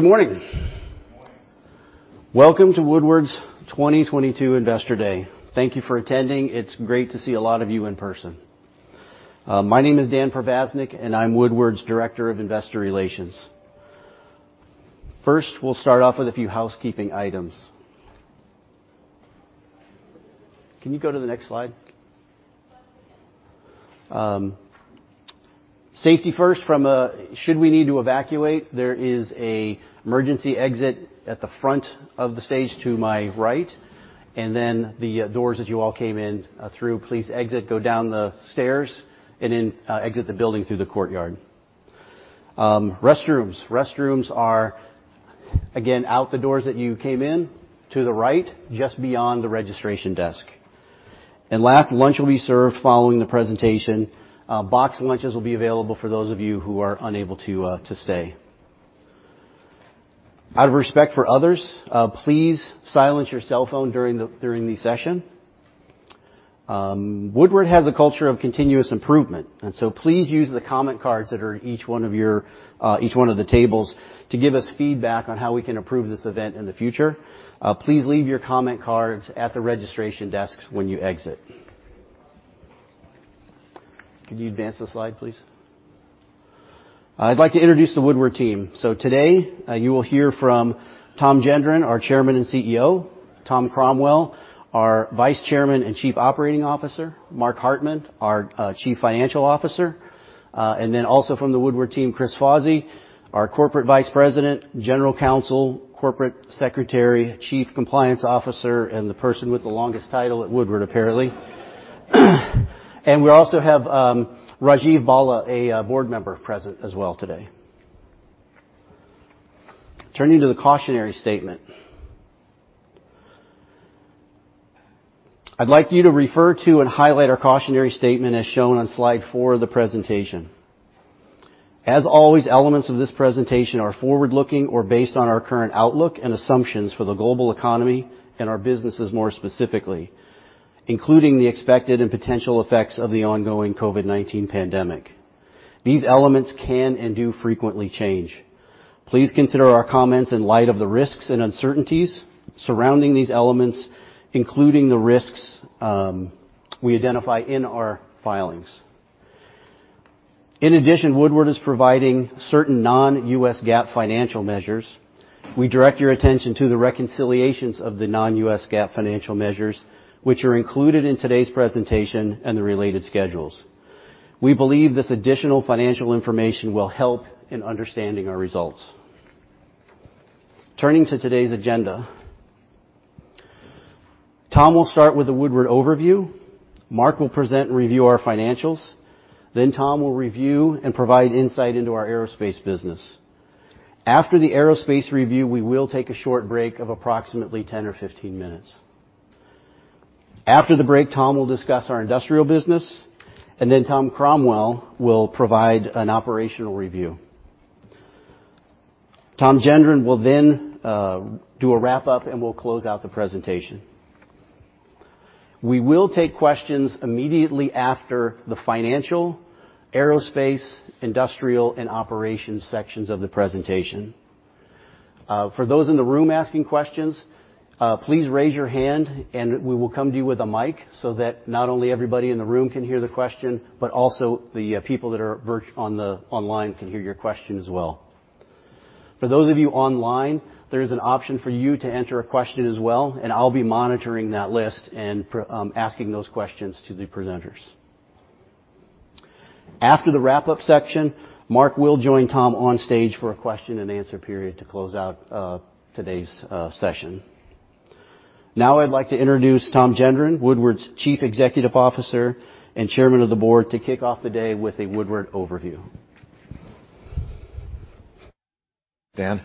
Good morning. Welcome to Woodward's 2022 Investor Day. Thank you for attending. It's great to see a lot of you in person. My name is Dan Provaznik, and I'm Woodward's Director of Investor Relations. First, we'll start off with a few housekeeping items. Can you go to the next slide? Safety first. Should we need to evacuate, there is an emergency exit at the front of the stage to my right, and then the doors that you all came in through, please exit, go down the stairs, and then exit the building through the courtyard. Restrooms. Restrooms are, again, out the doors that you came in to the right just beyond the registration desk. Last, lunch will be served following the presentation. Boxed lunches will be available for those of you who are unable to stay. Out of respect for others, please silence your cell phone during the session. Woodward has a culture of continuous improvement, and please use the comment cards that are at each one of the tables to give us feedback on how we can improve this event in the future. Please leave your comment cards at the registration desks when you exit. Could you advance the slide, please? I'd like to introduce the Woodward team. Today, you will hear from Tom Gendron, our Chairman and CEO, Tom Cromwell, our Vice Chairman and Chief Operating Officer, Mark Hartman, our Chief Financial Officer, and then also from the Woodward team, A. Christopher Fawzy, our Corporate Vice President, General Counsel, Corporate Secretary, Chief Compliance Officer, and the person with the longest title at Woodward, apparently. We also have Rajeev Bhalla, a board member present as well today. Turning to the cautionary statement. I'd like you to refer to and highlight our cautionary statement as shown on slide four of the presentation. As always, elements of this presentation are forward-looking or based on our current outlook and assumptions for the global economy and our businesses more specifically, including the expected and potential effects of the ongoing COVID-19 pandemic. These elements can and do frequently change. Please consider our comments in light of the risks and uncertainties surrounding these elements, including the risks we identify in our filings. In addition, Woodward is providing certain non-GAAP financial measures. We direct your attention to the reconciliations of the non-GAAP financial measures, which are included in today's presentation and the related schedules. We believe this additional financial information will help in understanding our results. Turning to today's agenda. Tom will start with the Woodward overview. Mark will present and review our financials. Tom will review and provide insight into our aerospace business. After the aerospace review, we will take a short break of approximately 10 or 15 minutes. After the break, Tom will discuss our Industrial business, and then Tom Cromwell will provide an operational review. Tom Gendron will then do a wrap-up, and we'll close out the presentation. We will take questions immediately after the financial, aerospace, industrial, and operations sections of the presentation. For those in the room asking questions, please raise your hand, and we will come to you with a mic so that not only everybody in the room can hear the question, but also the people that are online can hear your question as well. For those of you online, there is an option for you to enter a question as well, and I'll be monitoring that list and asking those questions to the presenters. After the wrap-up section, Mark will join Tom on stage for a question-and-answer period to close out today's session. Now I'd like to introduce Tom Gendron, Woodward's Chief Executive Officer and Chairman of the Board, to kick off the day with a Woodward overview. Well,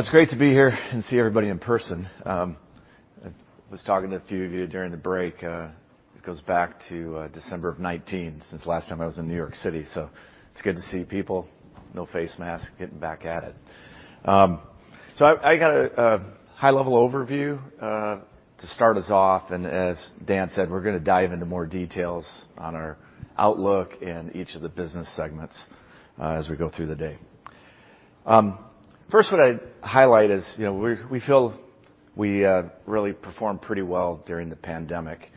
it's great to be here and see everybody in person. I was talking to a few of you during the break, this goes back to December of 2019 since the last time I was in New York City, so it's good to see people, no face masks, getting back at it. I got a high-level overview to start us off, and as Dan said, we're gonna dive into more details on our outlook and each of the business segments as we go through the day. First, what I'd highlight is, you know, we feel we really performed pretty well during the pandemic.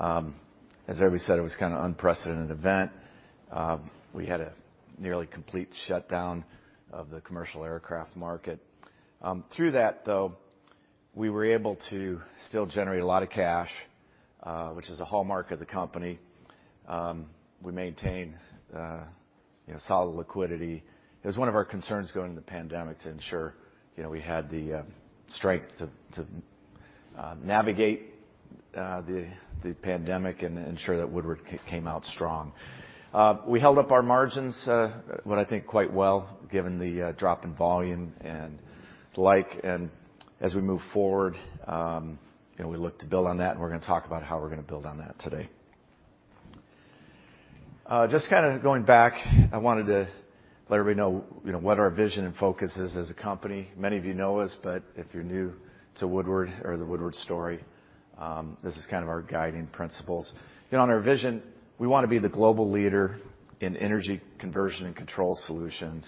As everybody said, it was kind of unprecedented event. We had a nearly complete shutdown of the commercial aircraft market. Through that, though, we were able to still generate a lot of cash, which is a hallmark of the company. We maintained, you know, solid liquidity. It was one of our concerns going into the pandemic to ensure, you know, we had the strength to navigate the pandemic and ensure that Woodward came out strong. We held up our margins, what I think quite well, given the drop in volume and the like. As we move forward, you know, we look to build on that, and we're gonna talk about how we're gonna build on that today. Just kinda going back, I wanted to let everybody know, you know, what our vision and focus is as a company. Many of you know us, but if you're new to Woodward or the Woodward story, this is kind of our guiding principles. You know, on our vision, we wanna be the global leader in energy conversion and control solutions,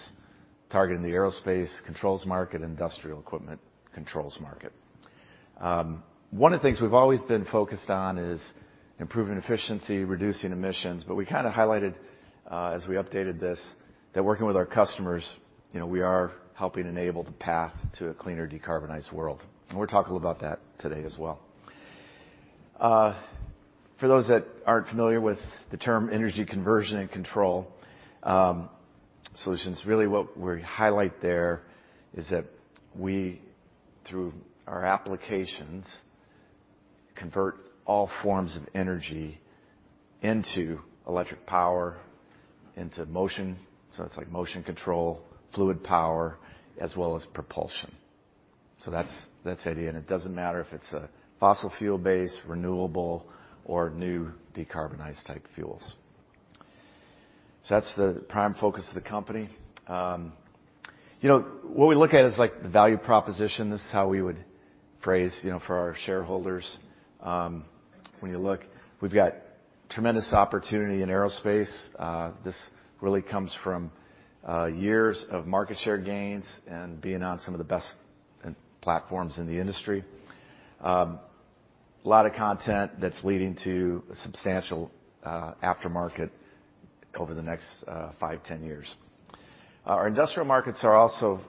targeting the aerospace controls market, industrial equipment controls market. One of the things we've always been focused on is improving efficiency, reducing emissions, but we kind of highlighted, as we updated this, that working with our customers, you know, we are helping enable the path to a cleaner, decarbonized world. We'll talk a little about that today as well. For those that aren't familiar with the term energy conversion and control solutions, really what we highlight there is that we, through our applications, convert all forms of energy into electric power, into motion, so it's like motion control, fluid power, as well as propulsion. That's the idea. It doesn't matter if it's a fossil fuel-based, renewable, or new decarbonized type fuels. That's the prime focus of the company. You know, what we look at is like the value proposition. This is how we would phrase, you know, for our shareholders. When you look, we've got tremendous opportunity in aerospace. This really comes from years of market share gains and being on some of the best platforms in the industry. Lot of content that's leading to a substantial aftermarket over the next five, 10 years. Our Industrial markets are also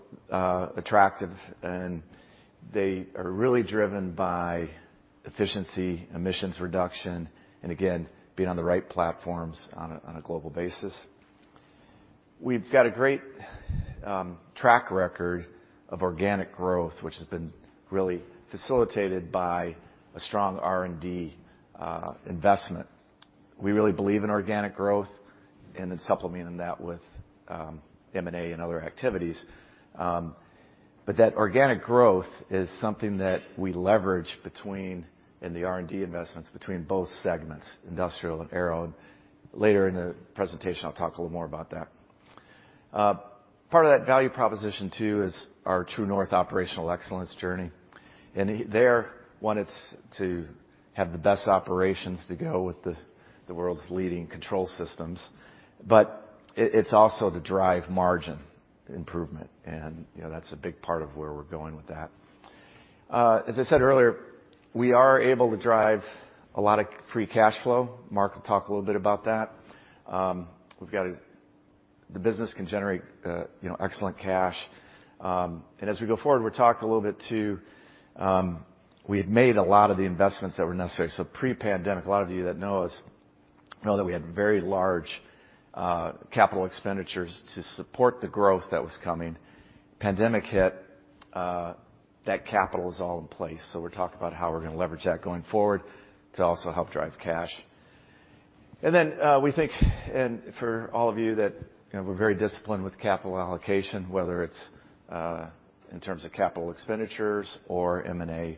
attractive, and they are really driven by efficiency, emissions reduction, and again, being on the right platforms on a global basis. We've got a great track record of organic growth, which has been really facilitated by a strong R&D investment. We really believe in organic growth and then supplementing that with M&A and other activities. That organic growth is something that we leverage in the R&D investments between both segments, industrial and aero. Later in the presentation, I'll talk a little more about that. Part of that value proposition, too, is our True North operational excellence journey. There, one it's to have the best operations to go with the world's leading control systems, but it's also to drive margin improvement. You know, that's a big part of where we're going with that. As I said earlier, we are able to drive a lot of free cash flow. Mark will talk a little bit about that. We've got a... The business can generate, you know, excellent cash. As we go forward, we had made a lot of the investments that were necessary. Pre-pandemic, a lot of you that know us know that we had very large capital expenditures to support the growth that was coming. Pandemic hit, that capital is all in place. We'll talk about how we're gonna leverage that going forward to also help drive cash. We think, and for all of you that, you know, we're very disciplined with capital allocation, whether it's in terms of capital expenditures or M&A,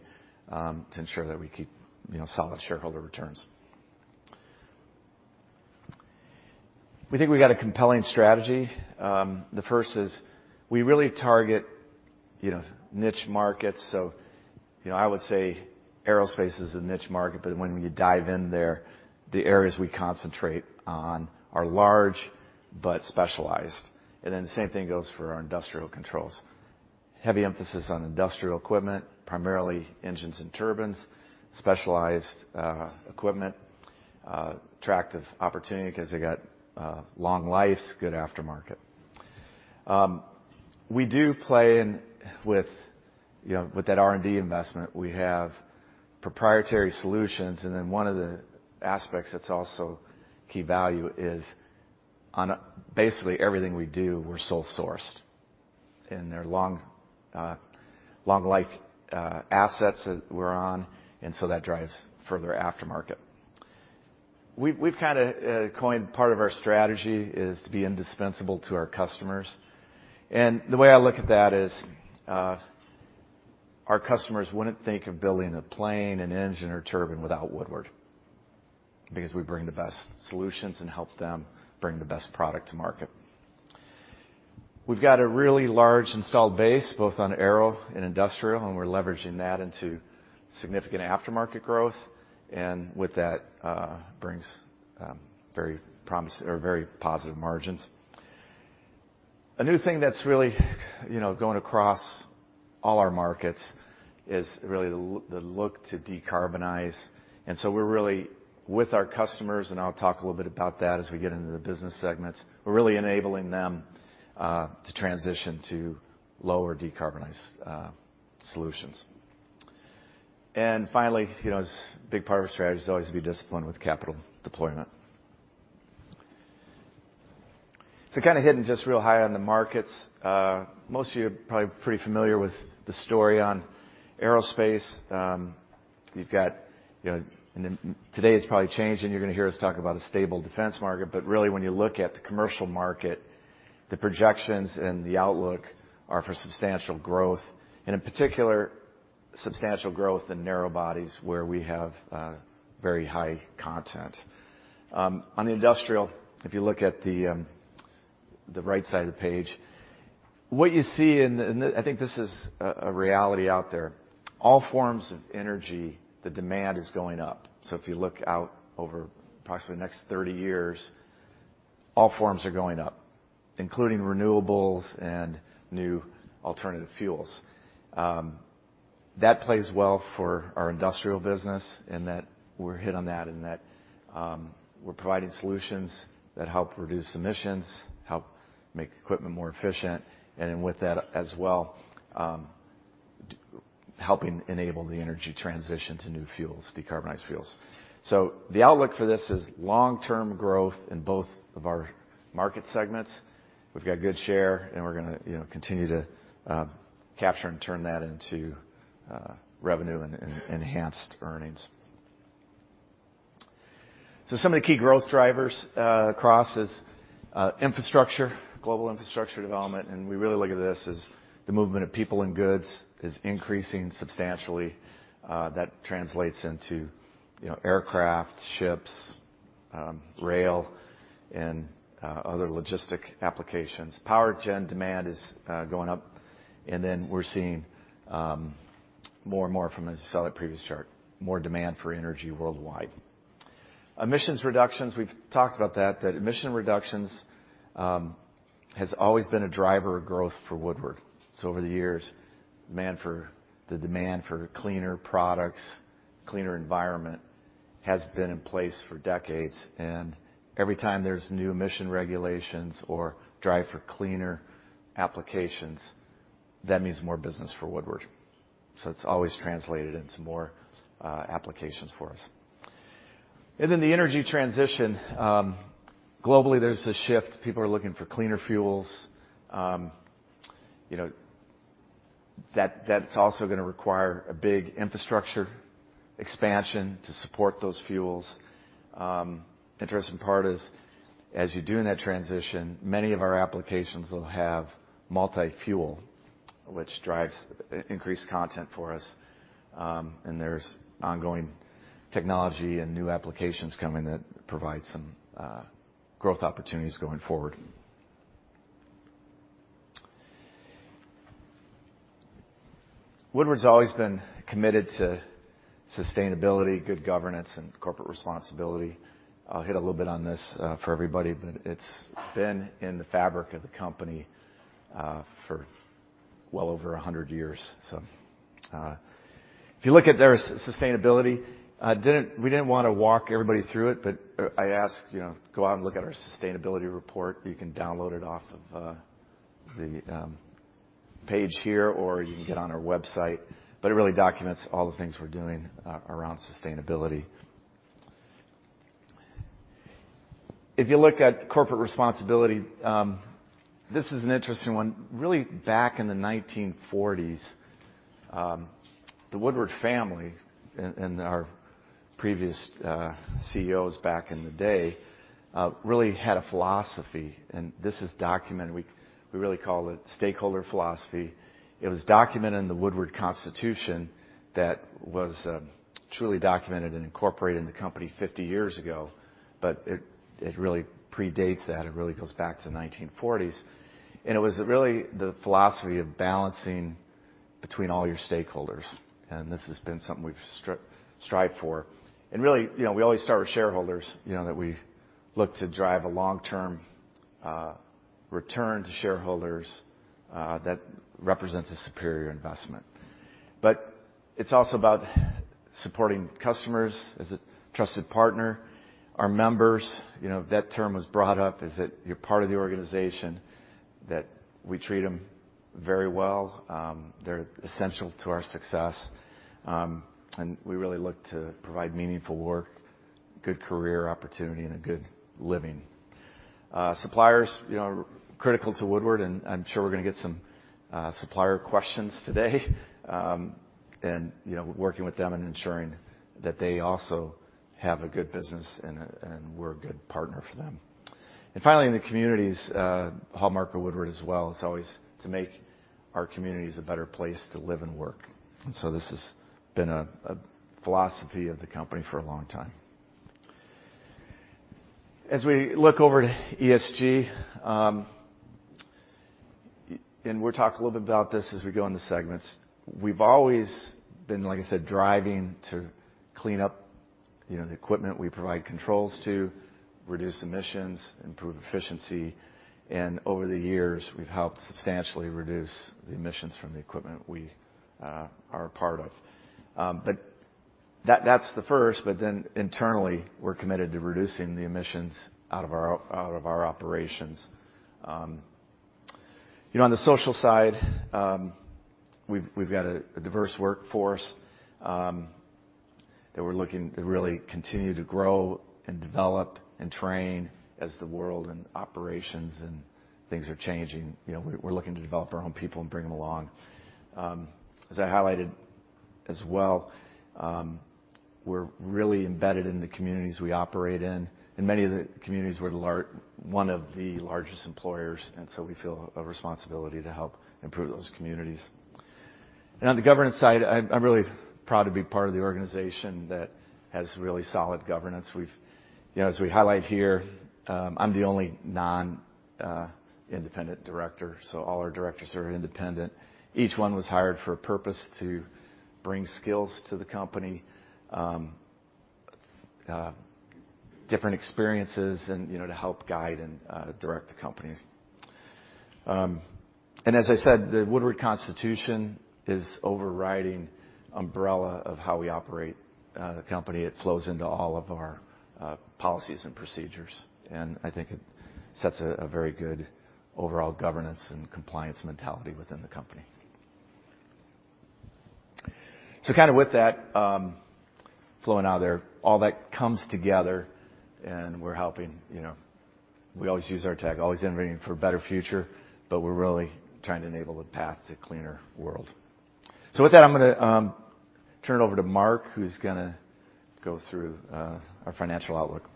to ensure that we keep, you know, solid shareholder returns. We think we've got a compelling strategy. The first is we really target, you know, niche markets. You know, I would say aerospace is a niche market, but when you dive in there, the areas we concentrate on are large but specialized. The same thing goes for our Industrial Controls. Heavy emphasis on industrial equipment, primarily engines and turbines, specialized equipment, attractive opportunity 'cause they got long lives, good aftermarket. We do play in with, you know, with that R&D investment. We have proprietary solutions, and then one of the aspects that's also key value is basically everything we do, we're sole sourced. They're long life assets that we're on, and so that drives further aftermarket. We've kinda coined part of our strategy is to be indispensable to our customers. The way I look at that is, our customers wouldn't think of building a plane, an engine, or turbine without Woodward, because we bring the best solutions and help them bring the best product to market. We've got a really large installed base, both on aero and industrial, and we're leveraging that into significant aftermarket growth. With that brings very positive margins. A new thing that's really going across all our markets is really the look to decarbonize. We're really with our customers, and I'll talk a little bit about that as we get into the business segments. We're really enabling them to transition to lower decarbonized solutions. Finally, a big part of our strategy is always to be disciplined with capital deployment. To kind of hit just real high on the markets, most of you are probably pretty familiar with the story on aerospace. Today it's probably changing. You're going to hear us talk about a stable defense market, but really when you look at the commercial market, the projections and the outlook are for substantial growth. In particular, substantial growth in narrow bodies where we have very high content. On the industrial, if you look at the right side of the page, what you see and I think this is a reality out there. All forms of energy, the demand is going up. If you look out over approximately the next 30 years, all forms are going up, including renewables and new alternative fuels. That plays well for our Industrial business in that we're hitting on that, we're providing solutions that help reduce emissions, help make equipment more efficient, with that as well, helping enable the energy transition to new fuels, decarbonized fuels. The outlook for this is long-term growth in both of our market segments. We've got good share, and we're gonna, you know, continue to capture and turn that into revenue and enhanced earnings. Some of the key growth drivers across is infrastructure, global infrastructure development, and we really look at this as the movement of people and goods is increasing substantially. That translates into, you know, aircraft, ships, rail, and other logistics applications. Power gen demand is going up, and then we're seeing more and more from, as I said in the previous chart, more demand for energy worldwide. Emissions reductions, we've talked about that, has always been a driver of growth for Woodward. Over the years, the demand for cleaner products, cleaner environment has been in place for decades. Every time there's new emission regulations or drive for cleaner applications, that means more business for Woodward. It's always translated into more applications for us. The energy transition globally, there's a shift. People are looking for cleaner fuels. You know, that's also gonna require a big infrastructure expansion to support those fuels. Interesting part is, as you do in that transition, many of our applications will have multi-fuel, which drives increased content for us, and there's ongoing technology and new applications coming that provide some growth opportunities going forward. Woodward's always been committed to sustainability, good governance, and corporate responsibility. I'll hit a little bit on this for everybody, but it's been in the fabric of the company for well over a hundred years. If you look at there's sustainability, we didn't want to walk everybody through it, but I'd ask, you know, go out and look at our sustainability report. You can download it off of the page here, or you can get on our website. It really documents all the things we're doing around sustainability. If you look at corporate responsibility, this is an interesting one. Really back in the 1940s, the Woodward family and our previous CEOs back in the day really had a philosophy, and this is documented. We really call it stakeholder philosophy. It was documented in the Woodward Constitution that was truly documented and incorporated in the company 50 years ago. It really predates that. It really goes back to the 1940s. It was really the philosophy of balancing between all your stakeholders, and this has been something we've strived for. Really, you know, we always start with shareholders, you know, that we look to drive a long-term return to shareholders that represents a superior investment. It's also about supporting customers as a trusted partner. Our members, you know, that term was brought up, is that you're part of the organization, that we treat them very well. They're essential to our success. We really look to provide meaningful work, good career opportunity, and a good living. Suppliers, you know, are critical to Woodward, and I'm sure we're gonna get some supplier questions today. You know, working with them and ensuring that they also have a good business and we're a good partner for them. Finally, in the communities, hallmark of Woodward as well is always to make our communities a better place to live and work. This has been a philosophy of the company for a long time. As we look over to ESG, and we'll talk a little bit about this as we go into segments. We've always been, like I said, driving to clean up, you know, the equipment we provide controls to, reduce emissions, improve efficiency, and over the years, we've helped substantially reduce the emissions from the equipment we are a part of. That, that's the first, but then internally, we're committed to reducing the emissions out of our operations. You know, on the social side, we've got a diverse workforce that we're looking to really continue to grow and develop and train as the world and operations and things are changing. You know, we're looking to develop our own people and bring them along. As I highlighted as well, we're really embedded in the communities we operate in. In many of the communities, we're one of the largest employers, and so we feel a responsibility to help improve those communities. On the governance side, I'm really proud to be part of the organization that has really solid governance. Yeah, as we highlight here, I'm the only non-independent director, so all our directors are independent. Each one was hired for a purpose to bring skills to the company, different experiences and, you know, to help guide and direct the company. As I said, the Woodward Constitution is overriding umbrella of how we operate the company. It flows into all of our policies and procedures, and I think it sets a very good overall governance and compliance mentality within the company. Kind of with that, flowing out of there, all that comes together and we're helping. You know, we always use our tag, always engineering for a better future, but we're really trying to enable a path to cleaner world. With that, I'm gonna turn it over to Mark, who's gonna go through our financial outlook.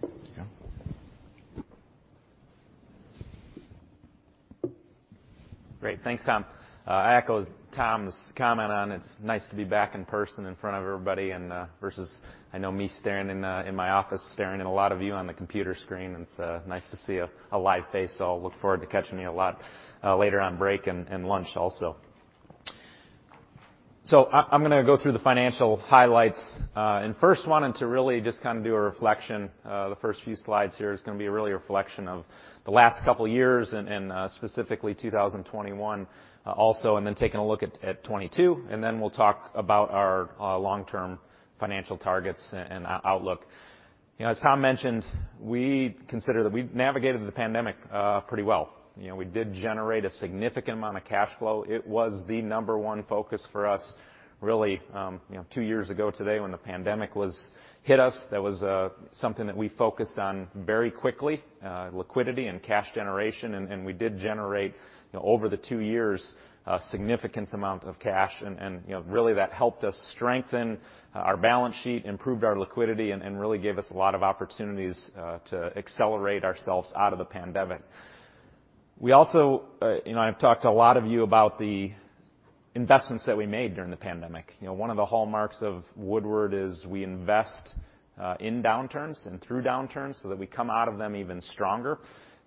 Here you go. Great. Thanks, Tom. I echo Tom's comment on, it's nice to be back in person in front of everybody and, versus, you know, me staring in my office, staring at a lot of you on the computer screen. It's nice to see a live face, so I'll look forward to catching up with a lot of you later on break and lunch also. I'm gonna go through the financial highlights. First, I wanted to really just kind of do a reflection. The first few slides here is gonna be really a reflection of the last couple years and specifically 2021, also, and then taking a look at 2022, and then we'll talk about our long-term financial targets and outlook. You know, as Tom mentioned, we consider that we've navigated the pandemic pretty well. You know, we did generate a significant amount of cash flow. It was the number one focus for us really, you know, two years ago today, when the pandemic hit us, that was something that we focused on very quickly, liquidity and cash generation. And we did generate, you know, over the two years, a significant amount of cash and, you know, really that helped us strengthen our balance sheet, improved our liquidity, and really gave us a lot of opportunities to accelerate ourselves out of the pandemic. We also, you know, I've talked to a lot of you about the investments that we made during the pandemic. You know, one of the hallmarks of Woodward is we invest in downturns and through downturns, so that we come out of them even stronger.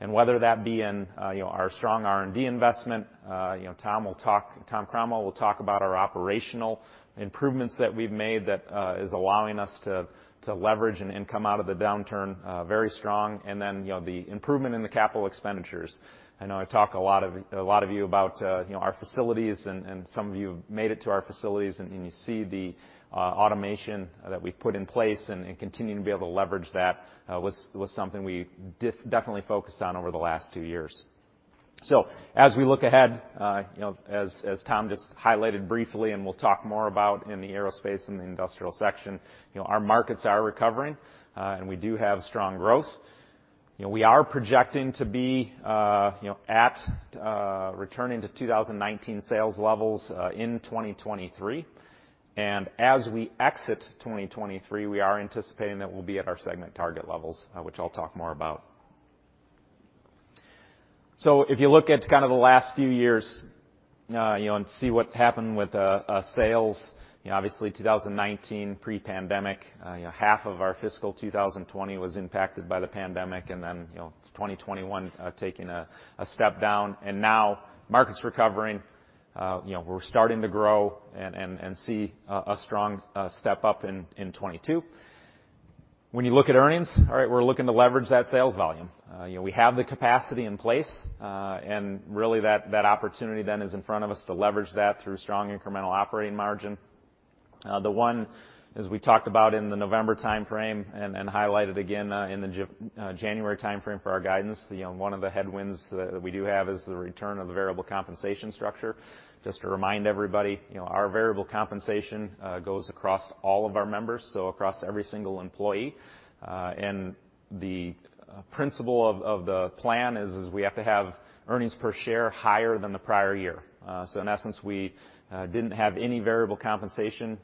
Whether that be in you know, our strong R&D investment, you know, Tom Cromwell will talk about our operational improvements that we've made that is allowing us to to leverage and come out of the downturn very strong and then, you know, the improvement in the capital expenditures. I know I've talked a lot of you about you know, our facilities and some of you have made it to our facilities, and you see the automation that we've put in place and continuing to be able to leverage that was something we definitely focused on over the last two years. As we look ahead, you know, as Tom just highlighted briefly and we'll talk more about in the Aerospace and Industrial section, you know, our markets are recovering, and we do have strong growth. You know, we are projecting to be, you know, at, returning to 2019 sales levels, in 2023. As we exit 2023, we are anticipating that we'll be at our segment target levels, which I'll talk more about. If you look at kind of the last few years, you know, and see what happened with sales, you know, obviously 2019 pre-pandemic, you know, half of our fiscal 2020 was impacted by the pandemic, and then, you know, 2021, taking a step down, and now markets recovering. You know, we're starting to grow and see a strong step up in 2022. When you look at earnings, all right, we're looking to leverage that sales volume. You know, we have the capacity in place, and really that opportunity then is in front of us to leverage that through strong incremental operating margin. The one as we talked about in the November timeframe and highlighted again in the January timeframe for our guidance, you know, one of the headwinds that we do have is the return of the variable compensation structure. Just to remind everybody, you know, our variable compensation goes across all of our members, so across every single employee. The principle of the plan is we have to have earnings per share higher than the prior year. In essence, we didn't have any variable compensation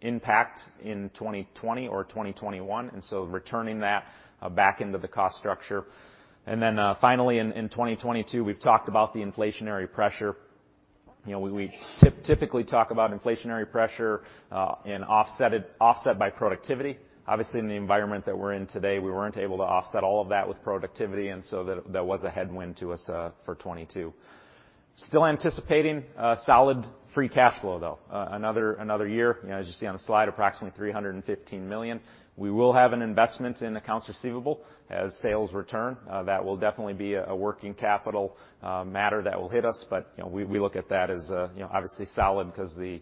impact in 2020 or 2021, and returning that back into the cost structure. Finally, in 2022, we've talked about the inflationary pressure. You know, we typically talk about inflationary pressure and offset by productivity. Obviously, in the environment that we're in today, we weren't able to offset all of that with productivity, and so that was a headwind to us for 2022. Still anticipating a solid free cash flow, though. Another year, you know, as you see on the slide, approximately $315 million. We will have an investment in accounts receivable as sales return. That will definitely be a working capital matter that will hit us, you know, we look at that as, you know, obviously solid because the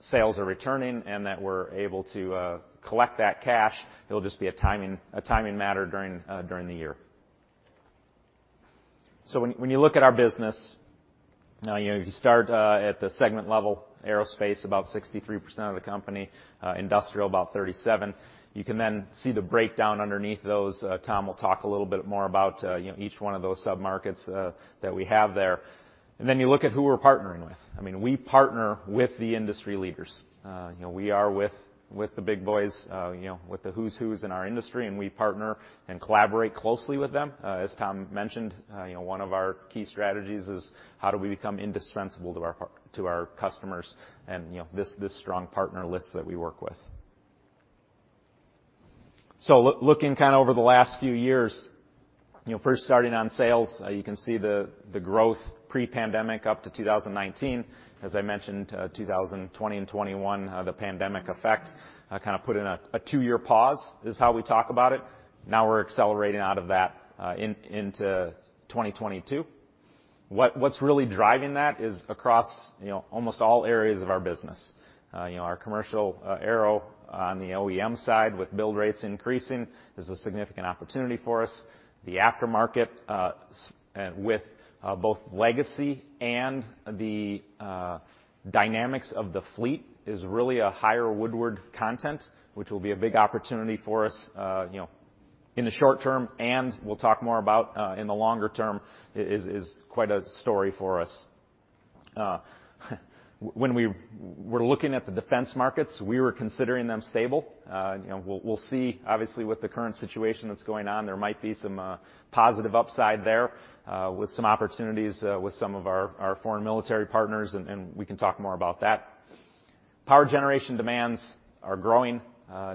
sales are returning and that we're able to collect that cash. It'll just be a timing matter during the year. When you look at our business, you know, if you start at the segment level, Aerospace about 63% of the company, Industrial about 37%. You can then see the breakdown underneath those. Tom will talk a little bit more about, you know, each one of those sub-markets that we have there. Then you look at who we're partnering with. I mean, we partner with the industry leaders. You know, we are with the big boys, you know, with the who's who in our industry, and we partner and collaborate closely with them. As Tom mentioned, you know, one of our key strategies is how do we become indispensable to our customers and, you know, this strong partner list that we work with. Looking kind of over the last few years, you know, first starting on sales, you can see the growth pre-pandemic up to 2019. As I mentioned, 2020 and 2021, the pandemic effect kind of put in a two-year pause. This is how we talk about it. Now we're accelerating out of that into 2022. What's really driving that is across, you know, almost all areas of our business. You know, our commercial aero on the OEM side with build rates increasing is a significant opportunity for us. The aftermarket with both legacy and the dynamics of the fleet is really a higher Woodward content, which will be a big opportunity for us, you know, in the short term, and we'll talk more about in the longer term is quite a story for us. When we were looking at the defense markets, we were considering them stable. You know, we'll see. Obviously, with the current situation that's going on, there might be some positive upside there with some opportunities with some of our foreign military partners, and we can talk more about that. Power generation demands are growing.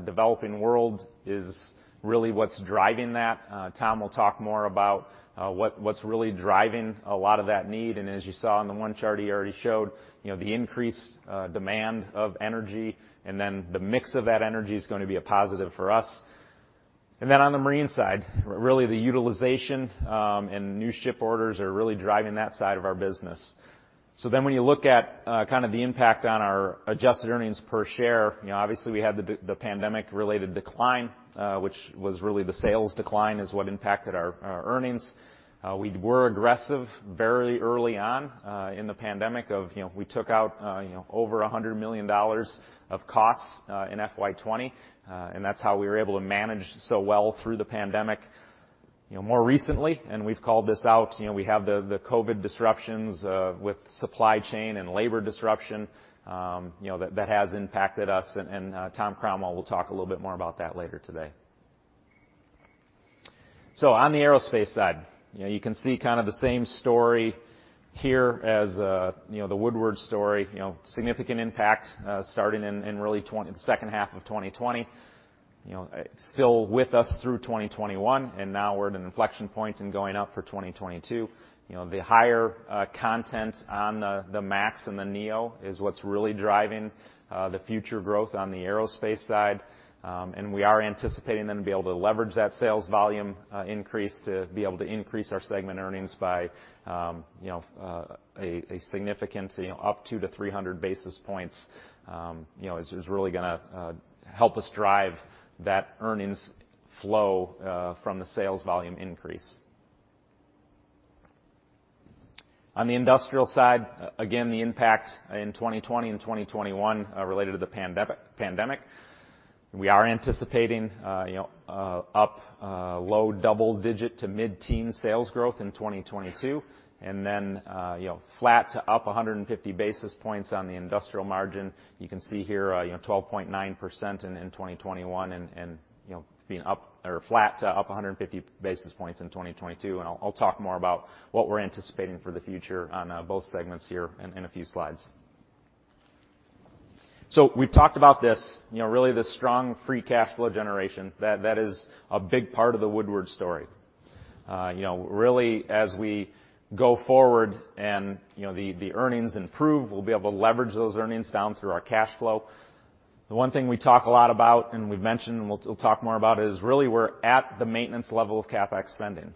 Developing world is really what's driving that. Tom will talk more about what's really driving a lot of that need. As you saw in the one chart he already showed, you know, the increased demand of energy and then the mix of that energy is gonna be a positive for us. On the marine side, really the utilization and new ship orders are really driving that side of our business. When you look at kind of the impact on our adjusted earnings per share, you know, obviously, we had the pandemic-related decline, which was really the sales decline is what impacted our earnings. We were aggressive very early on in the pandemic of, you know, we took out, you know, over $100 million of costs in FY 2020. That's how we were able to manage so well through the pandemic. You know, more recently, we've called this out, you know, we have the COVID disruptions with supply chain and labor disruption, you know, that has impacted us and Tom Cromwell will talk a little bit more about that later today. On the aerospace side, you know, you can see kind of the same story here as you know, the Woodward story. You know, significant impact starting in really second half of 2020. You know, still with us through 2021, and now we're at an inflection point and going up for 2022. You know, the higher content on the MAX and the Neo is what's really driving the future growth on the aerospace side. We are anticipating then to be able to leverage that sales volume increase to be able to increase our segment earnings by significantly, you know, up to the 300 basis points, you know, is really gonna help us drive that earnings flow from the sales volume increase. On the industrial side, again, the impact in 2020 and 2021 related to the pandemic. We are anticipating, you know, up low double-digit to mid-teen sales growth in 2022. Then, you know, flat to up 150 basis points on the industrial margin. You can see here, you know, 12.9% in 2021 and, you know, being up or flat to up 150 basis points in 2022. I'll talk more about what we're anticipating for the future on both segments here in a few slides. We've talked about this, you know, really the strong free cash flow generation. That is a big part of the Woodward story. You know, really, as we go forward and, you know, the earnings improve, we'll be able to leverage those earnings down through our cash flow. The one thing we talk a lot about and we've mentioned and we'll talk more about is really we're at the maintenance level of CapEx spending.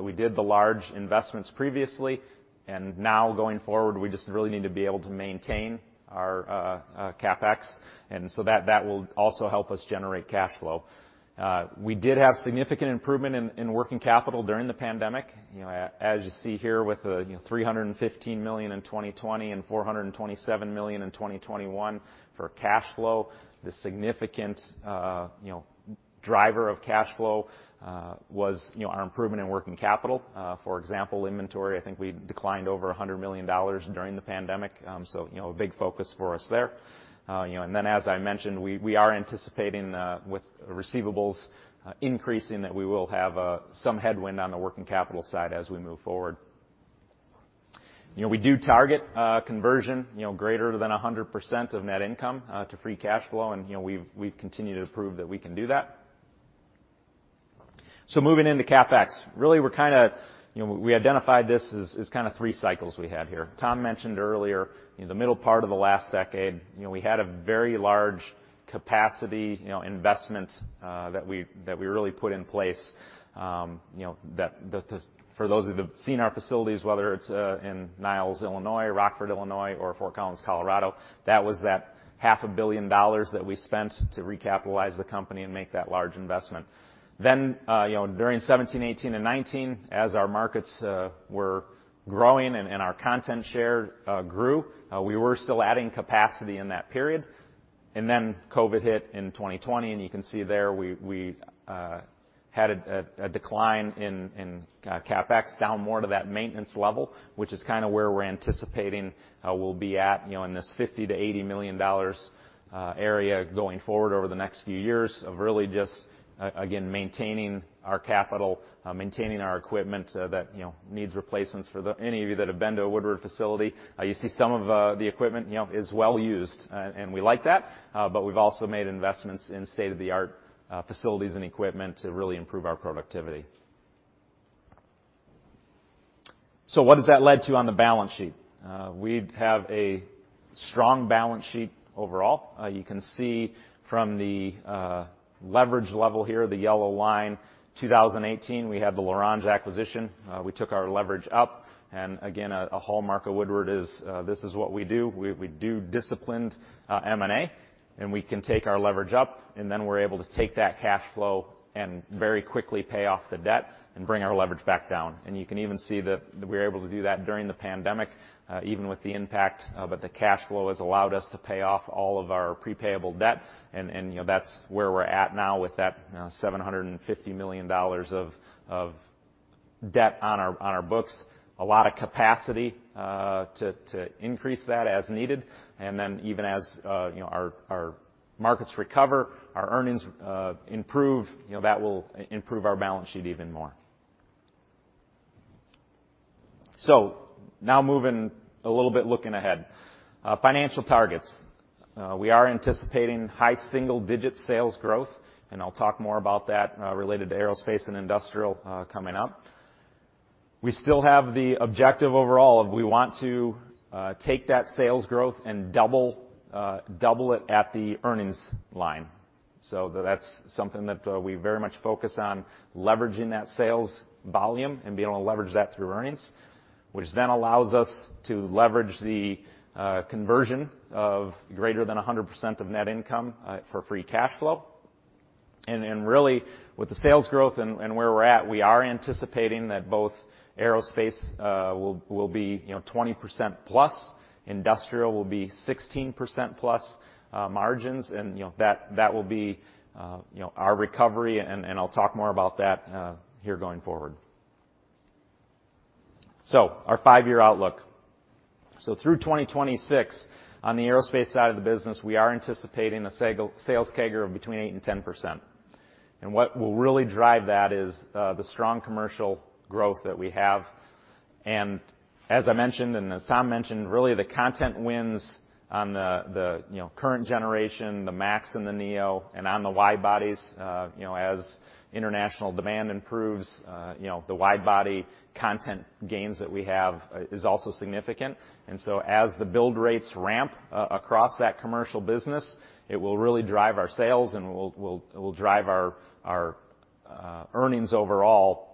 We did the large investments previously, and now going forward, we just really need to be able to maintain our CapEx. That will also help us generate cash flow. We did have significant improvement in working capital during the pandemic. You know, as you see here with, you know, $315 million in 2020 and $427 million in 2021 for cash flow. The significant driver of cash flow was our improvement in working capital. For example, inventory. I think we declined over $100 million during the pandemic. You know, a big focus for us there. You know, as I mentioned, we are anticipating with receivables increasing that we will have some headwind on the working capital side as we move forward. You know, we do target conversion you know, greater than 100% of net income to free cash flow. You know, we've continued to prove that we can do that. Moving into CapEx. You know, we identified this as kind of three cycles we had here. Tom mentioned earlier, in the middle part of the last decade, you know, we had a very large capacity, you know, investment that we really put in place, you know, for those that have seen our facilities, whether it's in Niles, Illinois, Rockford, Illinois, or Fort Collins, Colorado, that was $500 million that we spent to recapitalize the company and make that large investment. You know, during 2017, 2018, and 2019, as our markets were growing and our content share grew, we were still adding capacity in that period. COVID hit in 2020, and you can see there we had a decline in CapEx down more to that maintenance level, which is kind of where we're anticipating we'll be at, you know, in this $50 million-$80 million area going forward over the next few years of really just again, maintaining our capital, maintaining our equipment so that, you know, needs replacements. For any of you that have been to a Woodward facility, you see some of the equipment, you know, is well used, and we like that, but we've also made investments in state-of-the-art facilities and equipment to really improve our productivity. What has that led to on the balance sheet? We have a strong balance sheet overall. You can see from the leverage level here, the yellow line, 2018, we had the L'Orange acquisition. We took our leverage up, and again, a hallmark of Woodward is this is what we do. We do disciplined M&A, and we can take our leverage up, and then we're able to take that cash flow and very quickly pay off the debt and bring our leverage back down. You can even see that we're able to do that during the pandemic, even with the impact. The cash flow has allowed us to pay off all of our pre-payable debt and you know that's where we're at now with that $750 million of debt on our books. A lot of capacity to increase that as needed. Even as you know our markets recover, our earnings improve, you know that will improve our balance sheet even more. Now moving a little bit, looking ahead. Financial targets. We are anticipating high single-digit sales growth, and I'll talk more about that related to Aerospace and Industrial coming up. We still have the objective overall of we want to take that sales growth and double it at the earnings line. That's something that we very much focus on leveraging that sales volume and being able to leverage that through earnings, which then allows us to leverage the conversion of greater than 100% of net income for free cash flow. And really, with the sales growth and where we're at, we are anticipating that both Aerospace will be, you know, 20%+, Industrial will be 16%+ margins. And you know, that will be our recovery and I'll talk more about that here going forward. Our five-year outlook. Through 2026, on the Aerospace side of the business, we are anticipating a sales CAGR of between 8%-10%. And what will really drive that is the strong commercial growth that we have. As I mentioned, and as Tom mentioned, really the content wins on the, you know, current generation, the Max and the Neo and on the wide bodies. You know, as international demand improves, you know, the wide body content gains that we have is also significant. As the build rates ramp across that commercial business, it will really drive our sales, and will drive our earnings overall.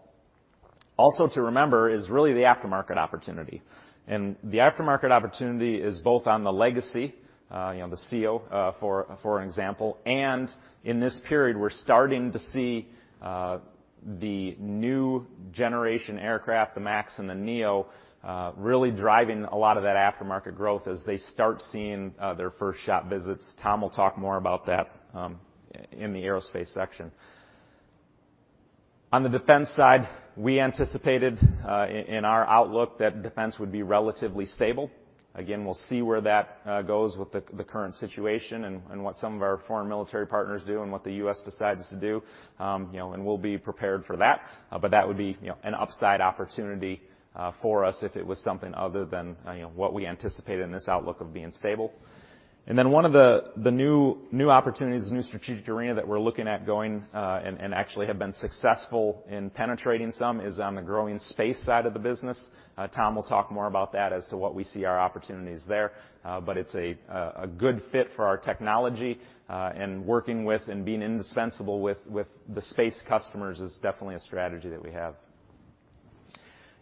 Also to remember is really the aftermarket opportunity. The aftermarket opportunity is both on the legacy, you know, the [CFM56], for example, and in this period, we're starting to see the new generation aircraft, the Max and the Neo, really driving a lot of that aftermarket growth as they start seeing their first shop visits. Tom will talk more about that in the aerospace section. On the defense side, we anticipated in our outlook that defense would be relatively stable. Again, we'll see where that goes with the current situation and what some of our foreign military partners do and what the U.S. decides to do. You know, we'll be prepared for that. That would be, you know, an upside opportunity for us if it was something other than, you know, what we anticipated in this outlook of being stable. One of the new opportunities, new strategic arena that we're looking at going and actually have been successful in penetrating some is on the growing space side of the business. Tom will talk more about that as to what we see our opportunities there. It's a good fit for our technology, and working with and being indispensable with the space customers is definitely a strategy that we have.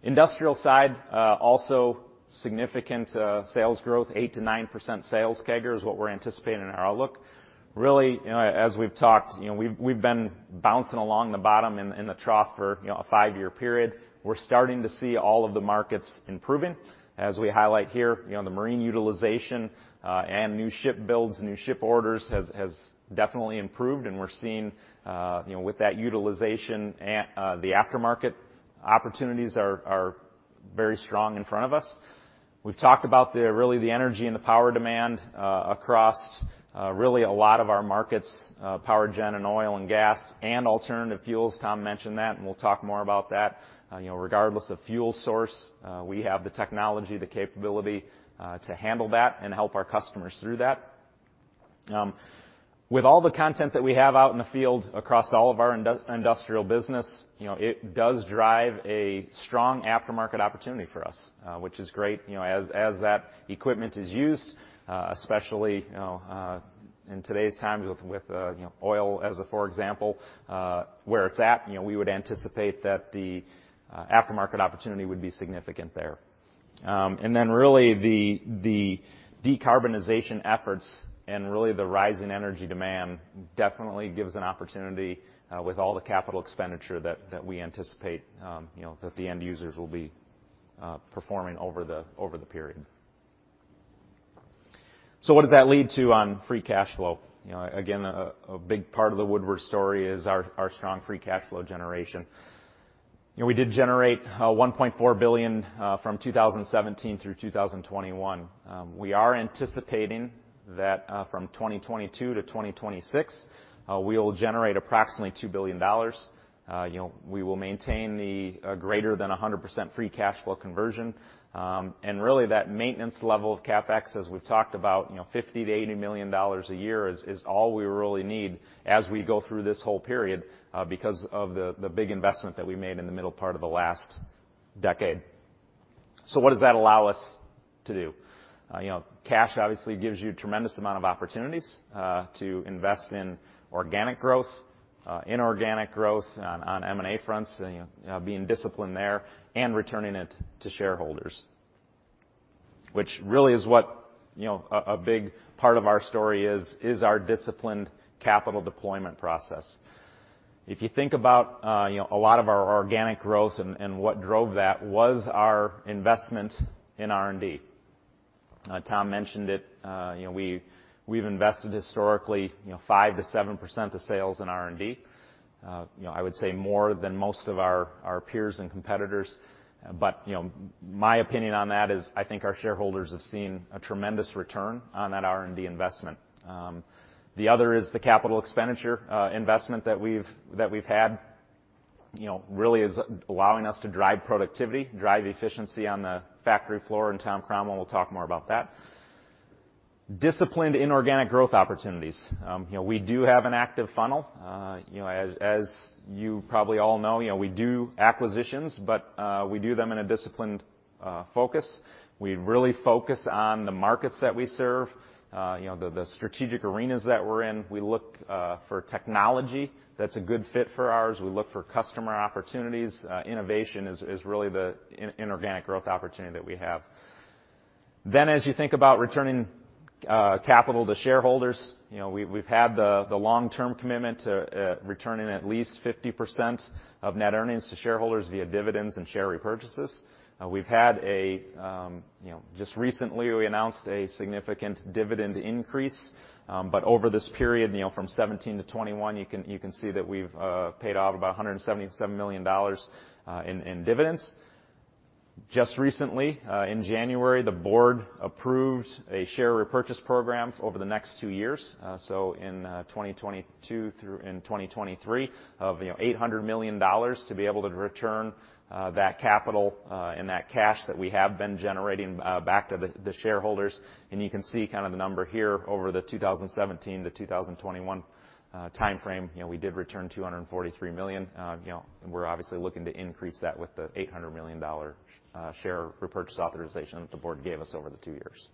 Industrial side also significant sales growth, 8%-9% sales CAGR is what we're anticipating in our outlook. Really, you know, as we've talked, you know, we've been bouncing along the bottom in the trough for, you know, a five-year period. We're starting to see all of the markets improving. As we highlight here, you know, the marine utilization and new ship builds, new ship orders has definitely improved. We're seeing, you know, with that utilization the aftermarket opportunities are very strong in front of us. We've talked about really the energy and the power demand across really a lot of our markets, power gen and oil and gas and alternative fuels. Tom mentioned that, and we'll talk more about that. You know, regardless of fuel source, we have the technology, the capability, to handle that and help our customers through that. With all the content that we have out in the field across all of our Industrial business, you know, it does drive a strong aftermarket opportunity for us, which is great. You know, as that equipment is used, especially, you know, in today's times with, you know, oil as an example, where it's at, you know, we would anticipate that the aftermarket opportunity would be significant there. Really the decarbonization efforts and really the rise in energy demand definitely gives an opportunity with all the capital expenditure that we anticipate, you know, that the end users will be performing over the period. What does that lead to on free cash flow? You know, again, a big part of the Woodward story is our strong free cash flow generation. You know, we did generate $1.4 billion from 2017 through 2021. We are anticipating that from 2022 to 2026, we will generate approximately $2 billion. You know, we will maintain greater than 100% free cash flow conversion. Really that maintenance level of CapEx, as we've talked about, you know, $50 million-$80 million a year is all we really need as we go through this whole period, because of the big investment that we made in the middle part of the last decade. What does that allow us to do? You know, cash obviously gives you a tremendous amount of opportunities to invest in organic growth, inorganic growth on M&A fronts, you know, being disciplined there and returning it to shareholders, which really is what, you know, a big part of our story is our disciplined capital deployment process. If you think about, you know, a lot of our organic growth and what drove that was our investment in R&D. Tom mentioned it, you know, we've invested historically, you know, 5%-7% of sales in R&D. You know, I would say more than most of our peers and competitors. You know, my opinion on that is I think our shareholders have seen a tremendous return on that R&D investment. The other is the capital expenditure investment that we've had, you know, really is allowing us to drive productivity, drive efficiency on the factory floor, and Tom Cromwell will talk more about that. Disciplined inorganic growth opportunities. You know, we do have an active funnel. You know, as you probably all know, you know, we do acquisitions, but we do them in a disciplined focus. We really focus on the markets that we serve, you know, the strategic arenas that we're in. We look for technology that's a good fit for ours. We look for customer opportunities. Innovation is really the inorganic growth opportunity that we have. As you think about returning capital to shareholders, you know, we have had the long-term commitment to returning at least 50% of net earnings to shareholders via dividends and share repurchases. We have had a you know, just recently we announced a significant dividend increase. Over this period, you know, from 2017 to 2021, you can see that we have paid out about $177 million in dividends. Just recently in January, the board approved a share repurchase program over the next two years, so in 2022 through... 2023 of $800 million to be able to return that capital and that cash that we have been generating back to the shareholders. You can see kind of the number here over the 2017 to 2021 timeframe. We did return $243 million. We're obviously looking to increase that with the $800 million share repurchase authorization that the board gave us over the two years.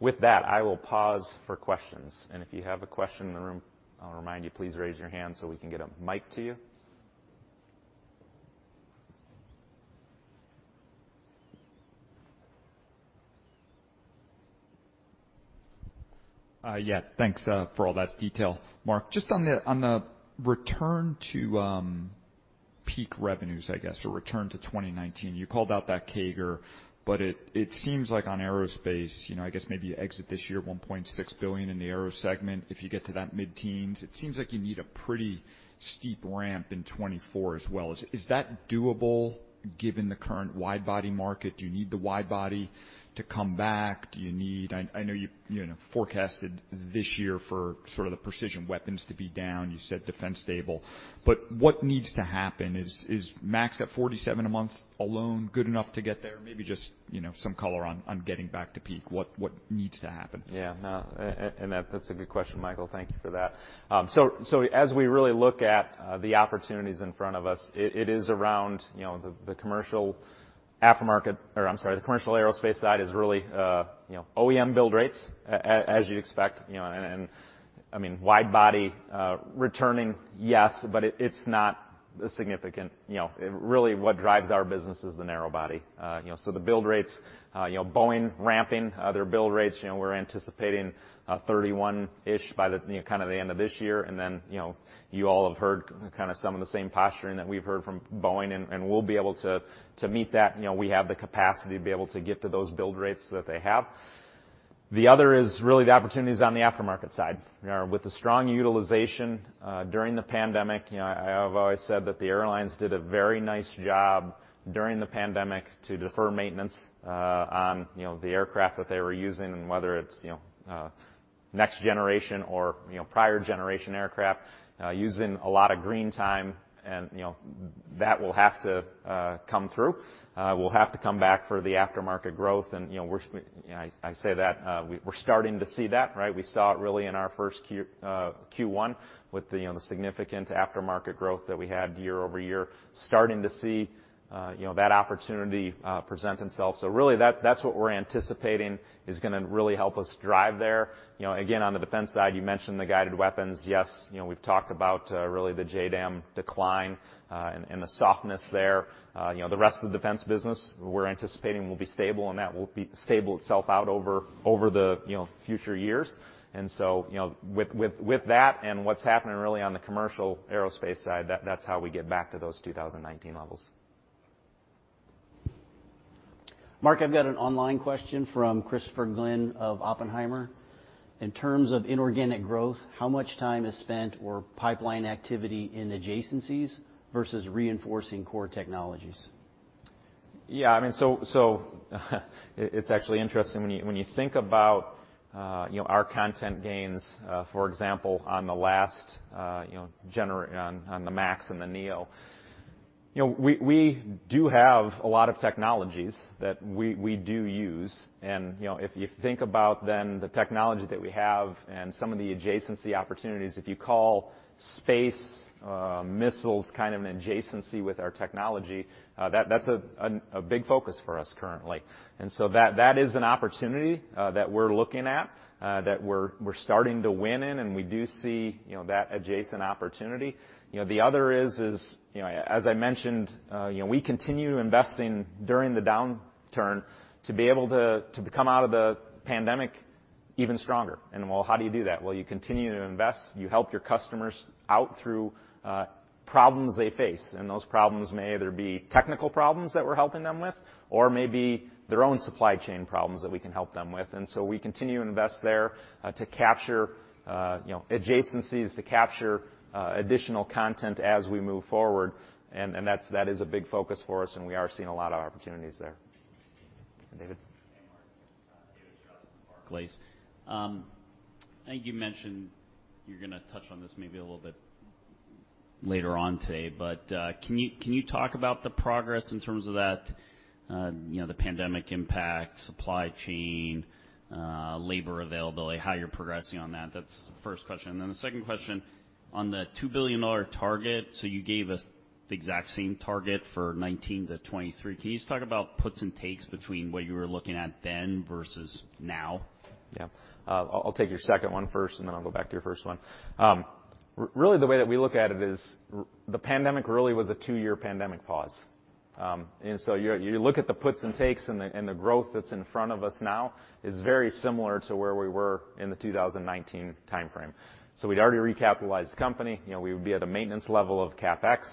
With that, I will pause for questions, and if you have a question in the room, I'll remind you, please raise your hand so we can get a mic to you. Yeah. Thanks for all that detail. Mark, just on the return to peak revenues, I guess, or return to 2019, you called out that CAGR, but it seems like on aerospace, you know, I guess maybe you exit this year $1.6 billion in the aero segment. If you get to that mid-teens, it seems like you need a pretty steep ramp in 2024 as well. Is that doable given the current wide-body market? Do you need the wide-body to come back? I know you know, forecasted this year for sort of the precision weapons to be down. You said defense stable. What needs to happen? Is MAX at 47 a month alone good enough to get there? Maybe just, you know, some color on getting back to peak. What needs to happen? Yeah. No, and that's a good question, Michael. Thank you for that. So as we really look at the opportunities in front of us, it is around, you know, the commercial aerospace side is really, you know, OEM build rates as you'd expect. You know, and I mean, wide body returning, yes, but it's not a significant. You know, really what drives our business is the narrow body. You know, so the build rates, you know, Boeing ramping their build rates, you know, we're anticipating 31-ish by the, you know, kind of the end of this year. You know, you all have heard kind of some of the same posturing that we've heard from Boeing, and we'll be able to meet that. You know, we have the capacity to be able to get to those build rates that they have. The other is really the opportunities on the aftermarket side. You know, with the strong utilization during the pandemic, you know, I have always said that the airlines did a very nice job during the pandemic to defer maintenance on, you know, the aircraft that they were using, and whether it's, you know, next generation or, you know, prior generation aircraft, using a lot of green time and, you know, that will have to come through. Will have to come back for the aftermarket growth and, you know, you know, I say that, we're starting to see that, right? We saw it really in our first Q1 with, you know, the significant aftermarket growth that we had year-over-year, starting to see, you know, that opportunity present itself. Really that's what we're anticipating is gonna really help us drive there. You know, again, on the defense side, you mentioned the guided weapons. Yes. You know, we've talked about really the JDAM decline and the softness there. You know, the rest of the defense business we're anticipating will be stable, and that will sort itself out over, you know, the future years. You know, with that and what's happening really on the commercial aerospace side, that's how we get back to those 2019 levels. Mark, I've got an online question from Christopher Glynn of Oppenheimer. In terms of inorganic growth, how much time is spent or pipeline activity in adjacencies versus reinforcing core technologies? Yeah, I mean, it's actually interesting when you think about, you know, our content gains, for example, on the Max and the Neo. You know, we do have a lot of technologies that we do use. If you think about the technology that we have and some of the adjacency opportunities, if you call space, missiles kind of an adjacency with our technology, that's a big focus for us currently. That is an opportunity that we're looking at that we're starting to win in, and we do see, you know, that adjacent opportunity. You know, the other is, you know, as I mentioned, you know, we continue investing during the downturn to be able to come out of the pandemic even stronger. Well, how do you do that? Well, you continue to invest. You help your customers out through problems they face, and those problems may either be technical problems that we're helping them with or maybe their own supply chain problems that we can help them with. We continue to invest there to capture, you know, adjacencies to capture additional content as we move forward. That's a big focus for us, and we are seeing a lot of opportunities there. David? Hey, Mark. David Strauss, Barclays. I think you mentioned you're gonna touch on this maybe a little bit later on today, but can you talk about the progress in terms of that, you know, the pandemic impact, supply chain, labor availability, how you're progressing on that? That's the first question. The second question on the $2 billion target, so you gave us the exact same target for 2019-2023. Can you just talk about puts and takes between what you were looking at then versus now? Yeah. I'll take your second one first, and then I'll go back to your first one. Really the way that we look at it is the pandemic really was a two-year pandemic pause. You look at the puts and takes and the growth that's in front of us now is very similar to where we were in the 2019 timeframe. We'd already recapitalized the company. You know, we would be at a maintenance level of CapEx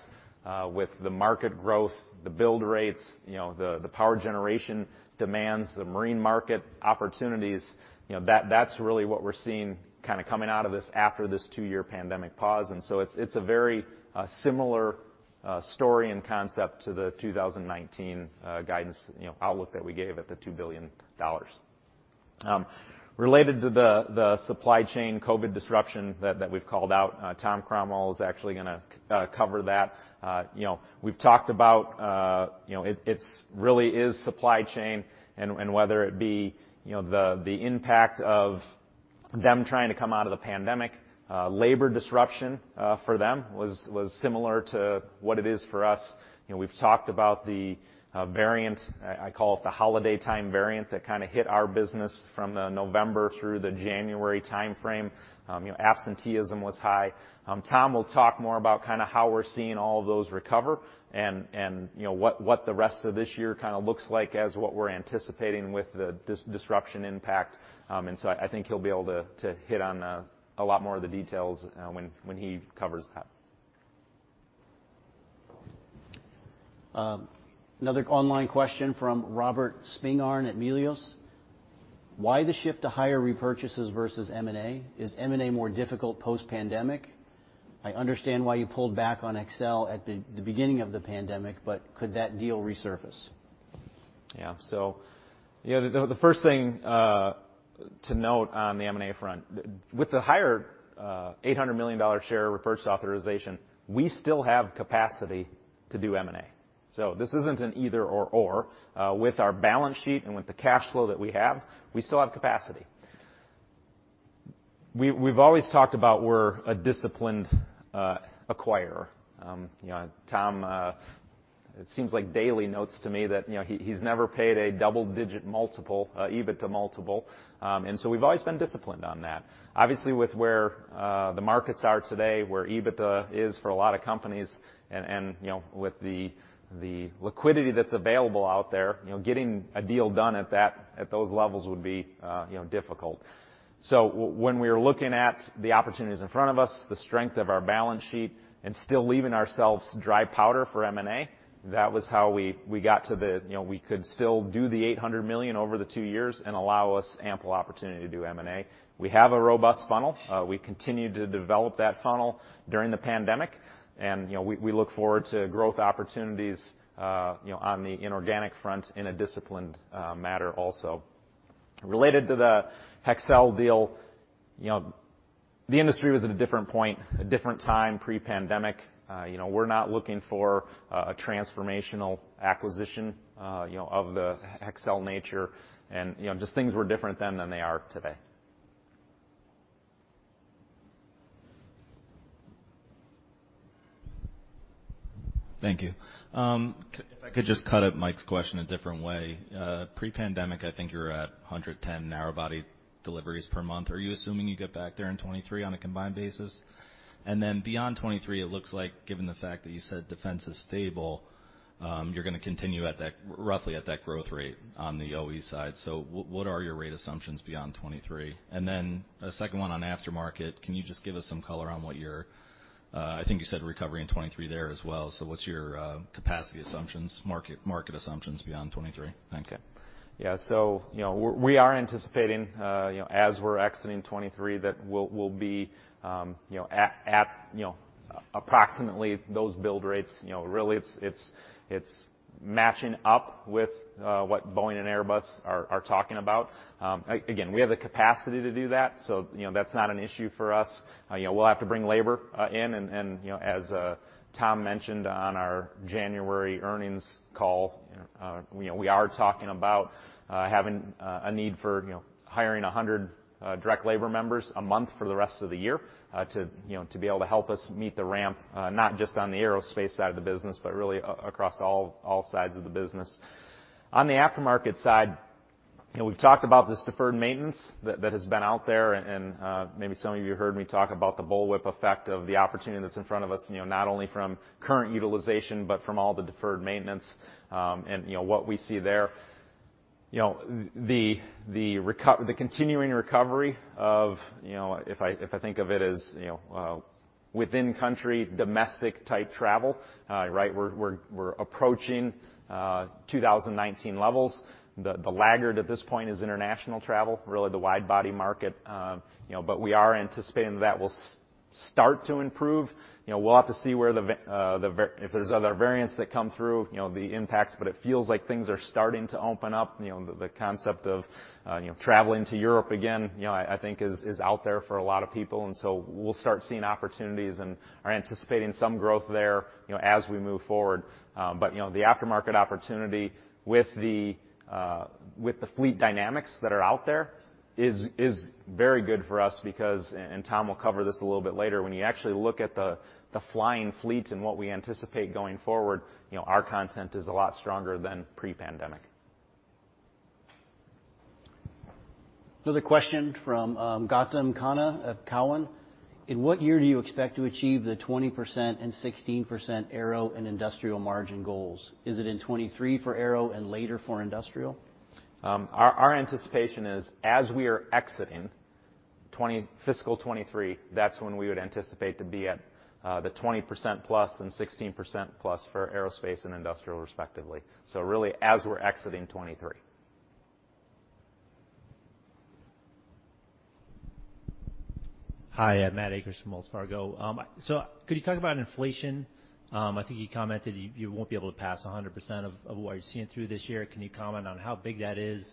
with the market growth, the build rates, you know, the power generation demands, the marine market opportunities, you know, that's really what we're seeing kinda coming out of this after this two-year pandemic pause. It's a very similar story and concept to the 2019 guidance, you know, outlook that we gave at the $2 billion. Related to the supply chain COVID disruption that we've called out, Tom Cromwell is actually gonna cover that. You know, we've talked about, you know, it's really the supply chain and whether it be the impact of them trying to come out of the pandemic, labor disruption for them was similar to what it is for us. You know, we've talked about the variant. I call it the holiday time variant that kinda hit our business from November through January timeframe. You know, absenteeism was high. Tom will talk more about kinda how we're seeing all of those recover and, you know, what the rest of this year kinda looks like as what we're anticipating with the disruption impact. I think he'll be able to hit on a lot more of the details when he covers that. Another online question from Robert Spingarn at Melius. Why the shift to higher repurchases versus M&A? Is M&A more difficult post-pandemic? I understand why you pulled back on Hexcel at the beginning of the pandemic, but could that deal resurface? The first thing to note on the M&A front, with the higher $800 million share repurchase authorization, we still have capacity to do M&A. This isn't an either/or. With our balance sheet and with the cash flow that we have, we still have capacity. We've always talked about we're a disciplined acquirer. You know, Tom, it seems like daily notes to me that, you know, he's never paid a double-digit EBITDA multiple. We've always been disciplined on that. Obviously, with where the markets are today, where EBITDA is for a lot of companies and, you know, with the liquidity that's available out there, you know, getting a deal done at those levels would be difficult. When we're looking at the opportunities in front of us, the strength of our balance sheet and still leaving ourselves dry powder for M&A, that was how we got to the. You know, we could still do the $800 million over the two years and allow us ample opportunity to do M&A. We have a robust funnel. We continue to develop that funnel during the pandemic, and, you know, we look forward to growth opportunities, you know, on the inorganic front in a disciplined matter also. Related to the Hexcel deal, you know, the industry was at a different point, a different time pre-pandemic. You know, we're not looking for a transformational acquisition, you know, of the Hexcel nature and, you know, just things were different then than they are today. Thank you. If I could just pick up Mike's question a different way. Pre-pandemic, I think you're at 110 narrow-body deliveries per month. Are you assuming you get back there in 2023 on a combined basis? Beyond 2023, it looks like given the fact that you said defense is stable, you're gonna continue at that roughly at that growth rate on the OE side. What are your rate assumptions beyond 2023? A second one on aftermarket, can you just give us some color on what your, I think you said recovery in 2023 there as well. What's your capacity assumptions, market assumptions beyond 2023? Thanks. You know, we are anticipating, you know, as we're exiting 2023 that we'll be, you know, at, you know, approximately those build rates. You know, really it's matching up with what Boeing and Airbus are talking about. Again, we have the capacity to do that, you know, that's not an issue for us. You know, we'll have to bring labor in and, you know, as Tom mentioned on our January earnings call, you know, we are talking about having a need for, you know, hiring 100 direct labor members a month for the rest of the year, you know, to be able to help us meet the ramp, you know, not just on the aerospace side of the business, but really across all sides of the business. On the aftermarket side, you know, we've talked about this deferred maintenance that has been out there and, maybe some of you heard me talk about the bullwhip effect of the opportunity that's in front of us, you know, not only from current utilization, but from all the deferred maintenance. You know, what we see there, you know, the continuing recovery of, you know, if I think of it as, you know, within country, domestic type travel, right? We're approaching 2019 levels. The laggard at this point is international travel, really the wide-body market. You know, we are anticipating that will start to improve. You know, we'll have to see where the variants that come through, you know, the impacts, but it feels like things are starting to open up. You know, the concept of traveling to Europe again, you know, I think it is out there for a lot of people, and so we'll start seeing opportunities and are anticipating some growth there, you know, as we move forward. You know, the aftermarket opportunity with the fleet dynamics that are out there is very good for us because and Tom will cover this a little bit later, when you actually look at the flying fleet and what we anticipate going forward, you know, our content is a lot stronger than pre-pandemic. Another question from Gautam Khanna of Cowen. In what year do you expect to achieve the 20% and 16% aero and industrial margin goals? Is it in 2023 for aero and later for industrial? Our anticipation is as we are exiting fiscal 2023, that's when we would anticipate to be at the 20%+ and 16%+ for Aerospace and Industrial respectively. Really, as we're exiting 2023. Hi, Matt Akers from Wells Fargo. Could you talk about inflation? I think you commented you won't be able to pass 100% of what you're seeing through this year. Can you comment on how big that is?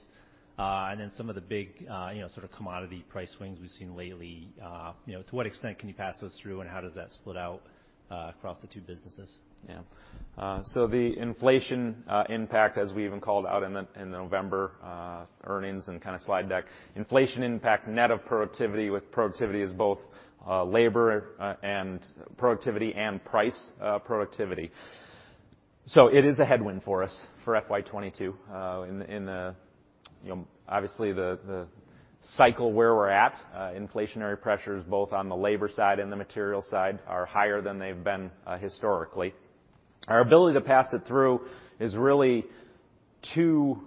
Some of the big, you know, sort of commodity price swings we've seen lately, you know, to what extent can you pass those through, and how does that split out across the two businesses? Yeah. The inflation impact as we even called out in the November earnings and kind of slide deck, inflation impact net of productivity with productivity is both labor and productivity and price productivity. It is a headwind for us for FY 2022, you know, obviously the cycle where we're at, inflationary pressures both on the labor side and the material side are higher than they've been historically. Our ability to pass it through is really two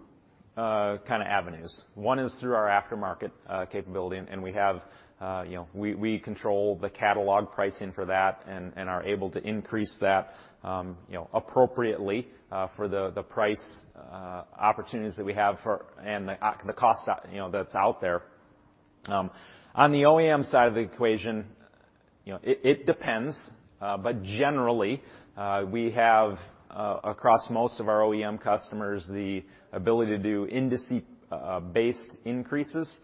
kind of avenues. One is through our aftermarket capability, and we have, you know, we control the catalog pricing for that and are able to increase that, you know, appropriately for the price opportunities that we have and the cost, you know, that's out there. On the OEM side of the equation, you know, it depends, but generally, we have across most of our OEM customers the ability to do industry based increases,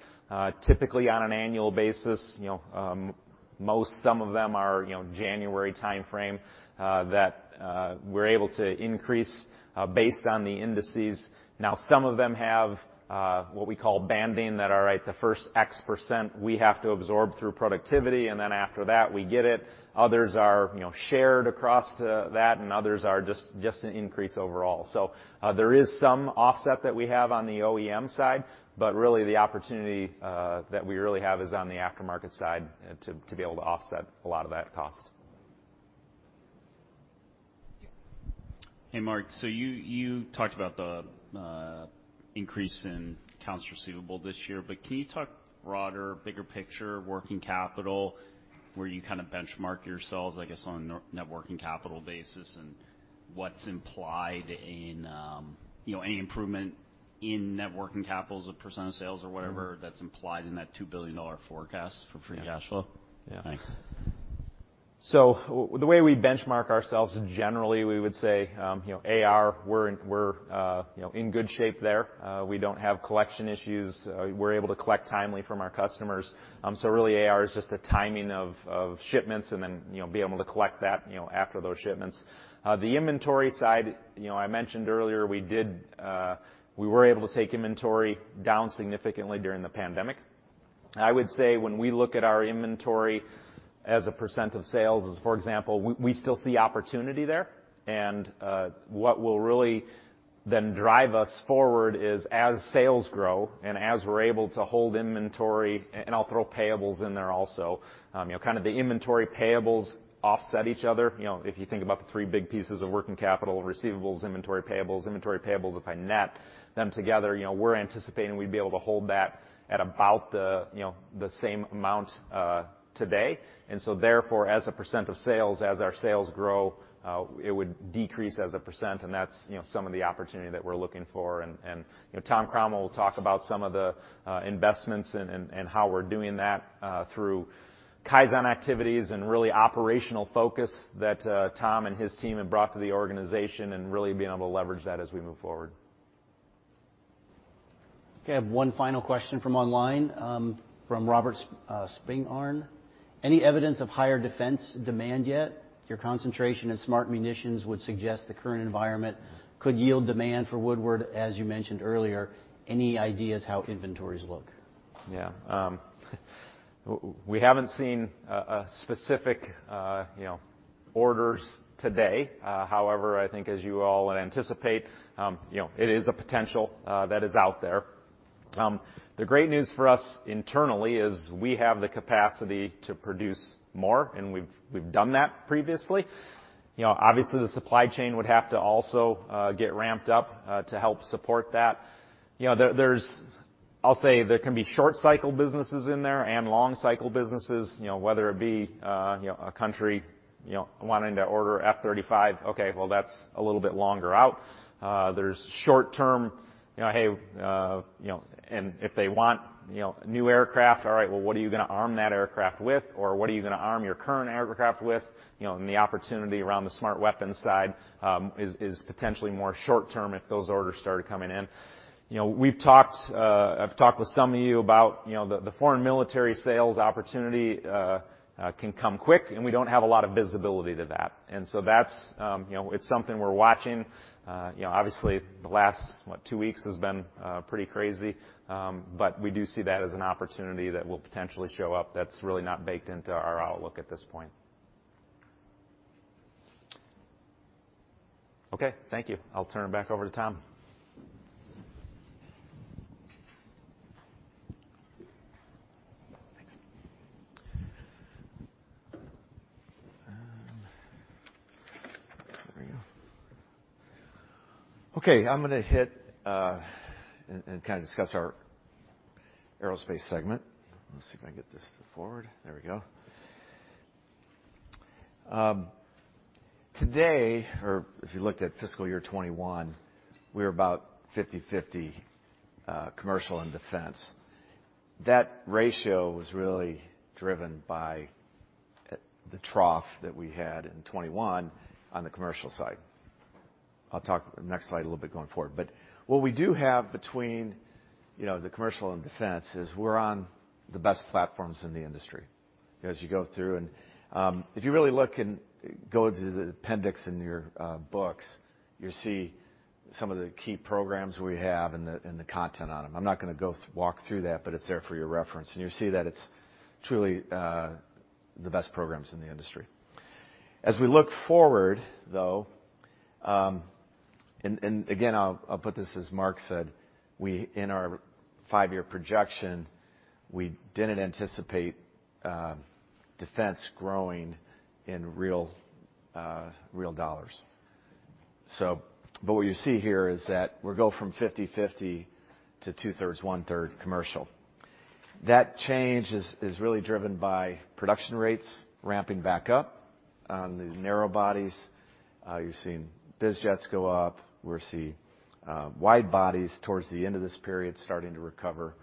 typically on an annual basis. You know, most some of them are, you know, January timeframe that we're able to increase based on the indices. Now, some of them have what we call banding that are right the first X% we have to absorb through productivity, and then after that, we get it. Others are, you know, shared across that, and others are just an increase overall. There is some offset that we have on the OEM side, but really the opportunity that we really have is on the aftermarket side to be able to offset a lot of that cost. Hey, Mark. You talked about the increase in accounts receivable this year, but can you talk broader, bigger picture working capital, where you kind of benchmark yourselves, I guess, on net working capital basis and what's implied in, you know, any improvement in net working capital as a percent of sales or whatever that's implied in that $2 billion forecast for free cash flow? Yeah. Thanks. The way we benchmark ourselves, generally, we would say, you know, AR, we're in good shape there. We don't have collection issues. We're able to collect timely from our customers. Really AR is just the timing of shipments and then, you know, being able to collect that, you know, after those shipments. The inventory side, you know, I mentioned earlier, we were able to take inventory down significantly during the pandemic. I would say when we look at our inventory as a percent of sales, as for example, we still see opportunity there, and what will really then drive us forward is as sales grow and as we're able to hold inventory, and I'll throw payables in there also, you know, kind of the inventory payables offset each other. You know, if you think about the three big pieces of working capital, receivables, inventory, payables. Inventory payables, if I net them together, you know, we're anticipating we'd be able to hold that at about the, you know, the same amount, today. Therefore, as a percent of sales, as our sales grow, it would decrease as a percent, and that's, you know, some of the opportunity that we're looking for. You know, Tom Cromwell will talk about some of the investments and how we're doing that through Kaizen activities and really operational focus that Tom and his team have brought to the organization, and really being able to leverage that as we move forward. Okay, I have one final question from online, from Robert Spingarn. Any evidence of higher defense demand yet? Your concentration in smart munitions would suggest the current environment could yield demand for Woodward, as you mentioned earlier. Any ideas how inventories look? Yeah. We haven't seen a specific you know orders today. However, I think as you all would anticipate, you know, it is a potential that is out there. The great news for us internally is we have the capacity to produce more, and we've done that previously. You know, obviously, the supply chain would have to also get ramped up to help support that. You know, I'll say there can be short cycle businesses in there and long cycle businesses, you know, whether it be a country wanting to order F-35. Okay, well, that's a little bit longer out. There's short term, you know, hey, and if they want new aircraft, all right, well, what are you gonna arm that aircraft with? What are you gonna arm your current aircraft with? You know, the opportunity around the smart weapons side is potentially more short term if those orders started coming in. You know, we've talked, I've talked with some of you about, you know, the foreign military sales opportunity can come quick, and we don't have a lot of visibility to that. That's, you know, it's something we're watching. You know, obviously, the last, what, two weeks has been pretty crazy. We do see that as an opportunity that will potentially show up that's really not baked into our outlook at this point. Okay. Thank you. I'll turn it back over to Tom. Thanks. There we go. Okay, I'm gonna hit and kind of discuss our Aerospace segment. Let's see if I can get this to forward. There we go. Today, or if you looked at fiscal year 2021, we were about 50/50 commercial and defense. That ratio was really driven by the trough that we had in 2021 on the commercial side. I'll talk next slide a little bit going forward. What we do have between, you know, the commercial and defense is we're on the best platforms in the industry as you go through. If you really look and go to the appendix in your books, you'll see some of the key programs we have and the content on them. I'm not gonna walk through that, but it's there for your reference. You'll see that it's truly the best programs in the industry. As we look forward, though, and again, I'll put this as Mark said, in our five-year projection, we didn't anticipate defense growing in real dollars. But what you see here is that we go from 50/50 to 2/3, 1/3 commercial. That change is really driven by production rates ramping back up on the narrow bodies. You're seeing biz jets go up. We're seeing wide bodies towards the end of this period starting to recover.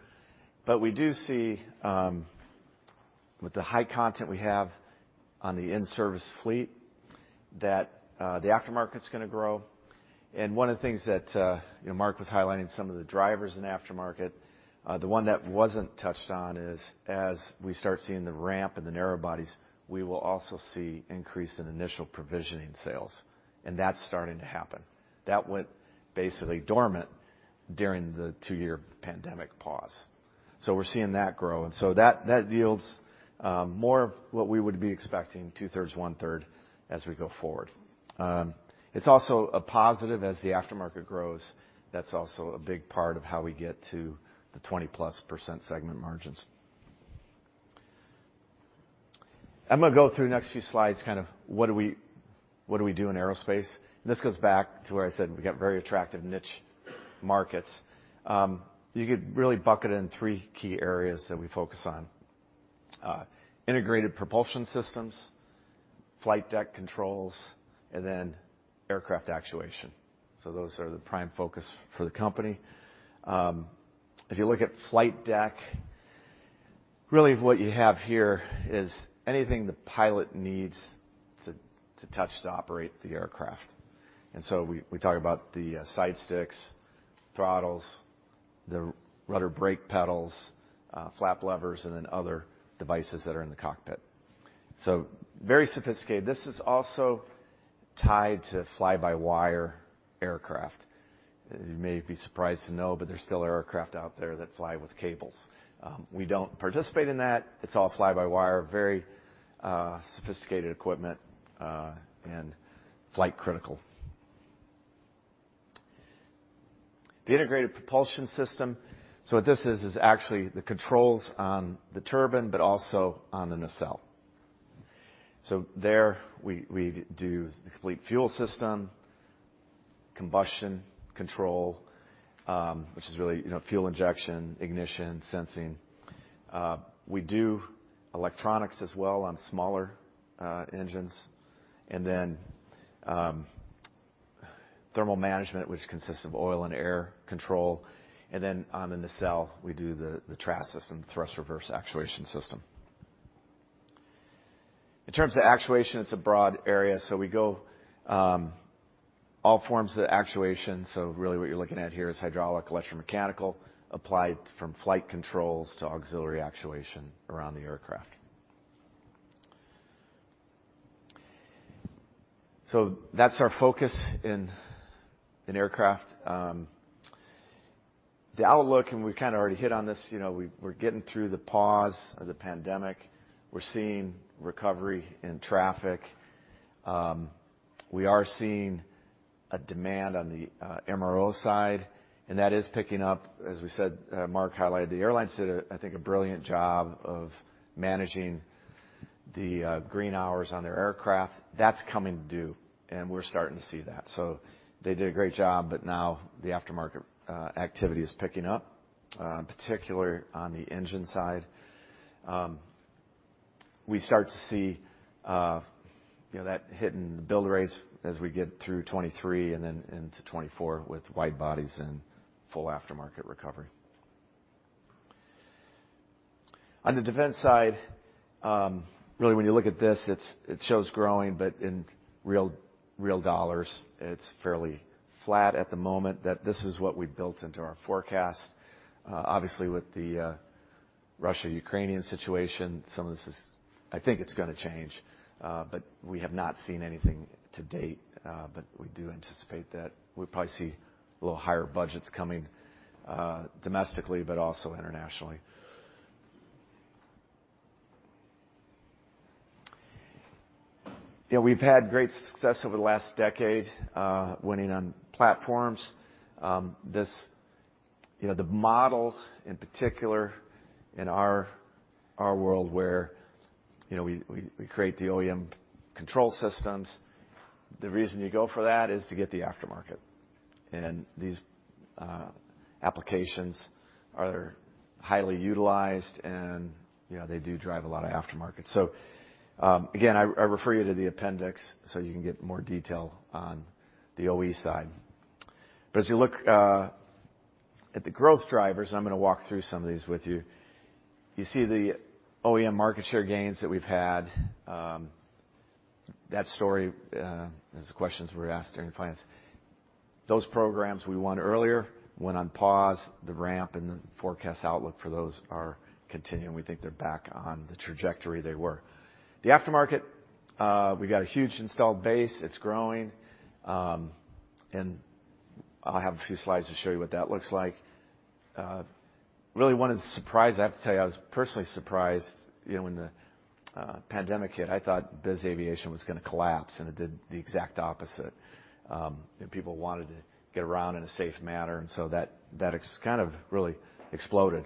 We do see with the high content we have on the in-service fleet that the aftermarket's gonna grow. One of the things that, you know, Mark was highlighting some of the drivers in aftermarket, the one that wasn't touched on is, as we start seeing the ramp in the narrow bodies, we will also see increase in initial provisioning sales, and that's starting to happen. That went basically dormant during the two-year pandemic pause. We're seeing that grow. That yields more of what we would be expecting, 2/3, 1/3 as we go forward. It's also a positive as the aftermarket grows. That's also a big part of how we get to the 20%+ segment margins. I'm gonna go through the next few slides, kind of what we do in aerospace. This goes back to where I said we got very attractive niche markets. You could really bucket it in three key areas that we focus on. Integrated propulsion systems, flight deck controls, and then aircraft actuation. Those are the prime focus for the company. If you look at flight deck, really what you have here is anything the pilot needs to touch to operate the aircraft. We talk about the side sticks, throttles, the rudder brake pedals, flap levers, and then other devices that are in the cockpit. Very sophisticated. This is also tied to fly-by-wire aircraft. You may be surprised to know, but there's still aircraft out there that fly with cables. We don't participate in that. It's all fly-by-wire, very sophisticated equipment, and flight critical. The integrated propulsion system, what this is actually the controls on the turbine, but also on the nacelle. We do the complete fuel system, combustion control, which is really, you know, fuel injection, ignition, sensing. We do electronics as well on smaller engines. Then thermal management, which consists of oil and air control. Then on the nacelle, we do the TRAS system, thrust reverse actuation system. In terms of actuation, it's a broad area, so we go all forms of actuation. Really what you're looking at here is hydraulic, electromechanical, applied from flight controls to auxiliary actuation around the aircraft. That's our focus in aircraft. The outlook, and we kind of already hit on this, you know, we're getting through the pause of the pandemic. We're seeing recovery in traffic. We are seeing a demand on the MRO side, and that is picking up. As we said, Mark highlighted, the airlines did a, I think, a brilliant job of managing the green hours on their aircraft. That's coming due, and we're starting to see that. They did a great job, but now the aftermarket activity is picking up in particular on the engine side. We start to see you know that hit in the build rates as we get through 2023 and then into 2024 with wide bodies and full aftermarket recovery. On the defense side, really, when you look at this, it's growing, but in real dollars, it's fairly flat at the moment, that this is what we built into our forecast. Obviously, with the Russia-Ukrainian situation, some of this is... I think it's gonna change, but we have not seen anything to date, but we do anticipate that we'll probably see a little higher budgets coming, domestically, but also internationally. You know, we've had great success over the last decade, winning on platforms. This, you know, the model in particular in our world where, you know, we create the OEM control systems, the reason you go for that is to get the aftermarket. These applications are highly utilized and, you know, they do drive a lot of aftermarket. Again, I refer you to the appendix so you can get more detail on the OE side. But as you look at the growth drivers, I'm gonna walk through some of these with you. You see the OEM market share gains that we've had, that story, as the questions were asked during plans. Those programs we won earlier went on pause. The ramp and the forecast outlook for those are continuing. We think they're back on the trajectory they were. The aftermarket, we got a huge installed base. It's growing. I have a few slides to show you what that looks like. Really one of the surprises, I have to tell you, I was personally surprised, you know, when the pandemic hit, I thought biz aviation was gonna collapse, and it did the exact opposite. People wanted to get around in a safe manner, and so that kind of really exploded.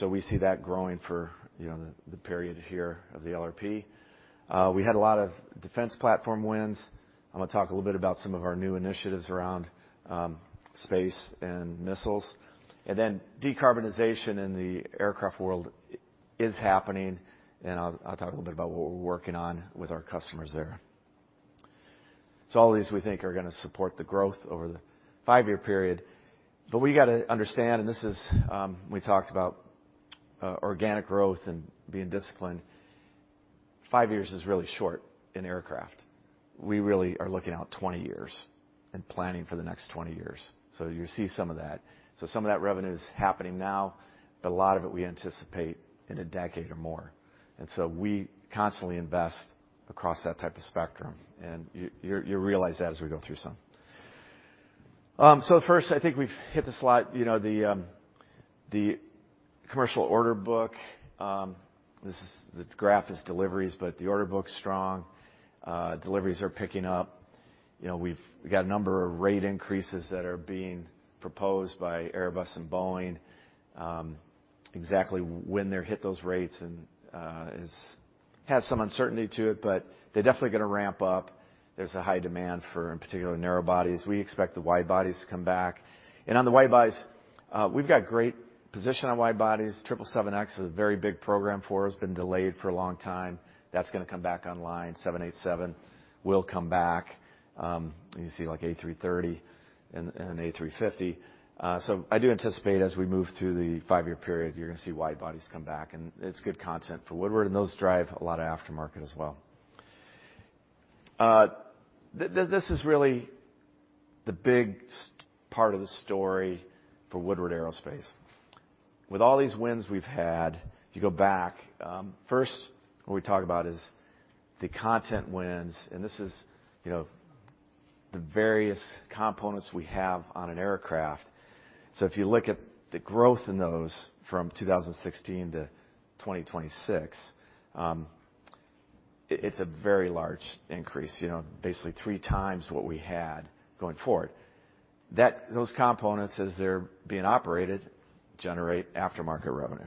We see that growing for, you know, the period here of the LRP. We had a lot of defense platform wins. I'm gonna talk a little bit about some of our new initiatives around space and missiles. Then decarbonization in the aircraft world is happening, and I'll talk a little bit about what we're working on with our customers there. All of these, we think, are gonna support the growth over the five-year period. We got to understand, and this is, we talked about organic growth and being disciplined. Five years is really short in aircraft. We really are looking out 20 years and planning for the next 20 years. You see some of that. Some of that revenue is happening now, but a lot of it we anticipate in a decade or more. We constantly invest across that type of spectrum, and you'll realize that as we go through some. I think we've hit the slide, you know, the commercial order book. This is the graph is deliveries, but the order book's strong. Deliveries are picking up. You know, we've got a number of rate increases that are being proposed by Airbus and Boeing. Exactly when they hit those rates and has some uncertainty to it, but they're definitely gonna ramp up. There's a high demand for, in particular, narrow bodies. We expect the wide bodies to come back. On the wide bodies, we've got great position on wide bodies. 777X is a very big program for us, been delayed for a long time. That's gonna come back online. 787 will come back. You see like A330 and A350. I do anticipate as we move through the five-year period, you're gonna see wide bodies come back, and it's good content for Woodward, and those drive a lot of aftermarket as well. This is really the big part of the story for Woodward Aerospace. With all these wins we've had, if you go back, first what we talk about is the content wins, and this is, you know, the various components we have on an aircraft. So if you look at the growth in those from 2016 to 2026, it's a very large increase, you know, basically 3x what we had going forward. Those components, as they're being operated, generate aftermarket revenue.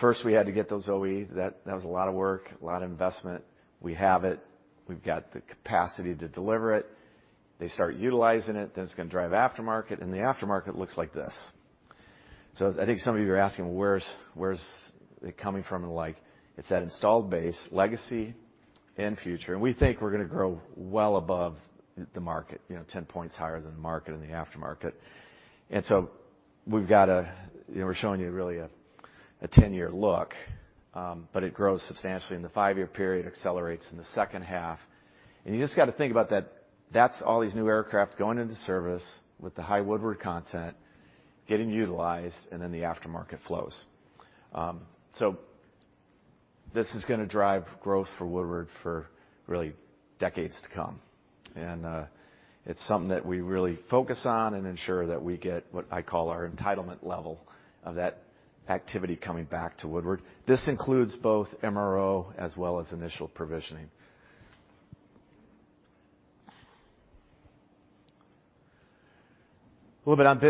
First, we had to get those OE. That was a lot of work, a lot of investment. We have it. We've got the capacity to deliver it. They start utilizing it, then it's gonna drive aftermarket, and the aftermarket looks like this. I think some of you are asking, where's it coming from and the like. It's that installed base, legacy and future, and we think we're gonna grow well above the market, you know, 10 points higher than the market in the aftermarket. We've got, you know, we're showing you really a 10-year look, but it grows substantially in the five-year period, accelerates in the second half. You just gotta think about that. That's all these new aircraft going into service with the high Woodward content, getting utilized, and then the aftermarket flows. This is gonna drive growth for Woodward for really decades to come. It's something that we really focus on and ensure that we get what I call our entitlement level of that activity coming back to Woodward. This includes both MRO as well as initial provisioning. A little bit on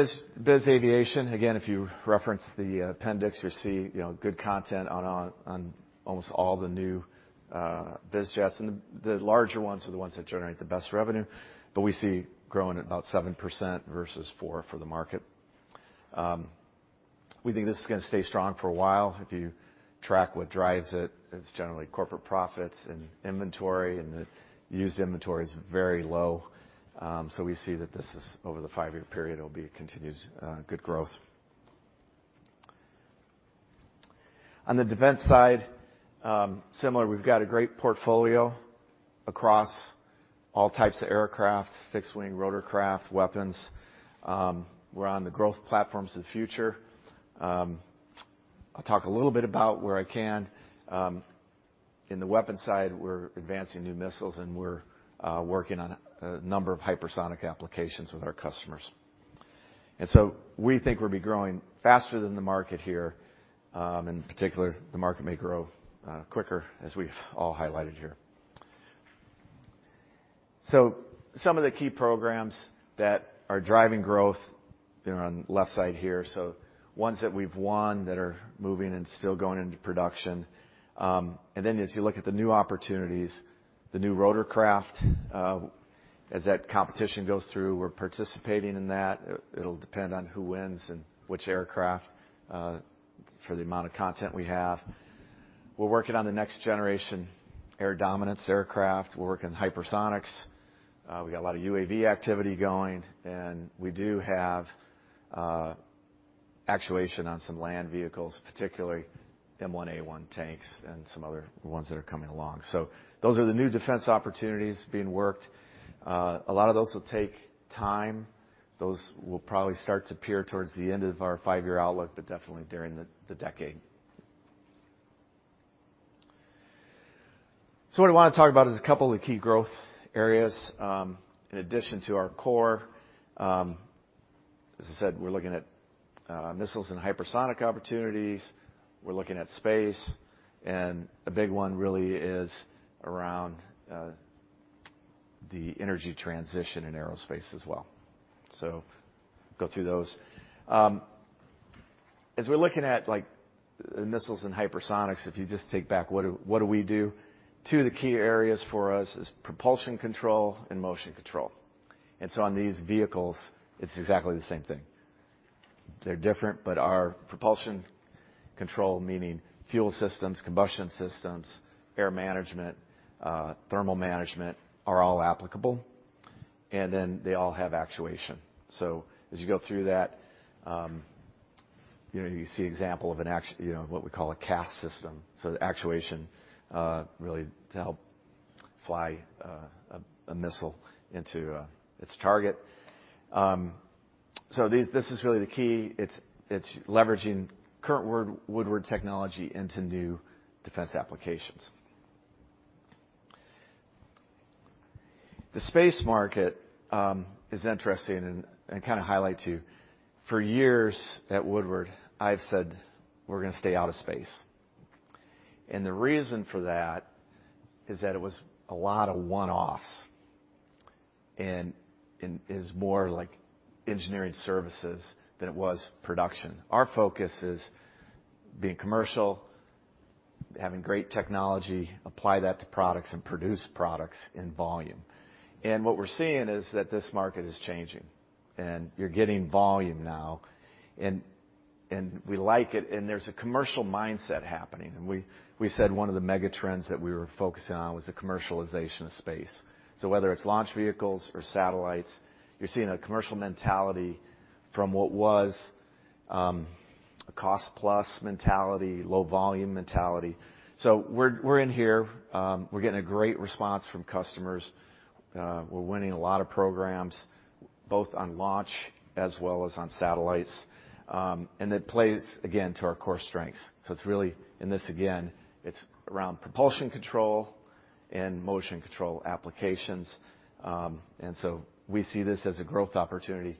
biz aviation. Again, if you reference the appendix, you'll see, you know, good content on almost all the new biz jets, and the larger ones are the ones that generate the best revenue. We see growing at about 7% versus 4% for the market. We think this is gonna stay strong for a while. If you track what drives it's generally corporate profits and inventory, and the used inventory is very low. We see that this is, over the five-year period, it'll be a continued good growth. On the defense side, similar, we've got a great portfolio across all types of aircraft, fixed-wing, rotorcraft, weapons. We're on the growth platforms of the future. I'll talk a little bit about where I can. In the weapon side, we're advancing new missiles, and we're working on a number of hypersonic applications with our customers. We think we'll be growing faster than the market here. In particular, the market may grow quicker, as we've all highlighted here. Some of the key programs that are driving growth, they're on left side here. Ones that we've won that are moving and still going into production. As you look at the new opportunities, the new rotorcraft, as that competition goes through, we're participating in that. It'll depend on who wins and which aircraft for the amount of content we have. We're working on the Next Generation Air Dominance aircraft. We're working on hypersonics. We got a lot of UAV activity going, and we do have actuation on some land vehicles, particularly M1A1 tanks and some other ones that are coming along. Those are the new defense opportunities being worked. A lot of those will take time. Those will probably start to appear towards the end of our five-year outlook, but definitely during the decade. What I wanna talk about is a couple of the key growth areas in addition to our core. As I said, we're looking at missiles and hypersonic opportunities. We're looking at space, and a big one really is around the energy transition in aerospace as well. Go through those. As we're looking at, like, missiles and hypersonics, if you just take a step back to what we do, two of the key areas for us is propulsion control and motion control, and so on these vehicles, it's exactly the same thing. They're different, but our propulsion control, meaning fuel systems, combustion systems, air management, thermal management, are all applicable, and then they all have actuation. As you go through that, you know, you see an example of what we call a CAS system, so the actuation really to help fly a missile into its target. This is really the key. It's leveraging current Woodward technology into new defense applications. The space market is interesting, and I kinda highlight too. For years at Woodward, I've said we're gonna stay out of space, and the reason for that is that it was a lot of one-offs and it's more like engineering services than it was production. Our focus is being commercial, having great technology, apply that to products, and produce products in volume. What we're seeing is that this market is changing, and you're getting volume now, and we like it, and there's a commercial mindset happening. We said one of the mega trends that we were focusing on was the commercialization of space. Whether it's launch vehicles or satellites, you're seeing a commercial mentality from what was a cost plus mentality, low volume mentality. We're in here. We're getting a great response from customers. We're winning a lot of programs, both on launch as well as on satellites. It plays again to our core strengths. It's really in this, again, it's around propulsion control and motion control applications. We see this as a growth opportunity.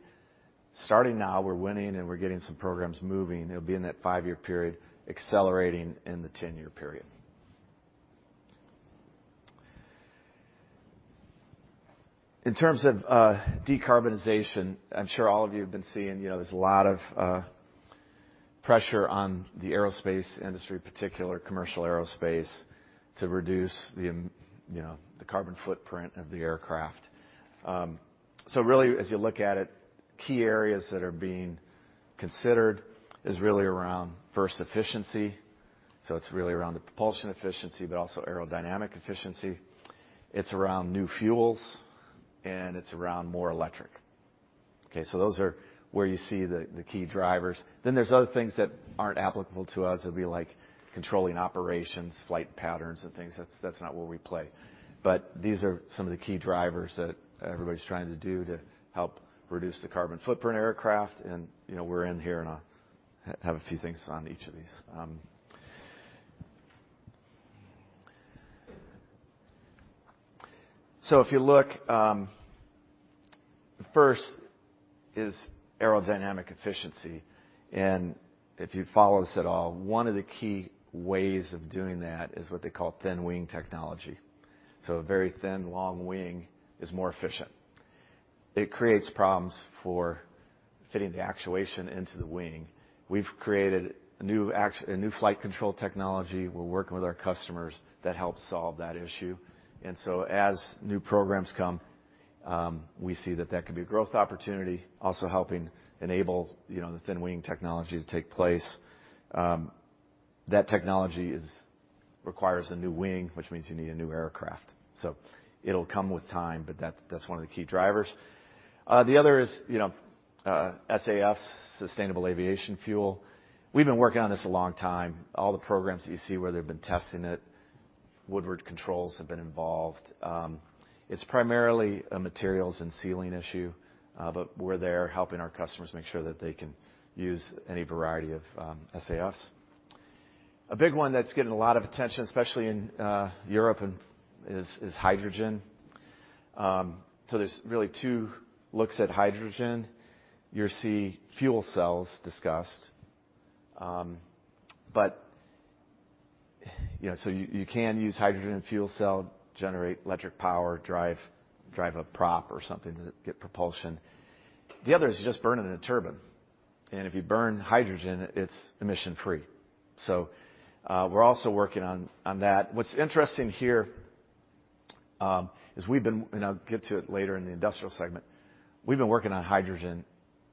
Starting now, we're winning, and we're getting some programs moving. It'll be in that five-year period, accelerating in the 10-year period. In terms of decarbonization, I'm sure all of you have been seeing, you know, there's a lot of pressure on the aerospace industry, particularly commercial aerospace, to reduce you know, the carbon footprint of the aircraft. Really, as you look at it, key areas that are being considered is really around, first, efficiency. It's really around the propulsion efficiency, but also aerodynamic efficiency. It's around new fuels, and it's around more electric. Okay, those are where you see the key drivers. There's other things that aren't applicable to us. It'd be like controlling operations, flight patterns and things. That's not where we play. These are some of the key drivers that everybody's trying to do to help reduce the carbon footprint of aircraft. You know, we're in here, and I have a few things on each of these. If you look, first is aerodynamic efficiency. If you follow this at all, one of the key ways of doing that is what they call thin wing technology. So a very thin, long wing is more efficient. It creates problems for fitting the actuation into the wing. We've created a new flight control technology, we're working with our customers, that helps solve that issue. As new programs come, we see that could be a growth opportunity, also helping enable, you know, the thin wing technology to take place. That technology requires a new wing, which means you need a new aircraft. It'll come with time, but that's one of the key drivers. The other is, you know, SAF, sustainable aviation fuel. We've been working on this a long time. All the programs that you see where they've been testing it, Woodward controls have been involved. It's primarily a materials and sealing issue, but we're there helping our customers make sure that they can use any variety of SAFs. A big one that's getting a lot of attention, especially in Europe, is hydrogen. There's really two looks at hydrogen. You'll see fuel cells discussed. You know, you can use hydrogen in a fuel cell, generate electric power, drive a prop or something to get propulsion. The other is you just burn it in a turbine. If you burn hydrogen, it's emission-free. We're also working on that. What's interesting here is, and I'll get to it later in the Industrial segment, we've been working on hydrogen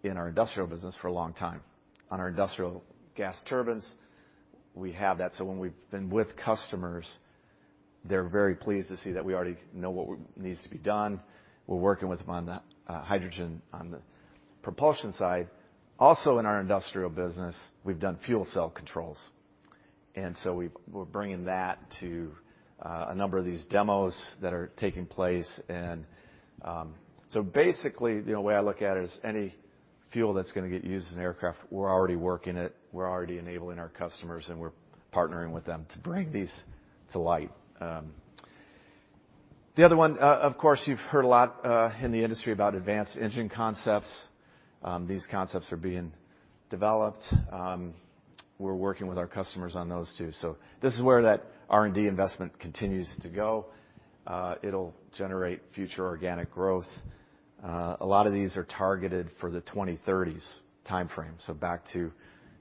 in our Industrial business for a long time. On our industrial gas turbines, we have that. When we've been with customers, they're very pleased to see that we already know what needs to be done. We're working with them on the hydrogen on the propulsion side. Also in our Industrial business, we've done fuel cell controls. We're bringing that to a number of these demos that are taking place. Basically, the way I look at it is any fuel that's gonna get used in an aircraft, we're already working it, we're already enabling our customers, and we're partnering with them to bring these to light. The other one, of course, you've heard a lot in the industry about advanced engine concepts. These concepts are being developed. We're working with our customers on those too. This is where that R&D investment continues to go. It'll generate future organic growth. A lot of these are targeted for the 2030s timeframe. Back to,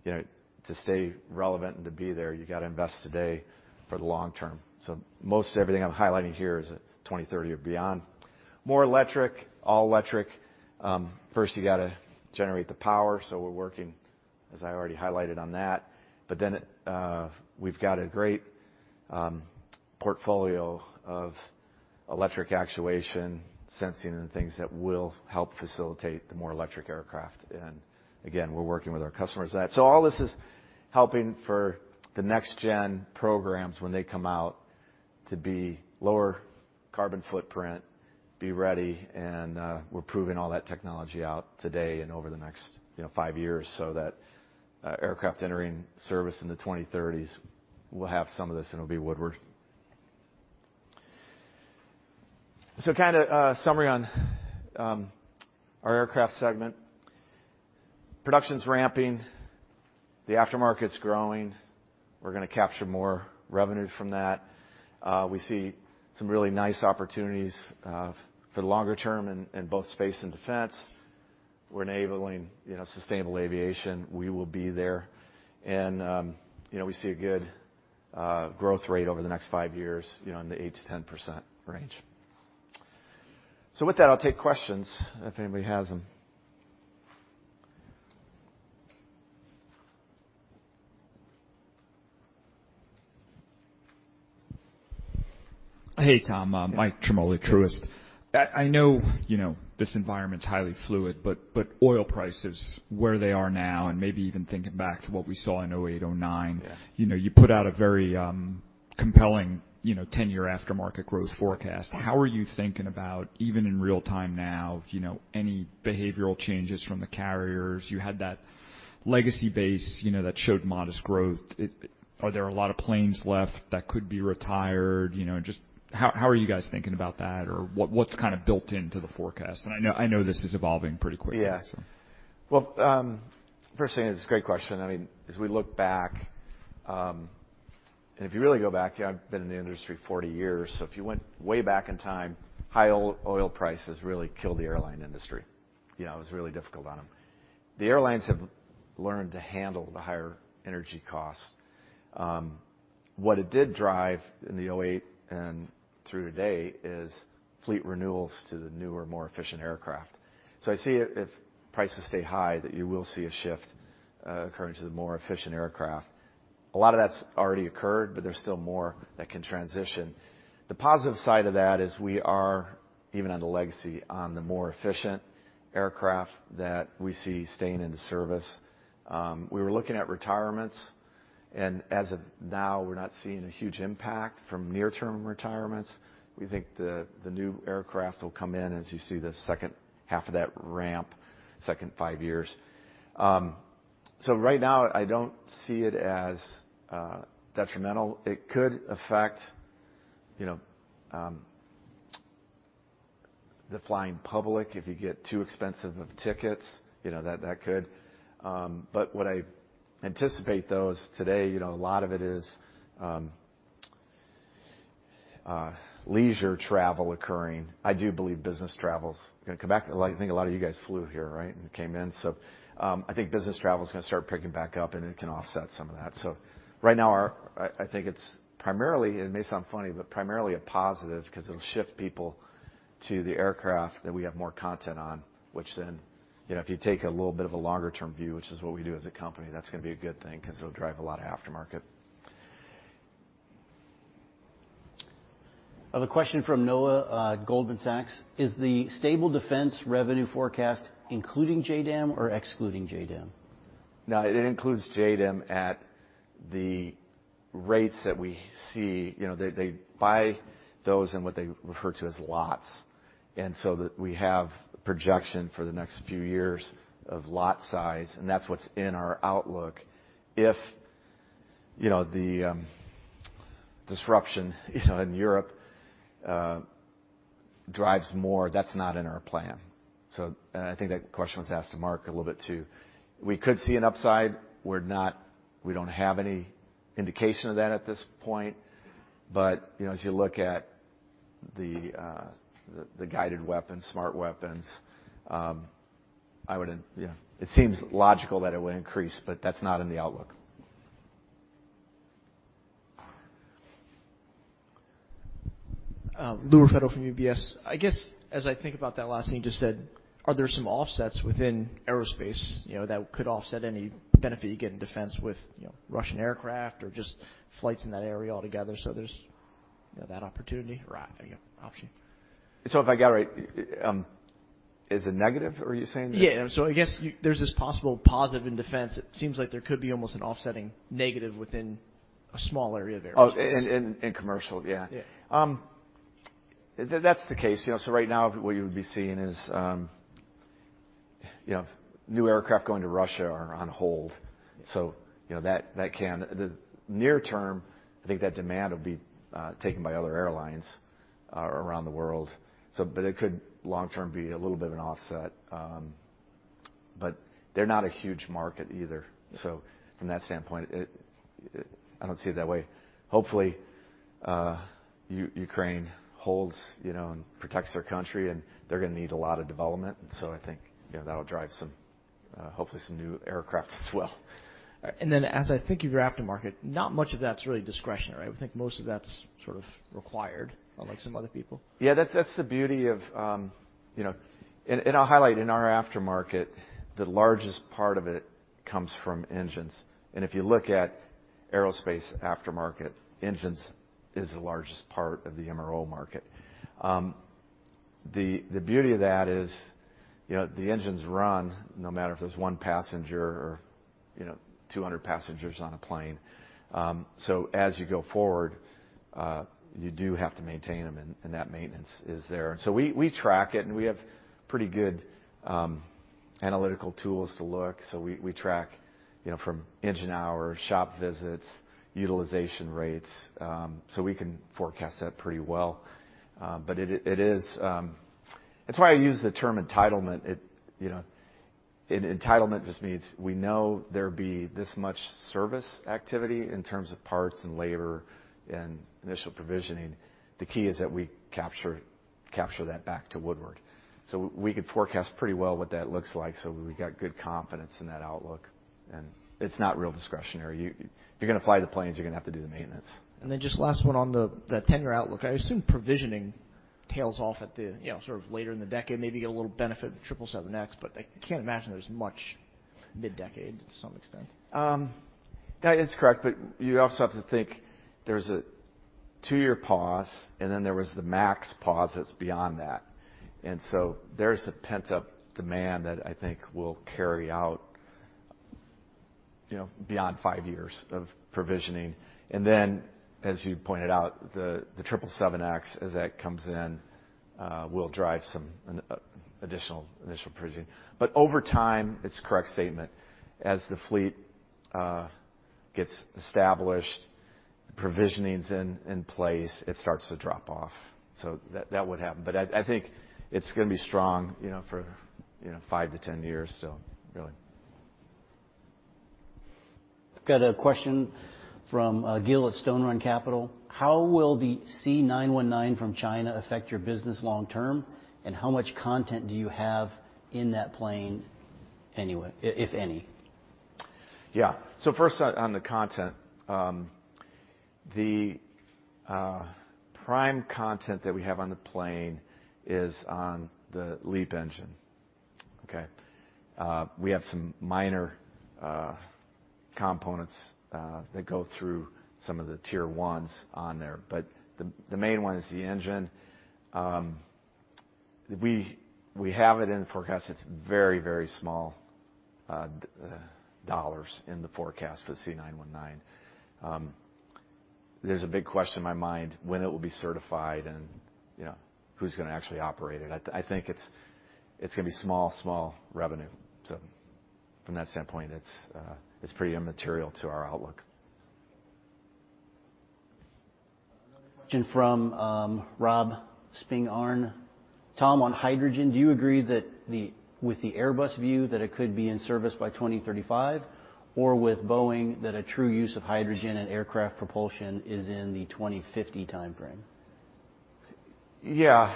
you know, to stay relevant and to be there, you gotta invest today for the long term. Most everything I'm highlighting here is 2030 or beyond. More electric, all electric. First you gotta generate the power, so we're working, as I already highlighted, on that. We've got a great portfolio of electric actuation, sensing, and things that will help facilitate the more electric aircraft. Again, we're working with our customers on that. All this is helping for the next gen programs when they come out to be lower carbon footprint, be ready, and we're proving all that technology out today and over the next, you know, five years so that aircraft entering service in the 2030s will have some of this, and it'll be Woodward. Kind of a summary on our aircraft segment. Production's ramping, the aftermarket's growing. We're gonna capture more revenue from that. We see some really nice opportunities for the longer term in both space and defense. We're enabling, you know, sustainable aviation. We will be there. you know, we see a good growth rate over the next five years, you know, in the 8%-10% range. With that, I'll take questions if anybody has them. Hey, Tom. Michael Ciarmoli, Truist. I know, you know, this environment's highly fluid, but oil prices where they are now and maybe even thinking back to what we saw in 2008, 2009. Yeah. You know, you put out a very compelling, you know, ten-year aftermarket growth forecast. How are you thinking about even in real time now, you know, any behavioral changes from the carriers? You had that legacy base, you know, that showed modest growth. Are there a lot of planes left that could be retired? You know, just how are you guys thinking about that? Or what's kind of built into the forecast? I know this is evolving pretty quickly. Yeah. Well, first thing, it's a great question. I mean, as we look back, and if you really go back, you know, I've been in the industry 40 years, so if you went way back in time, high oil prices really killed the airline industry. You know, it was really difficult on them. The airlines have learned to handle the higher energy costs. What it did drive in the 2008 and through today is fleet renewals to the newer, more efficient aircraft. I see if prices stay high, that you will see a shift occurring to the more efficient aircraft. A lot of that's already occurred, but there's still more that can transition. The positive side of that is we are, even on the legacy, on the more efficient aircraft that we see staying in the service. We were looking at retirements, and as of now, we're not seeing a huge impact from near-term retirements. We think the new aircraft will come in as you see the second half of that ramp, second five years. Right now I don't see it as detrimental. It could affect, you know, the flying public if you get too expensive of tickets. You know, that could. What I anticipate, though, is today, you know, a lot of it is leisure travel occurring. I do believe business travel's gonna come back. I think a lot of you guys flew here, right, and came in. I think business travel is gonna start picking back up, and it can offset some of that. I think it's primarily, it may sound funny, but primarily a positive because it'll shift people to the aircraft that we have more content on, which then, you know, if you take a little bit of a longer term view, which is what we do as a company, that's gonna be a good thing because it'll drive a lot of aftermarket. Another question from Noah, Goldman Sachs. Is the stable defense revenue forecast including JDAM or excluding JDAM? No, it includes JDAM at the rates that we see. You know, they buy those in what they refer to as lots. We have a projection for the next few years of lot size, and that's what's in our outlook. If you know, the disruption you know in Europe drives more, that's not in our plan. I think that question was asked to Mark a little bit, too. We could see an upside. We don't have any indication of that at this point. You know, as you look at the guided weapons, smart weapons, it seems logical that it would increase, but that's not in the outlook. Louis Raffetto from UBS. I guess, as I think about that last thing you just said, are there some offsets within aerospace, you know, that could offset any benefit you get in defense with, you know, Russian aircraft or just flights in that area altogether? There's that opportunity or option. If I got it right, is it negative? Are you saying that? I guess there's this possible positive in defense. It seems like there could be almost an offsetting negative within a small area of aerospace. Oh, in commercial. Yeah. Yeah. That's the case. You know, so right now what you would be seeing is, you know, new aircraft going to Russia are on hold. You know, the near term, I think that demand will be taken by other airlines around the world. It could long term be a little bit of an offset. They're not a huge market either. From that standpoint, I don't see it that way. Hopefully, Ukraine holds, you know, and protects their country, and they're gonna need a lot of development. I think, you know, that'll drive some, hopefully some new aircraft as well. as I think of your aftermarket, not much of that's really discretionary. I would think most of that's sort of required unlike some other people. Yeah. That's the beauty of, you know, I'll highlight in our aftermarket. The largest part of it comes from engines. If you look at aerospace aftermarket, engines is the largest part of the MRO market. The beauty of that is, you know, the engines run no matter if there's 1 passenger or, you know, 200 passengers on a plane. As you go forward, you do have to maintain them, and that maintenance is there. We track it, and we have pretty good analytical tools to look. We track, you know, from engine hours, shop visits, utilization rates, so we can forecast that pretty well. It is. That's why I use the term entitlement. It, you know, an entitlement just means we know there'd be this much service activity in terms of parts and labor and initial provisioning. The key is that we capture that back to Woodward. We could forecast pretty well what that looks like, so we got good confidence in that outlook, and it's not real discretionary. You, if you're gonna fly the planes, you're gonna have to do the maintenance. Just last one on the 10-year outlook. I assume provisioning tails off at the, you know, sort of later in the decade, maybe get a little benefit of the 777X, but I can't imagine there's much Mid-decade to some extent. That is correct, but you also have to think there's a two-year pause, and then there was the MAX pause that's beyond that. There's a pent-up demand that I think will carry out, you know, beyond five years of provisioning. As you pointed out, the 777X, as that comes in, will drive some additional provisioning. Over time, it's a correct statement. As the fleet gets established, the provisioning's in place, it starts to drop off. That would happen. I think it's gonna be strong, you know, for, you know, five to 10 years still, really. I've got a question from Gil at Stoneridge Capital. How will the C919 from China affect your business long term, and how much content do you have in that plane anyway, if any? Yeah. First on the content. The primary content that we have on the plane is on the LEAP engine. Okay. We have some minor components that go through some of the tier ones on there, but the main one is the engine. We have it in the forecast. It's very small dollars in the forecast for C919. There's a big question in my mind when it will be certified and, you know, who's gonna actually operate it. I think it's gonna be small revenue. From that standpoint, it's pretty immaterial to our outlook. Question from Rob Spingarn. Tom, on hydrogen, do you agree with the Airbus view that it could be in service by 2035 or with Boeing that a true use of hydrogen and aircraft propulsion is in the 2050 timeframe? Yeah.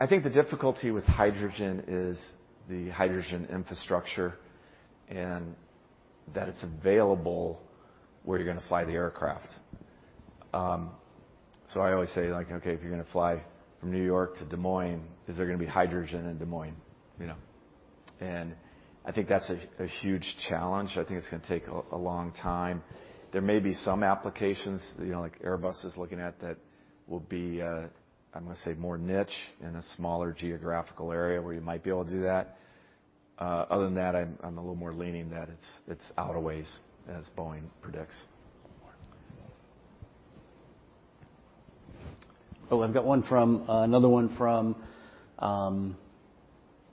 I think the difficulty with hydrogen is the hydrogen infrastructure and that it's available where you're gonna fly the aircraft. I always say, like, okay, if you're gonna fly from New York to Des Moines, is there gonna be hydrogen in Des Moines, you know? I think that's a huge challenge. I think it's gonna take a long time. There may be some applications, you know, like Airbus is looking at that will be, I'm gonna say more niche in a smaller geographical area where you might be able to do that. Other than that, I'm a little more leaning that it's out a ways as Boeing predicts. Oh, I've got one from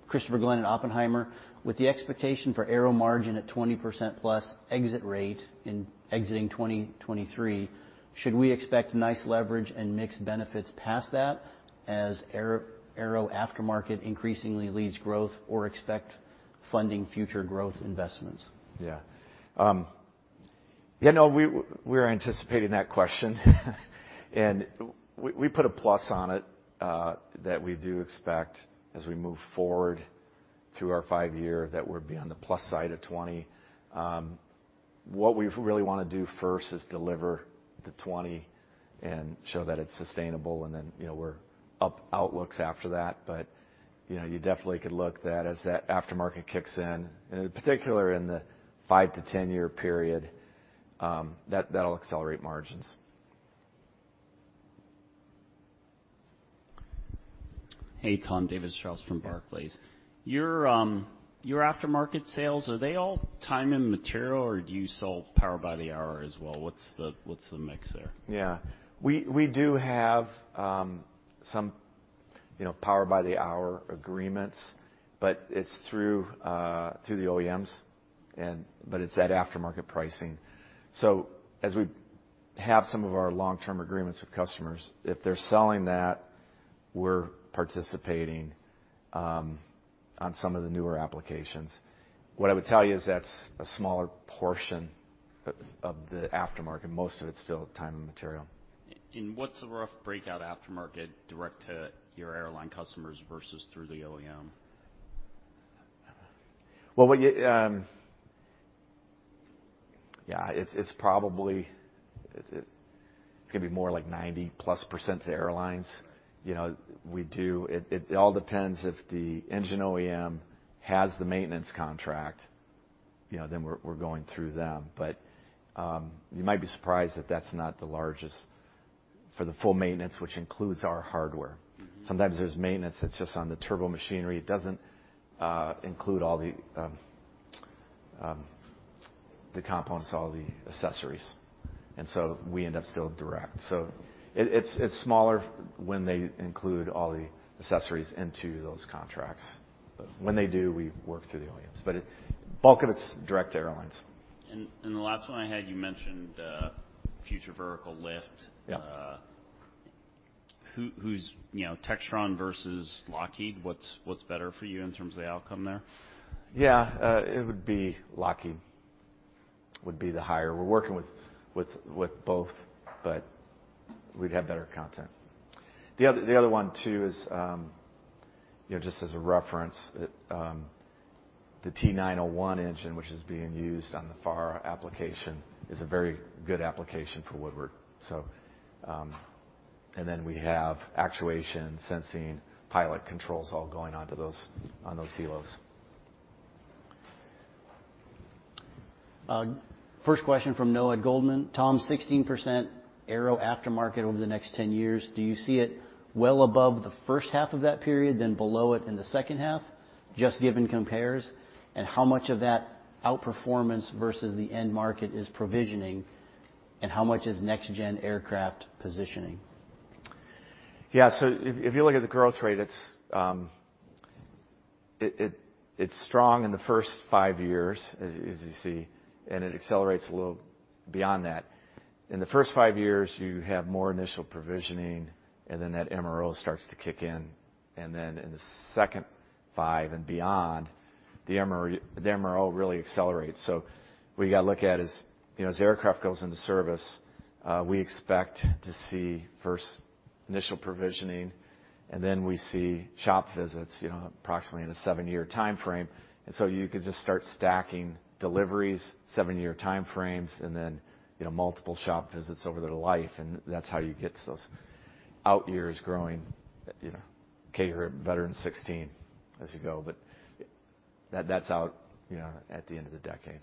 Christopher Glynn at Oppenheimer. With the expectation for Aero margin at 20%+ exit rate exiting 2023, should we expect nice leverage and mixed benefits past that as Aero aftermarket increasingly leads growth or expect funding future growth investments? You know, we're anticipating that question. We put a plus on it that we do expect as we move forward through our five-year that we'll be on the plus side of 20%. What we really wanna do first is deliver the 20% and show that it's sustainable, and then, you know, we'll update outlooks after that. You know, you definitely could look at that as that aftermarket kicks in. In particular, in the five- to 10-year period, that'll accelerate margins. Hey, Tom. David Strauss from Barclays. Yeah. Your aftermarket sales, are they all time and material, or do you sell power by the hour as well? What's the mix there? Yeah. We do have some, you know, power-by-the-hour agreements, but it's through the OEMs, but it's that aftermarket pricing. As we have some of our long-term agreements with customers, if they're selling that, we're participating on some of the newer applications. What I would tell you is that's a smaller portion of the aftermarket. Most of it's still time and material. What's the rough breakout aftermarket direct to your airline customers versus through the OEM? It's gonna be more like 90%+ to airlines. You know, it all depends if the engine OEM has the maintenance contract, you know, then we're going through them. But you might be surprised that that's not the largest for the full maintenance, which includes our hardware. Mm-hmm. Sometimes there's maintenance that's just on the turbomachinery. It doesn't include all the components, all the accessories. We end up still direct. It's smaller when they include all the accessories into those contracts. When they do, we work through the OEMs. Bulk of it's direct to airlines. The last one I had, you mentioned, Future Vertical Lift. Yeah. Who's, you know, Textron versus Lockheed? What's better for you in terms of the outcome there? Yeah. It would be Lockheed, the higher. We're working with both, but we'd have better content. The other one too is, you know, just as a reference, the T901 engine, which is being used on the FARA application, is a very good application for Woodward. We have actuation, sensing, pilot controls all going onto those helos. First question from Noah at Goldman. Tom, 16% aero aftermarket over the next 10 years, do you see it well above the first half of that period than below it in the second half, just given compares, and how much of that outperformance versus the end market is provisioning, and how much is next-gen aircraft positioning? Yeah. If you look at the growth rate, it's strong in the first five years, as you see, and it accelerates a little beyond that. In the first five years, you have more initial provisioning, and then that MRO starts to kick in. Then in the second five and beyond, the MRO really accelerates. We gotta look at is, you know, as aircraft goes into service, we expect to see first initial provisioning, and then we see shop visits, you know, approximately in a seven-year timeframe. You could just start stacking deliveries, seven-year time frames, and then, you know, multiple shop visits over their life, and that's how you get to those out years growing, you know, CAGR better than 16% as you go. That, that's out, you know, at the end of the decade.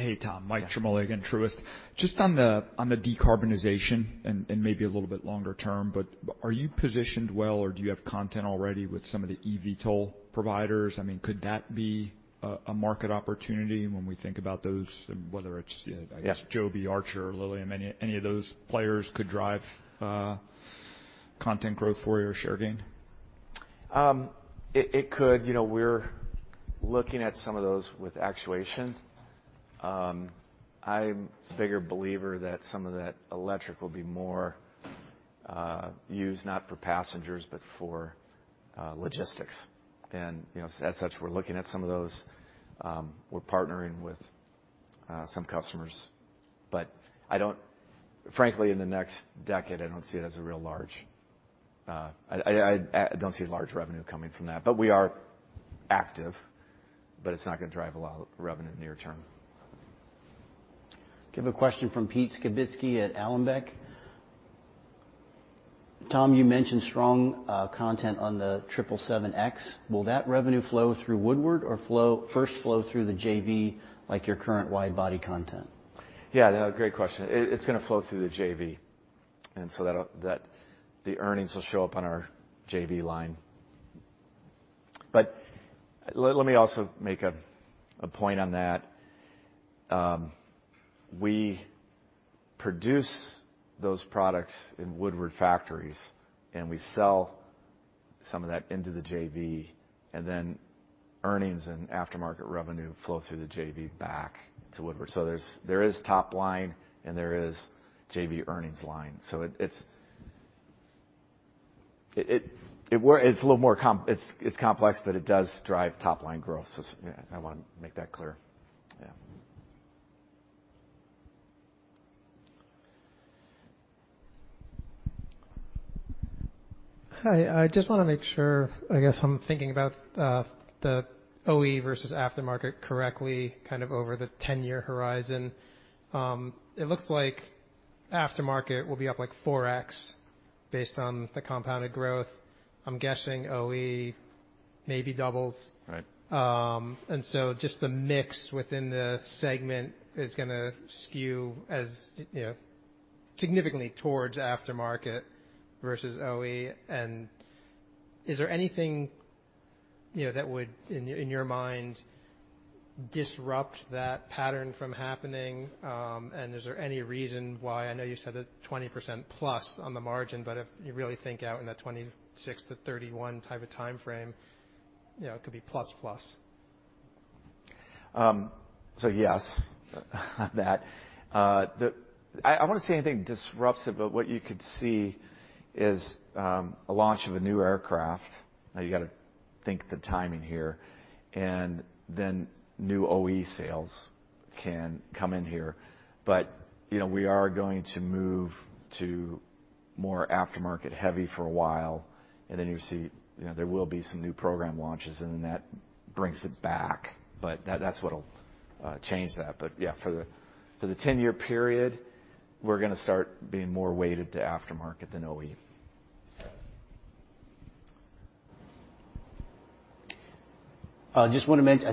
Yeah. Hey, Tom. Yeah. Michael Ciarmoli again, Truist. Just on the decarbonization and maybe a little bit longer term, but are you positioned well, or do you have content already with some of the eVTOL providers? I mean, could that be a market opportunity when we think about those, whether it's Yeah. Joby, Archer, Lilium, any of those players could drive content growth for you or share gain? It could. You know, we're looking at some of those with actuation. I'm a bigger believer that some of that electric will be more used not for passengers, but for logistics. You know, as such, we're looking at some of those. We're partnering with some customers. Frankly, in the next decade, I don't see it as a real large. I don't see large revenue coming from that. We are active, but it's not gonna drive a lot of revenue near term. A question from Pete Skibitski at Alembic. Tom, you mentioned strong content on the 777X. Will that revenue flow through Woodward or first flow through the JV like your current wide body content? Yeah, no, great question. It's gonna flow through the JV. The earnings will show up on our JV line. Let me also make a point on that. We produce those products in Woodward factories, and we sell some of that into the JV, and then earnings and aftermarket revenue flow through the JV back to Woodward. There is top line, and there is JV earnings line. It's a little more complex, but it does drive top line growth. Yeah, I wanna make that clear. Yeah. Hi. I just wanna make sure, I guess I'm thinking about the OE versus aftermarket correctly, kind of over the 10-year horizon. It looks like aftermarket will be up like 4x based on the compounded growth. I'm guessing OE maybe doubles. Right. Just the mix within the segment is gonna skew, as you know, significantly towards aftermarket versus OE. Is there anything, you know, that would, in your mind, disrupt that pattern from happening? Is there any reason why I know you said that 20%+ on the margin, but if you really think out in that 26-31 type of timeframe, you know, it could be plus plus. Yes, that. I wanna say anything disrupts it, but what you could see is a launch of a new aircraft. Now you gotta think the timing here. Then new OE sales can come in here. But you know, we are going to move to more aftermarket heavy for a while, and then you see, you know, there will be some new program launches, and then that brings it back. But that's what'll change that. But yeah, for the 10-year period, we're gonna start being more weighted to aftermarket than OE. I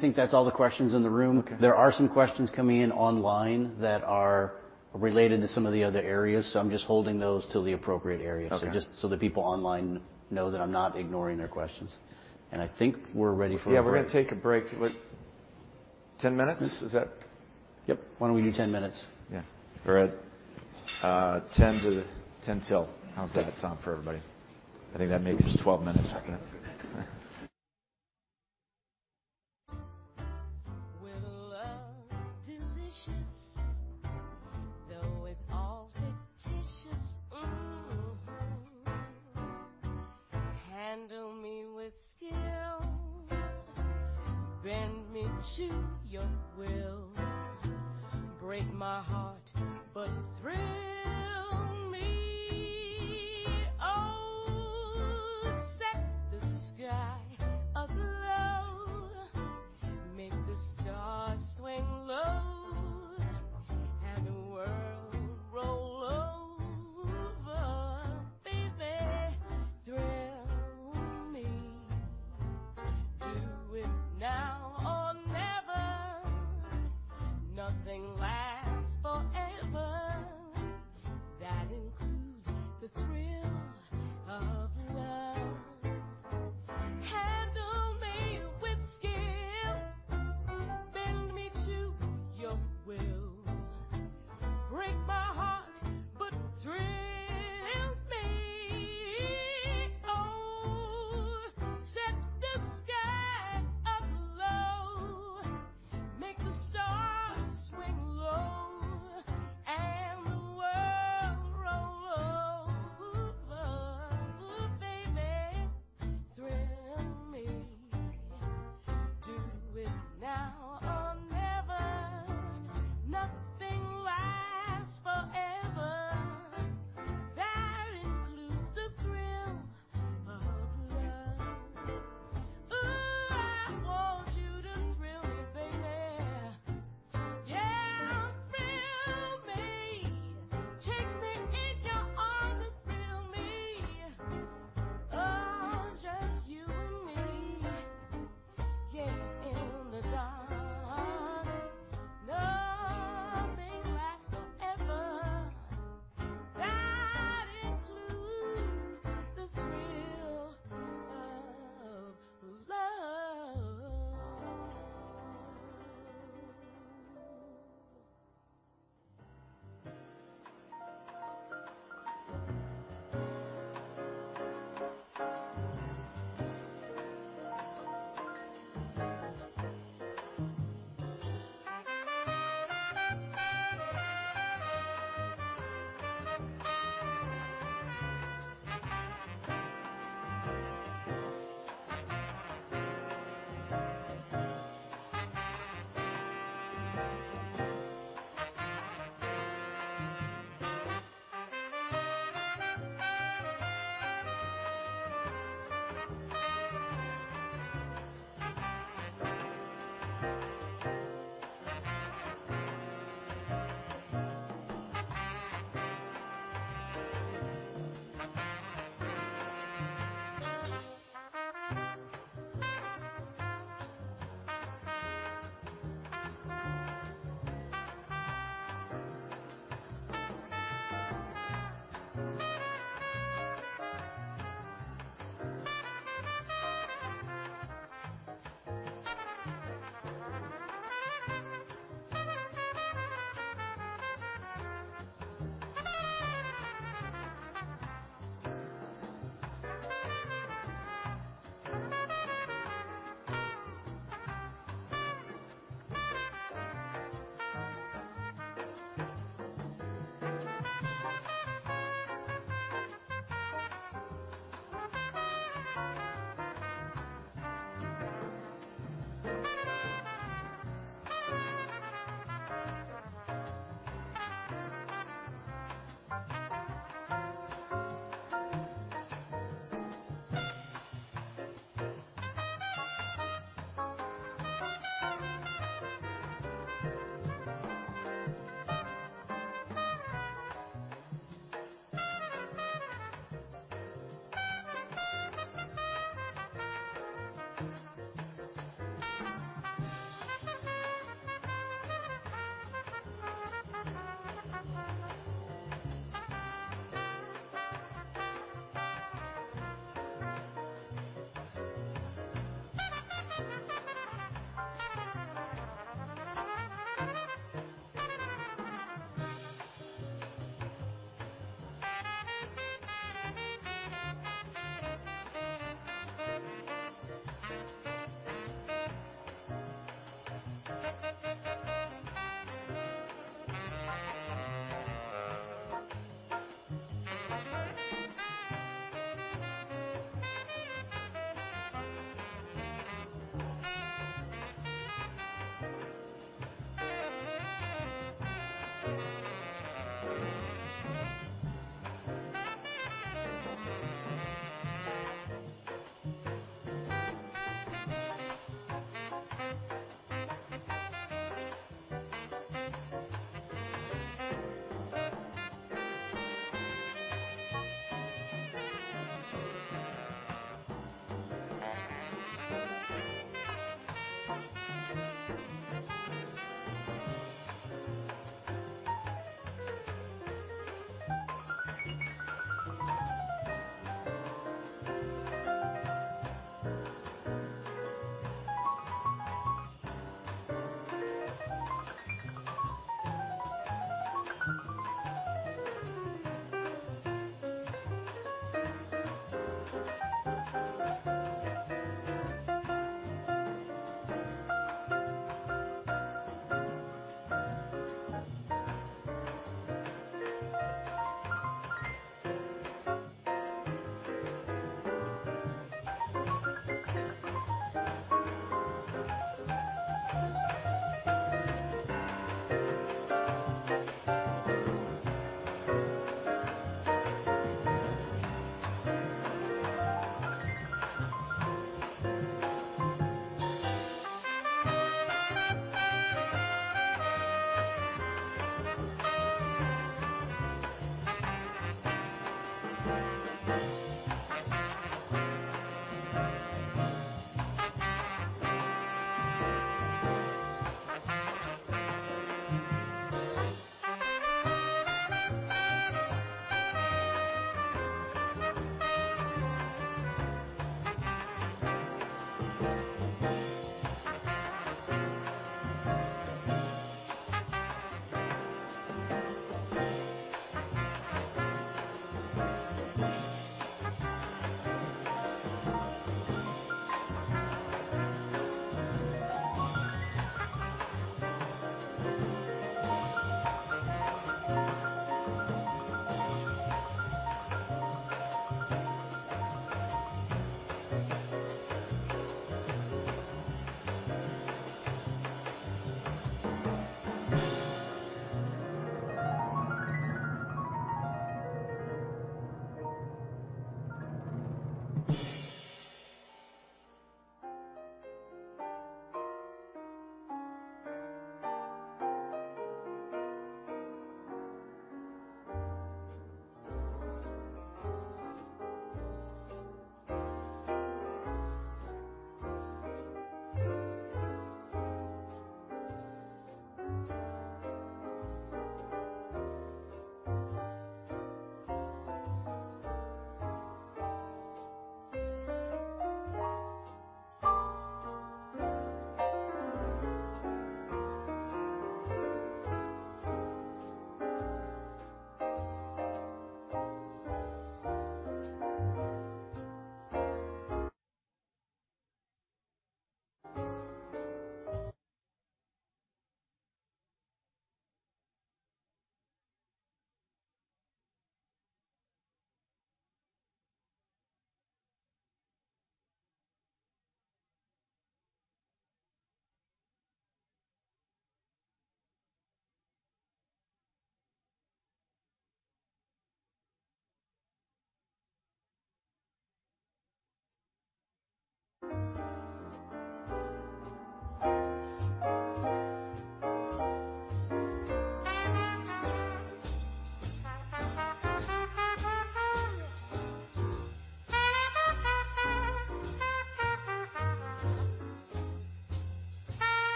think that's all the questions in the room. Okay. There are some questions coming in online that are related to some of the other areas, so I'm just holding those till the appropriate areas. Okay. Just so the people online know that I'm not ignoring their questions. I think we're ready for a break. Yeah, we're gonna take a break. What, 10 minutes? Is that? Yep. Why don't we do 10 minutes? Yeah. All right. 10 till. How does that sound for everybody? I think that makes it 12 minutes.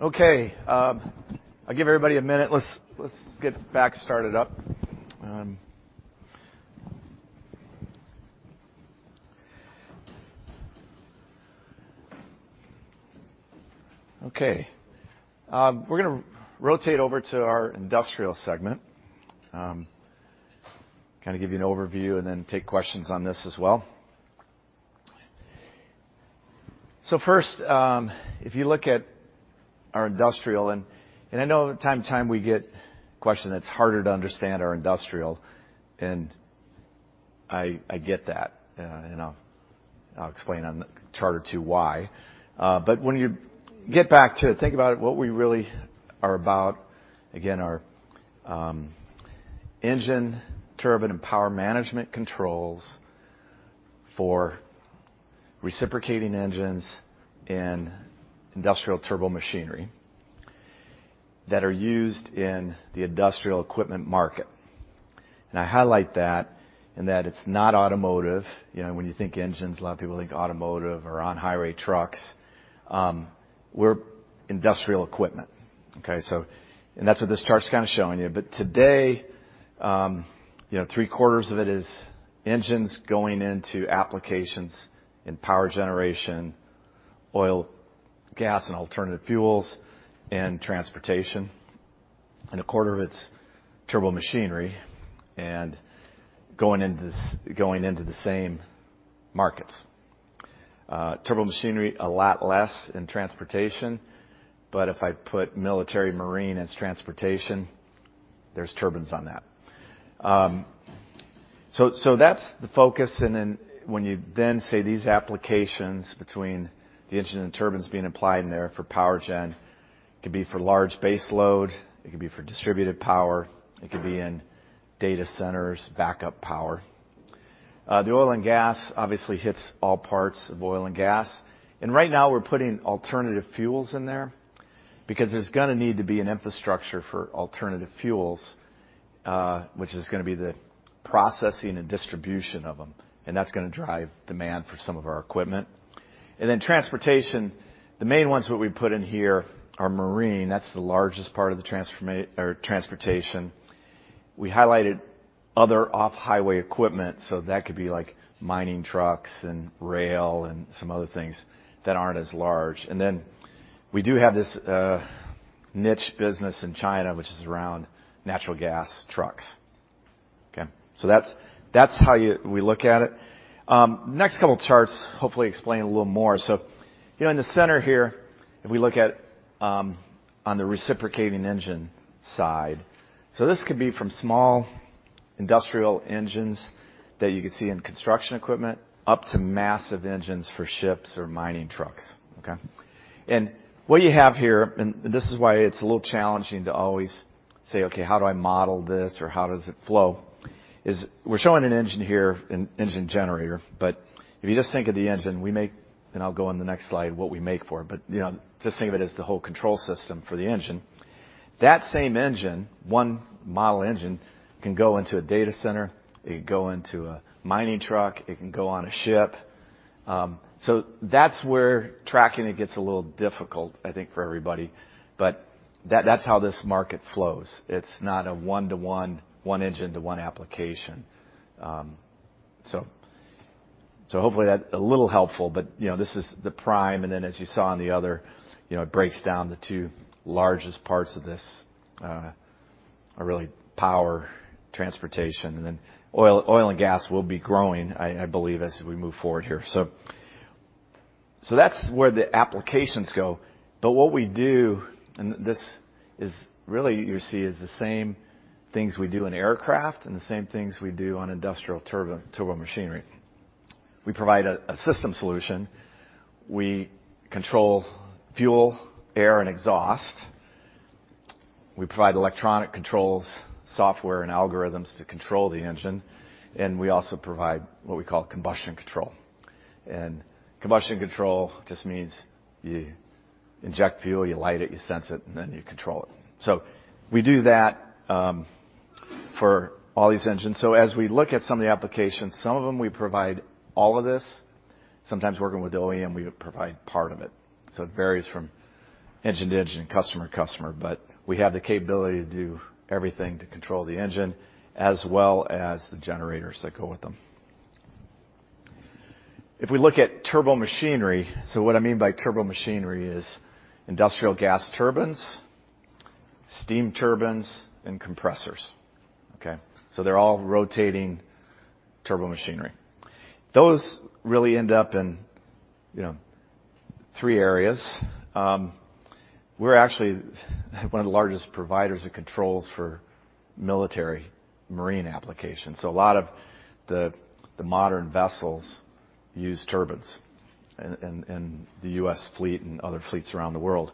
Okay, I'll give everybody a minute. Let's get back started up. Okay. We're gonna rotate over to our Industrial segment, kind of give you an overview and then take questions on this as well. First, if you look at our Industrial, and I know that from time to time we get questions that's harder to understand our Industrial, and I get that. And I'll explain on the Chart 2 why. But when you get back to it, think about it, what we really are about, again, are engine turbine and power management controls for reciprocating engines and industrial turbo machinery that are used in the industrial equipment market. I highlight that in that it's not automotive. You know, when you think engines, a lot of people think automotive or on-highway trucks. We're industrial equipment, okay? That's what this chart's kinda showing you. Today, you know, 3/4 of it is engines going into applications in power generation, oil, gas, and alternative fuels, and transportation, and a quarter of it's turbo machinery and going into the same markets. Turbo machinery, a lot less in transportation, but if I put military marine as transportation, there's turbines on that. That's the focus, and then when you then say these applications between the engine and turbines being applied in there for power gen, it could be for large base load, it could be for distributive power, it could be in data centers, backup power. The oil and gas obviously hits all parts of oil and gas. Right now we're putting alternative fuels in there because there's gonna need to be an infrastructure for alternative fuels, which is gonna be the processing and distribution of them, and that's gonna drive demand for some of our equipment. Then transportation, the main ones what we put in here are marine. That's the largest part of transportation. We highlighted other off-highway equipment, so that could be like mining trucks and rail and some other things that aren't as large. Then we do have this niche business in China, which is around natural gas trucks. Okay? That's how we look at it. Next couple charts hopefully explain a little more. You know, in the center here, if we look at on the reciprocating engine side. This could be from small industrial engines that you could see in construction equipment, up to massive engines for ships or mining trucks, okay? What you have here, and this is why it's a little challenging to always say, "Okay, how do I model this?" or "How does it flow?" is we're showing an engine here, an engine generator. If you just think of the engine, we make and I'll go on the next slide, what we make for it. You know, just think of it as the whole control system for the engine. That same engine, one model engine, can go into a data center, it can go into a mining truck, it can go on a ship. That's where tracking it gets a little difficult, I think, for everybody. That's how this market flows. It's not a one-to-one, one engine to one application. Hopefully that's a little helpful, but you know, this is the prime, and then as you saw on the other, you know, it breaks down the two largest parts of this are really power and transportation. Oil and gas will be growing, I believe, as we move forward here. That's where the applications go. What we do, and this is really you see is the same things we do in aircraft and the same things we do on industrial turbomachinery. We provide a system solution. We control fuel, air, and exhaust. We provide electronic controls, software, and algorithms to control the engine, and we also provide what we call combustion control. Combustion control just means you inject fuel, you light it, you sense it, and then you control it. We do that for all these engines. As we look at some of the applications, some of them we provide all of this. Sometimes working with OEM, we provide part of it. It varies from engine to engine, customer to customer. We have the capability to do everything to control the engine as well as the generators that go with them. If we look at turbomachinery, what I mean by turbomachinery is industrial gas turbines, steam turbines, and compressors. Okay. They're all rotating turbomachinery. Those really end up in, you know, three areas. We're actually one of the largest providers of controls for military marine applications. A lot of the modern vessels use turbines in the U.S. fleet and other fleets around the world.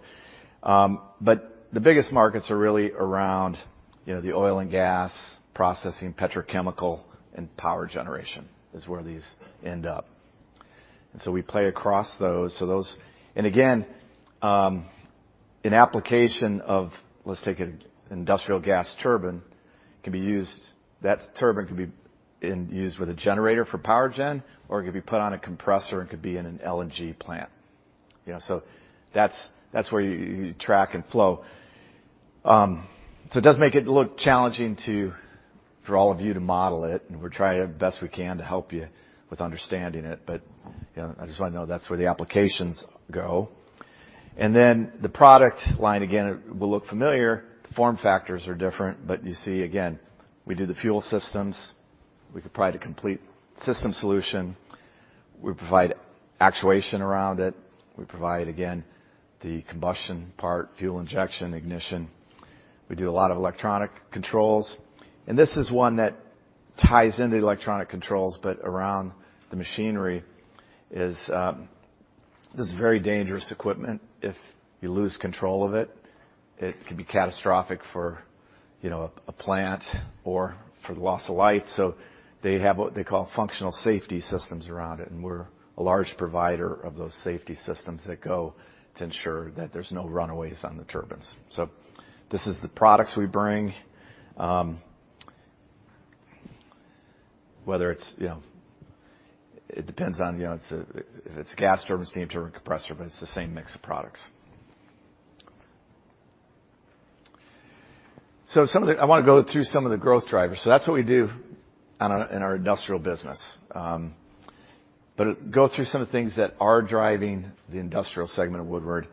The biggest markets are really around, you know, the oil and gas processing, petrochemical, and power generation is where these end up. We play across those. Again, an application of, let's take an industrial gas turbine. That turbine can be in use with a generator for power gen, or it could be put on a compressor and could be in an LNG plant. You know, that's where you track and flow. It does make it look challenging for all of you to model it, and we're trying the best we can to help you with understanding it. You know, I just want you to know that's where the applications go. Then the product line again will look familiar. The form factors are different, but you see again, we do the fuel systems. We provide a complete system solution. We provide actuation around it. We provide, again, the combustion part, fuel injection, ignition. We do a lot of electronic controls, and this is one that ties into the electronic controls, but around the machinery is, this is very dangerous equipment. If you lose control of it could be catastrophic for, you know, a plant or for the loss of life. So they have what they call functional safety systems around it, and we're a large provider of those safety systems that go to ensure that there's no runaways on the turbines. So this is the products we bring, whether it's, you know. It depends on, you know, it's a, if it's a gas turbine, steam turbine, compressor, but it's the same mix of products. I wanna go through some of the growth drivers. That's what we do in our Industrial business. Go through some of the things that are driving the industrial segment of Woodward.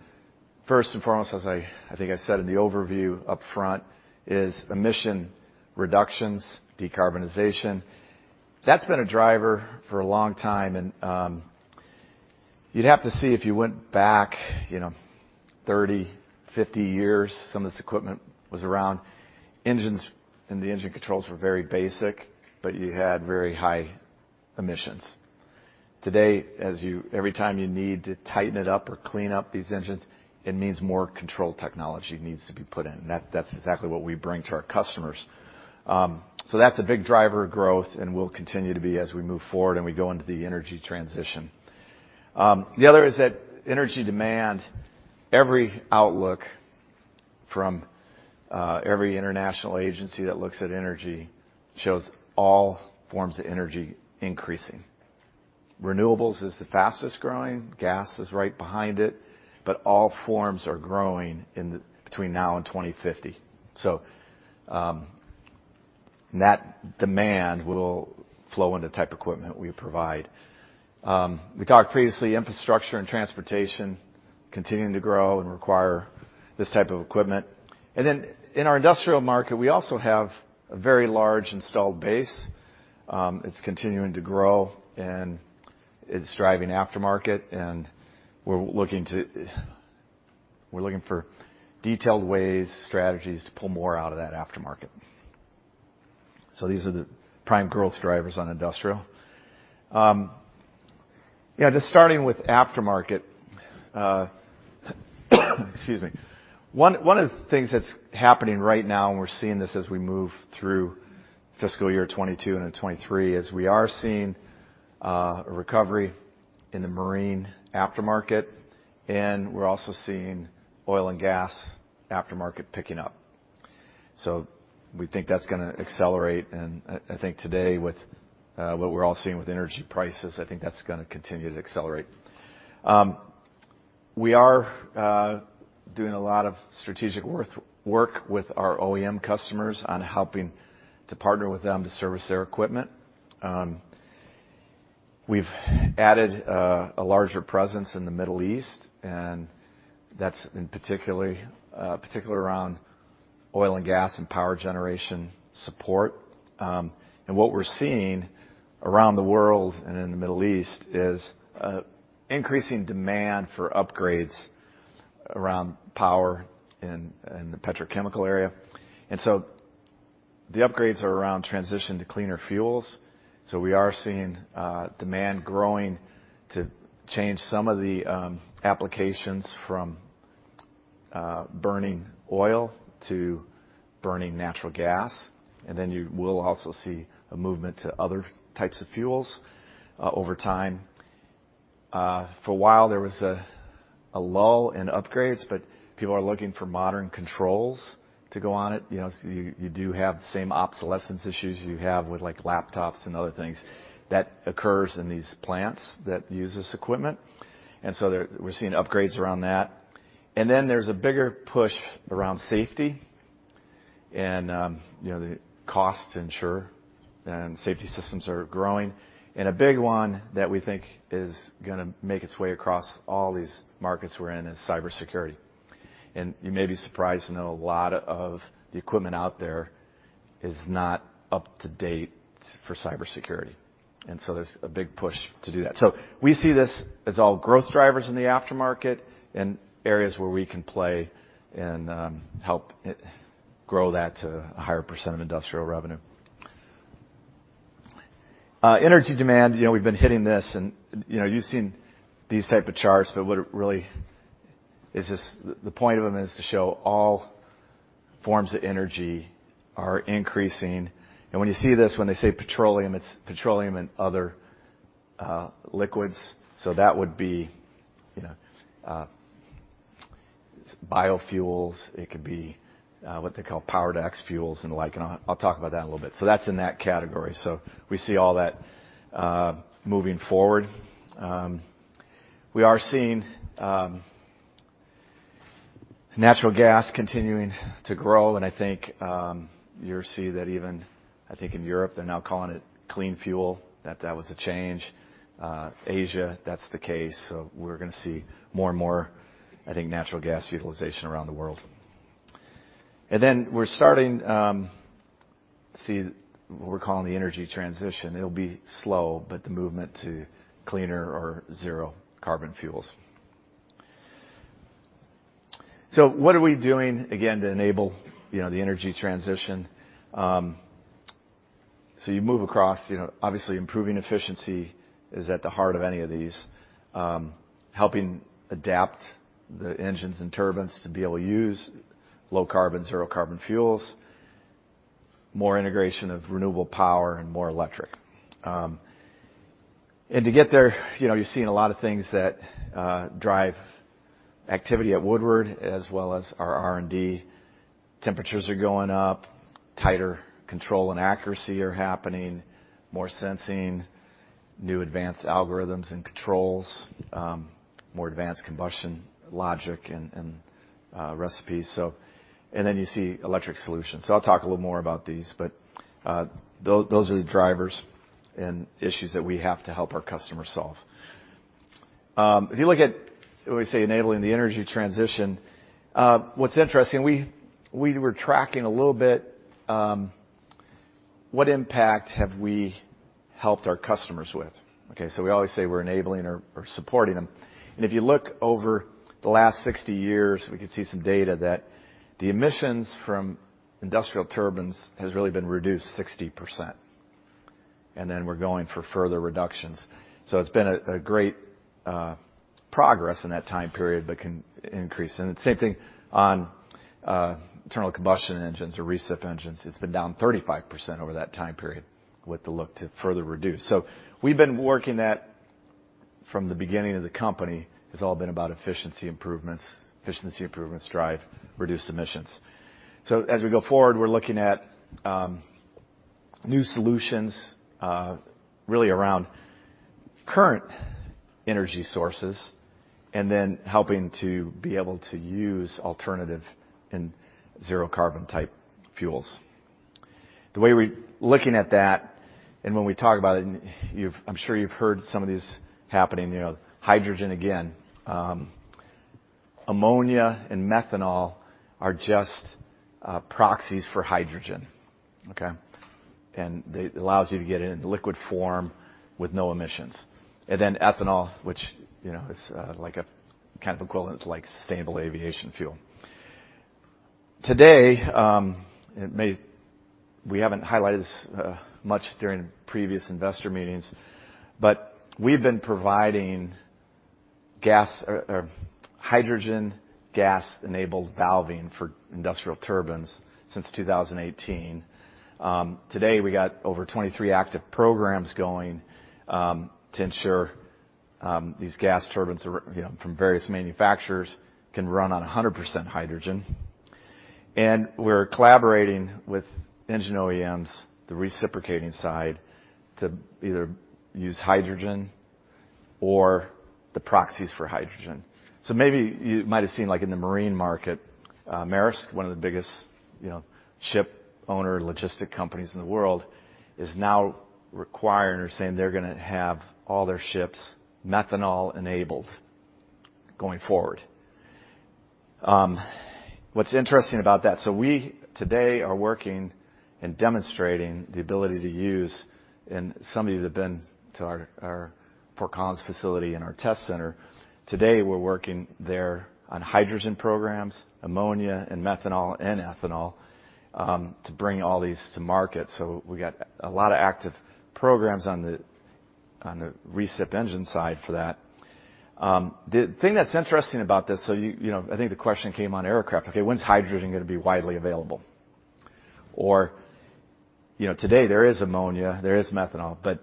First and foremost, as I think I said in the overview up front, is emission reductions, decarbonization. That's been a driver for a long time and, you'd have to see if you went back, you know, 30, 50 years, some of this equipment was around. Engines and the engine controls were very basic, but you had very high emissions. Today, every time you need to tighten it up or clean up these engines, it means more control technology needs to be put in. That's exactly what we bring to our customers. That's a big driver of growth and will continue to be as we move forward and we go into the energy transition. The other is that energy demand, every outlook from every international agency that looks at energy shows all forms of energy increasing. Renewables is the fastest-growing, gas is right behind it, but all forms are growing between now and 2050. That demand will flow into the type of equipment we provide. We talked previously about infrastructure and transportation continuing to grow and require this type of equipment. Then in our Industrial market, we also have a very large installed base, it's continuing to grow, and it's driving aftermarket, and we're looking for detailed ways, strategies to pull more out of that aftermarket. These are the prime growth drivers on Industrial. Yeah, just starting with aftermarket, excuse me. One of the things that's happening right now, and we're seeing this as we move through fiscal year 2022 and in 2023, is we are seeing a recovery in the marine aftermarket, and we're also seeing oil and gas aftermarket picking up. We think that's gonna accelerate, and I think today, with what we're all seeing with energy prices, I think that's gonna continue to accelerate. We are doing a lot of strategic work with our OEM customers on helping to partner with them to service their equipment. We've added a larger presence in the Middle East, and that's in particular around oil and gas and power generation support. What we're seeing around the world and in the Middle East is increasing demand for upgrades around power and the petrochemical area. The upgrades are around transition to cleaner fuels, so we are seeing demand growing to change some of the applications from burning oil to burning natural gas. You will also see a movement to other types of fuels over time. For a while, there was a lull in upgrades, but people are looking for modern controls to go on it. You know, you do have the same obsolescence issues you have with, like, laptops and other things. That occurs in these plants that use this equipment, and so we're seeing upgrades around that. Then there's a bigger push around safety and, you know, the costs to insure, and safety systems are growing. A big one that we think is gonna make its way across all these markets we're in is cybersecurity. You may be surprised to know a lot of the equipment out there is not up to date for cybersecurity, and so there's a big push to do that. We see this as all growth drivers in the aftermarket and areas where we can play and, help it grow that to a higher percent of industrial revenue. Energy demand, you know, we've been hitting this and, you know, you've seen these type of charts, but what it really is just the point of them is to show all forms of energy are increasing. When you see this, when they say petroleum, it's petroleum and other liquids, so that would be, you know, biofuels. It could be what they call Power-to-X fuels and the like. I'll talk about that in a little bit. That's in that category. We see all that moving forward. We are seeing natural gas continuing to grow, and I think you're seeing that even, I think, in Europe. They're now calling it clean fuel. That was a change. Asia, that's the case. We're gonna see more and more, I think natural gas utilization around the world. We're starting to see what we're calling the energy transition. It'll be slow, but the movement to cleaner or zero carbon fuels. What are we doing, again, to enable, you know, the energy transition? You move across, you know, obviously improving efficiency is at the heart of any of these. Helping adapt the engines and turbines to be able to use low carbon, zero carbon fuels. More integration of renewable power and more electric. To get there, you know, you're seeing a lot of things that drive activity at Woodward as well as our R&D. Temperatures are going up, tighter control and accuracy are happening, more sensing, new advanced algorithms and controls, more advanced combustion logic and recipes. Then you see electric solutions. I'll talk a little more about these, but those are the drivers and issues that we have to help our customers solve. If you look at, we say enabling the energy transition, what's interesting, we were tracking a little bit, what impact have we helped our customers with, okay? We always say we're enabling or supporting them. If you look over the last 60 years, we could see some data that the emissions from industrial turbines has really been reduced 60%, and then we're going for further reductions. It's been a great progress in that time period, but can increase. The same thing on internal combustion engines or recip engines. It's been down 35% over that time period with the look to further reduce. We've been working that from the beginning of the company. It's all been about efficiency improvements. Efficiency improvements drive reduced emissions. As we go forward, we're looking at new solutions really around current energy sources and then helping to be able to use alternative and zero carbon type fuels. The way we're looking at that, and when we talk about it, I'm sure you've heard some of these happening, you know, hydrogen again. Ammonia and methanol are just proxies for hydrogen, okay? They allows you to get it in liquid form with no emissions. Then ethanol, which, you know, is like a kind of equivalent to like sustainable aviation fuel. Today, we haven't highlighted this much during previous investor meetings, but we've been providing gas or hydrogen gas-enabled valving for industrial turbines since 2018. Today, we got over 23 active programs going to ensure these gas turbines are, you know, from various manufacturers, can run on 100% hydrogen. We're collaborating with engine OEMs, the reciprocating side, to either use hydrogen or the proxies for hydrogen. Maybe you might have seen like in the marine market, Maersk, one of the biggest, you know, ship owner logistic companies in the world, is now requiring or saying they're gonna have all their ships methanol-enabled going forward. What's interesting about that. We today are working and demonstrating the ability to use. Some of you that have been to our Fort Collins facility and our test center, today we're working there on hydrogen programs, ammonia and methanol and ethanol to bring all these to market. We got a lot of active programs on the recip engine side for that. The thing that's interesting about this, you know, I think the question came on aircraft. Okay, when is hydrogen gonna be widely available? Or, you know, today there is ammonia, there is methanol, but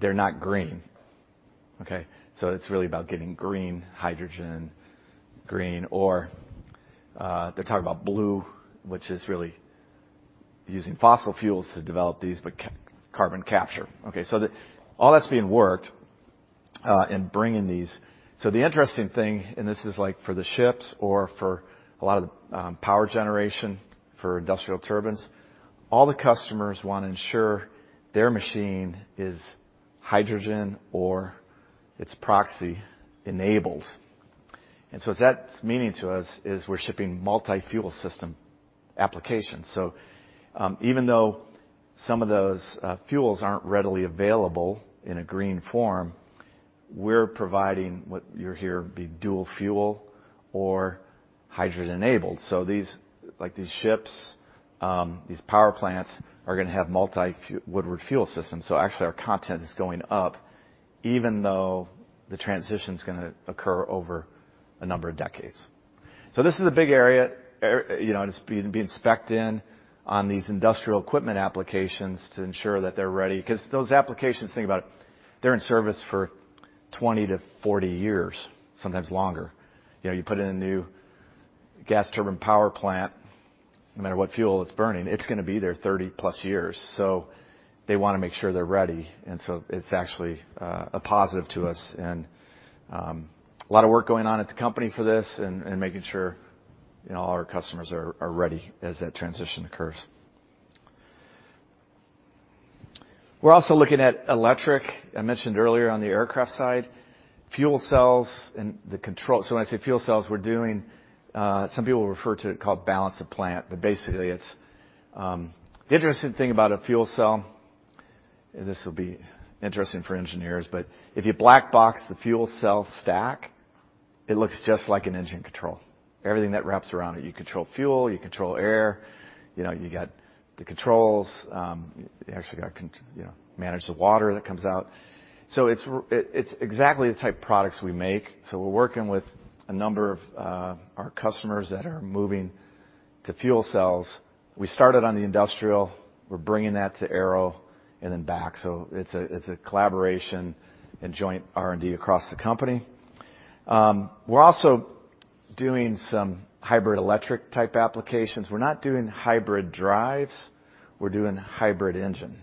they're not green, okay? It's really about getting green hydrogen, green or, they're talking about blue, which is really using fossil fuels to develop these, but carbon capture, okay. All that's being worked on and bringing these. The interesting thing, and this is like for the ships or for a lot of power generation for industrial turbines, all the customers wanna ensure their machine is hydrogen or its proxy enables. That means to us we're shipping multi-fuel system applications. Even though some of those fuels aren't readily available in a green form, we're providing what you'll hear be dual fuel or hydrogen-enabled. These, like these ships, these power plants are gonna have multi-fuel Woodward fuel systems. Actually our content is going up even though the transition's gonna occur over a number of decades. This is a big area, you know, it's being spec'd in on these industrial equipment applications to ensure that they're ready, 'cause those applications, think about it, they're in service for 20-40 years, sometimes longer. You know, you put in a new gas turbine power plant, no matter what fuel it's burning, it's gonna be there 30+ years. They wanna make sure they're ready. It's actually a positive to us. A lot of work going on at the company for this and making sure all our customers are ready as that transition occurs. We're also looking at electric. I mentioned earlier on the aircraft side, fuel cells and the control. When I say fuel cells, we're doing some people refer to it called balance of plant. Basically, it's the interesting thing about a fuel cell, this will be interesting for engineers, but if you black box the fuel cell stack, it looks just like an engine control. Everything that wraps around it, you control fuel, you control air, you know, you got the controls, you actually, you know, manage the water that comes out. It's exactly the type of products we make. We're working with a number of our customers that are moving to fuel cells. We started on the industrial, we're bringing that to aero and then back. It's a collaboration and joint R&D across the company. We're also doing some hybrid electric-type applications. We're not doing hybrid drives, we're doing hybrid engine.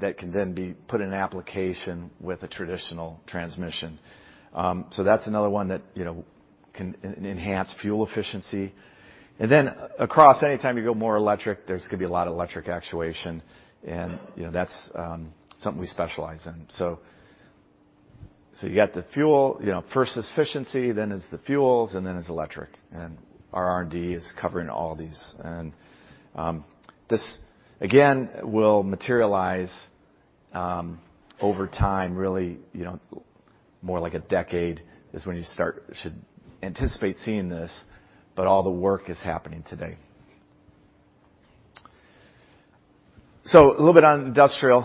That can then be put in an application with a traditional transmission. That's another one that, you know, can enhance fuel efficiency. Across any time you go more electric, there's gonna be a lot of electric actuation and, you know, that's something we specialize in. You got the fuel, you know, first is efficiency, then it's the fuels, and then it's electric. Our R&D is covering all of these. This again will materialize over time, really, you know, more like a decade is when you should anticipate seeing this, but all the work is happening today. A little bit on industrial.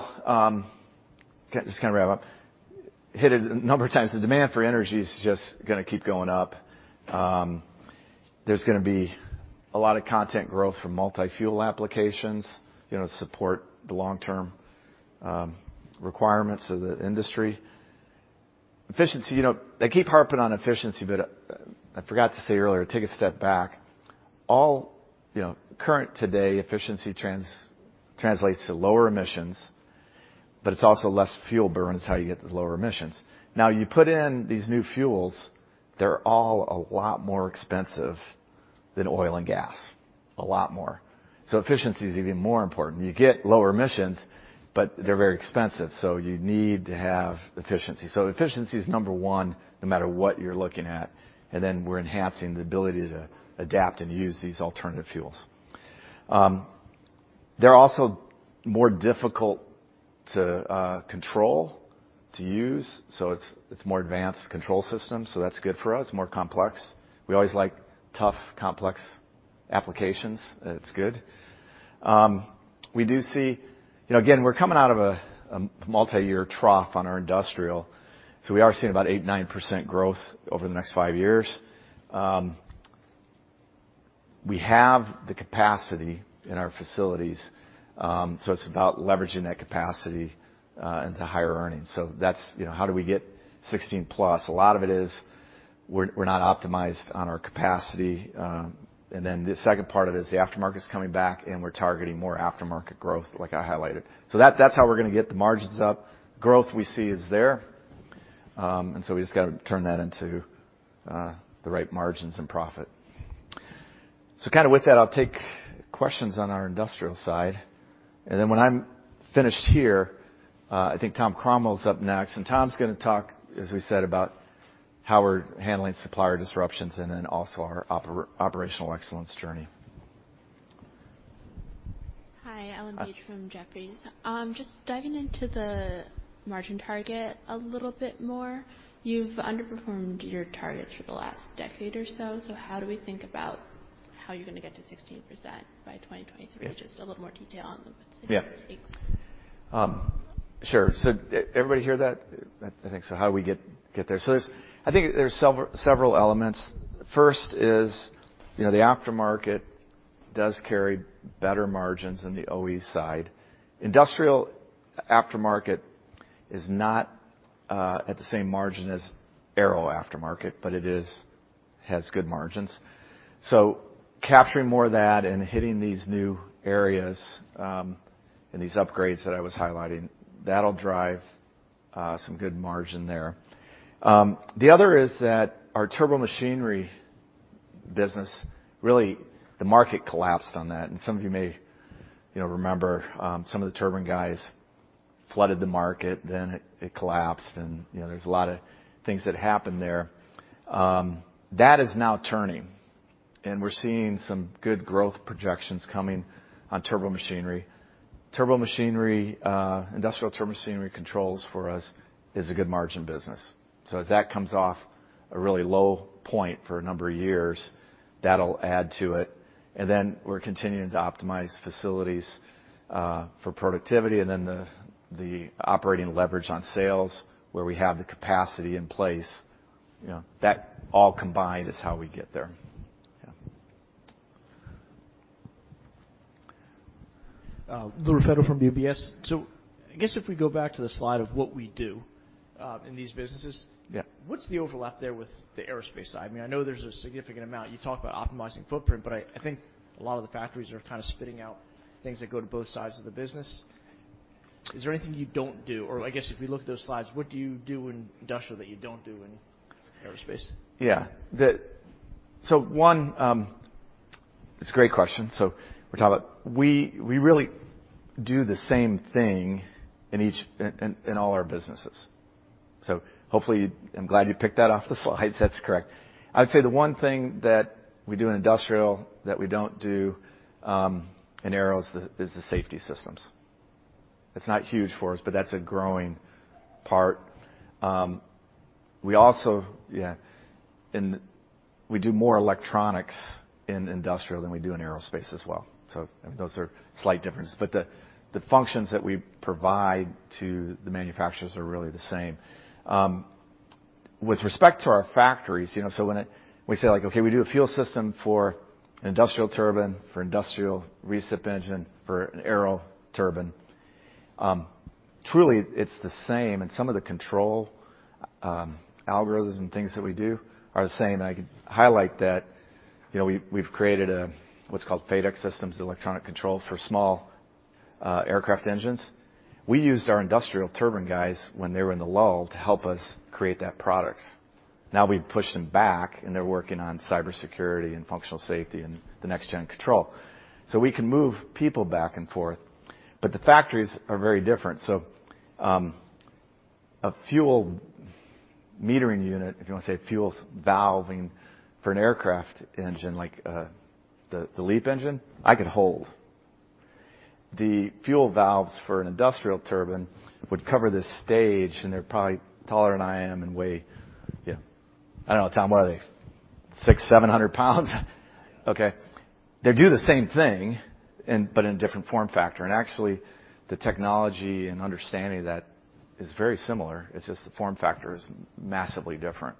Just kinda wrap up. Hit it a number of times. The demand for energy is just gonna keep going up. There's gonna be a lot of content growth from multi-fuel applications, you know, to support the long-term requirements of the industry. Efficiency, you know, I keep harping on efficiency, but I forgot to say earlier, take a step back. All, you know, current today efficiency translates to lower emissions, but it's also less fuel burn is how you get the lower emissions. Now, you put in these new fuels, they're all a lot more expensive than oil and gas, a lot more. Efficiency is even more important. You get lower emissions, but they're very expensive, so you need to have efficiency. Efficiency is number one, no matter what you're looking at, and then we're enhancing the ability to adapt and use these alternative fuels. They're also more difficult to control to use, so it's more advanced control systems, so that's good for us, more complex. We always like tough, complex applications, it's good. We do see. You know, again, we're coming out of a multi-year trough on our Industrial, so we are seeing about 8%-9% growth over the next five years. We have the capacity in our facilities, so it's about leveraging that capacity into higher earnings. That's, you know, how do we get 16+? A lot of it is we're not optimized on our capacity. The second part of it is the aftermarket's coming back, and we're targeting more aftermarket growth like I highlighted. That, that's how we're gonna get the margins up. Growth we see is there, we just gotta turn that into the right margins and profit. Kinda with that, I'll take questions on our industrial side. When I'm finished here, I think Tom Cromwell is up next. Tom's gonna talk, as we said, about how we're handling supplier disruptions and then also our operational excellence journey. Hi. Sheila from Jefferies. Just diving into the margin target a little bit more. You've underperformed your targets for the last decade or so how do we think about how you're gonna get to 16% by 2023? Just a little more detail on the specifics. Yeah. Thanks. Sure. Everybody hear that? I think so. How do we get there? I think there's several elements. First, you know, the aftermarket does carry better margins in the OE side. Industrial aftermarket is not at the same margin as Aero aftermarket, but it has good margins. Capturing more of that and hitting these new areas and these upgrades that I was highlighting, that'll drive some good margin there. The other is that our Turbo Machinery business, really, the market collapsed on that. Some of you may, you know, remember some of the turbine guys flooded the market, then it collapsed, and, you know, there's a lot of things that happened there. That is now turning, and we're seeing some good growth projections coming on Turbo Machinery. Turbo Machinery, industrial Turbo Machinery controls for us is a good margin business. As that comes off a really low point for a number of years, that'll add to it. We're continuing to optimize facilities, for productivity and then the operating leverage on sales where we have the capacity in place. You know, that all combined is how we get there. Yeah. Louis Raffetto from UBS. I guess if we go back to the slide of what we do in these businesses. Yeah. What's the overlap there with the aerospace side? I mean, I know there's a significant amount. You talk about optimizing footprint, but I think a lot of the factories are kinda spitting out things that go to both sides of the business. Is there anything you don't do? Or I guess if we look at those slides, what do you do in industrial that you don't do in aerospace? Yeah. It's a great question. We really do the same thing in all our businesses. I'm glad you picked that off the slides. That's correct. I'd say the one thing that we do in Industrial that we don't do in Aero is the safety systems. It's not huge for us, but that's a growing part. We do more electronics in Industrial than we do in aerospace as well. Those are slight differences. The functions that we provide to the manufacturers are really the same. With respect to our factories, you know, we say, like, okay, we do a fuel system for an industrial turbine, for industrial recip engine, for an aero turbine, truly it's the same, and some of the control, algorithms and things that we do are the same. I can highlight that. You know, we've created what's called FADEC systems, electronic control for small, aircraft engines. We used our industrial turbine guys when they were in the lull to help us create that product. Now we've pushed them back, and they're working on cybersecurity and functional safety and the next-gen control. We can move people back and forth, but the factories are very different. A fuel metering unit, if you wanna say fuel valving for an aircraft engine like, the LEAP engine, I could hold. The fuel valves for an industrial turbine would cover this stage, and they're probably taller than I am and weigh, you know. I don't know, Tom, what are they? 600-700 lbs. Okay. They do the same thing, but in different form factor. Actually, the technology and understanding of that is very similar. It's just the form factor is massively different.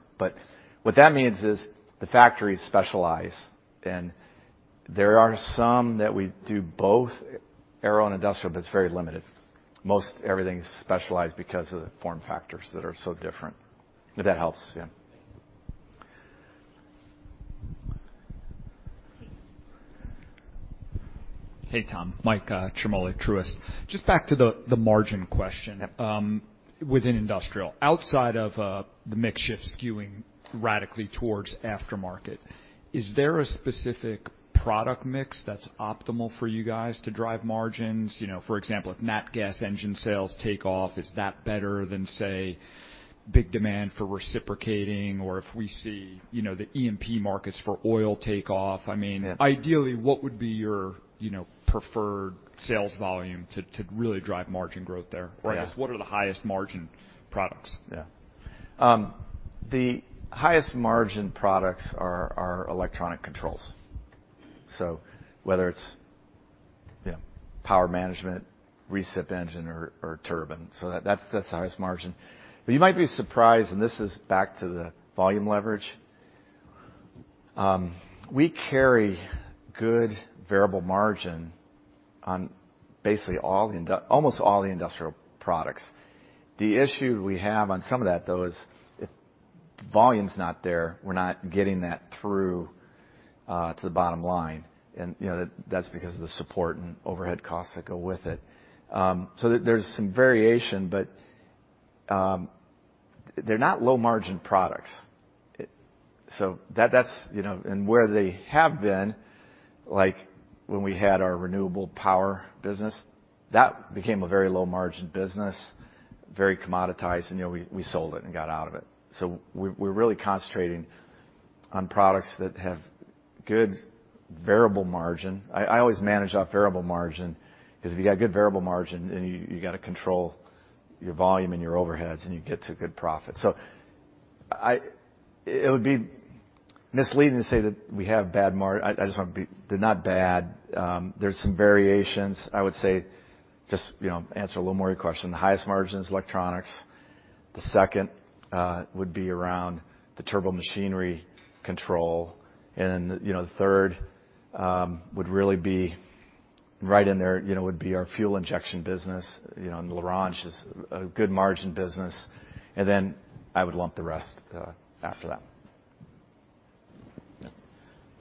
What that means is the factories specialize, and there are some that we do both aero and industrial, but it's very limited. Most everything's specialized because of the form factors that are so different. If that helps, yeah. Hey, Tom. Mike Ciarmoli, Truist. Just back to the margin question- Yep. Within industrial. Outside of the mix shift skewing radically towards aftermarket, is there a specific product mix that's optimal for you guys to drive margins? You know, for example, if nat gas engine sales take off, is that better than, say, big demand for reciprocating? Or if we see, you know, the E&P markets for oil take off, I mean- Yeah. Ideally, what would be your, you know, preferred sales volume to really drive margin growth there? Yeah. I guess what are the highest margin products? Yeah. The highest margin products are electronic controls. So whether it's, you know, power management, recip engine or turbine. So that's the highest margin. But you might be surprised, and this is back to the volume leverage, we carry good variable margin on basically almost all the industrial products. The issue we have on some of that, though, is if volume's not there, we're not getting that through to the bottom line. You know, that's because of the support and overhead costs that go with it. So there's some variation, but they're not low-margin products. So that's, you know. Where they have been, like when we had our renewable power business, that became a very low-margin business, very commoditized, and, you know, we sold it and got out of it. We're really concentrating on products that have good variable margin. I always manage off variable margin, 'cause if you've got good variable margin, then you gotta control your volume and your overheads, and you get to good profit. It would be misleading to say that we have bad margins. They're not bad. There are some variations. I would say, you know, answer a little more of your question. The highest margin is electronics. The second would be around the turbomachinery control. The third would really be right in there, would be our fuel injection business. L'Orange is a good margin business. Then I would lump the rest after that.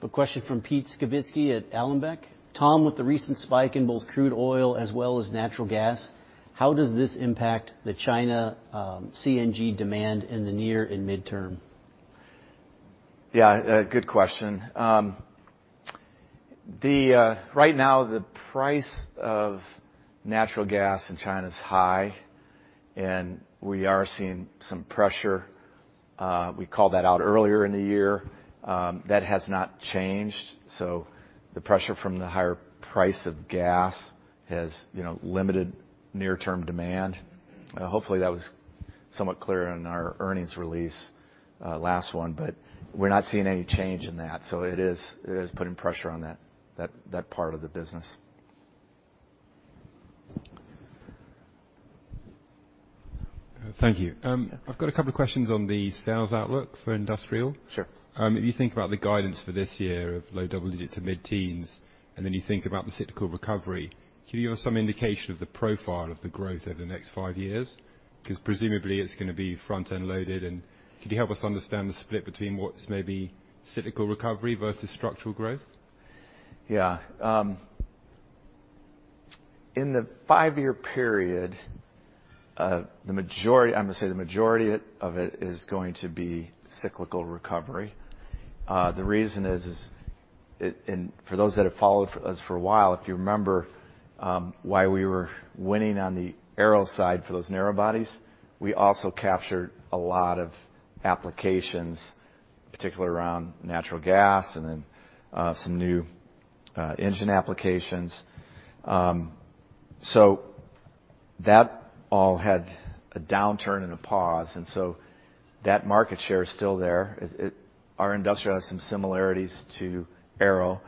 A question from Pete Skibitski at Alembic. Tom, with the recent spike in both crude oil as well as natural gas, how does this impact the China CNG demand in the near and midterm? Yeah, good question. Right now the price of natural gas in China is high, and we are seeing some pressure. We called that out earlier in the year. That has not changed. The pressure from the higher price of gas has, you know, limited near-term demand. Hopefully, that was somewhat clear in our earnings release, last one, but we're not seeing any change in that. It is putting pressure on that part of the business. Thank you. I've got a couple of questions on the sales outlook for industrial. Sure. If you think about the guidance for this year of low double digits to mid-teens, and then you think about the cyclical recovery, can you give us some indication of the profile of the growth over the next five years? 'Cause presumably it's gonna be front-end loaded. Could you help us understand the split between what's maybe cyclical recovery versus structural growth? Yeah. In the five-year period, the majority, I'm gonna say the majority of it is going to be cyclical recovery. The reason is, and for those that have followed us for a while, if you remember, why we were winning on the aero side for those narrow bodies, we also captured a lot of applications, particularly around natural gas and then, some new, engine applications. So that all had a downturn and a pause, and so that market share is still there. It, our Industrial has some similarities to Aero.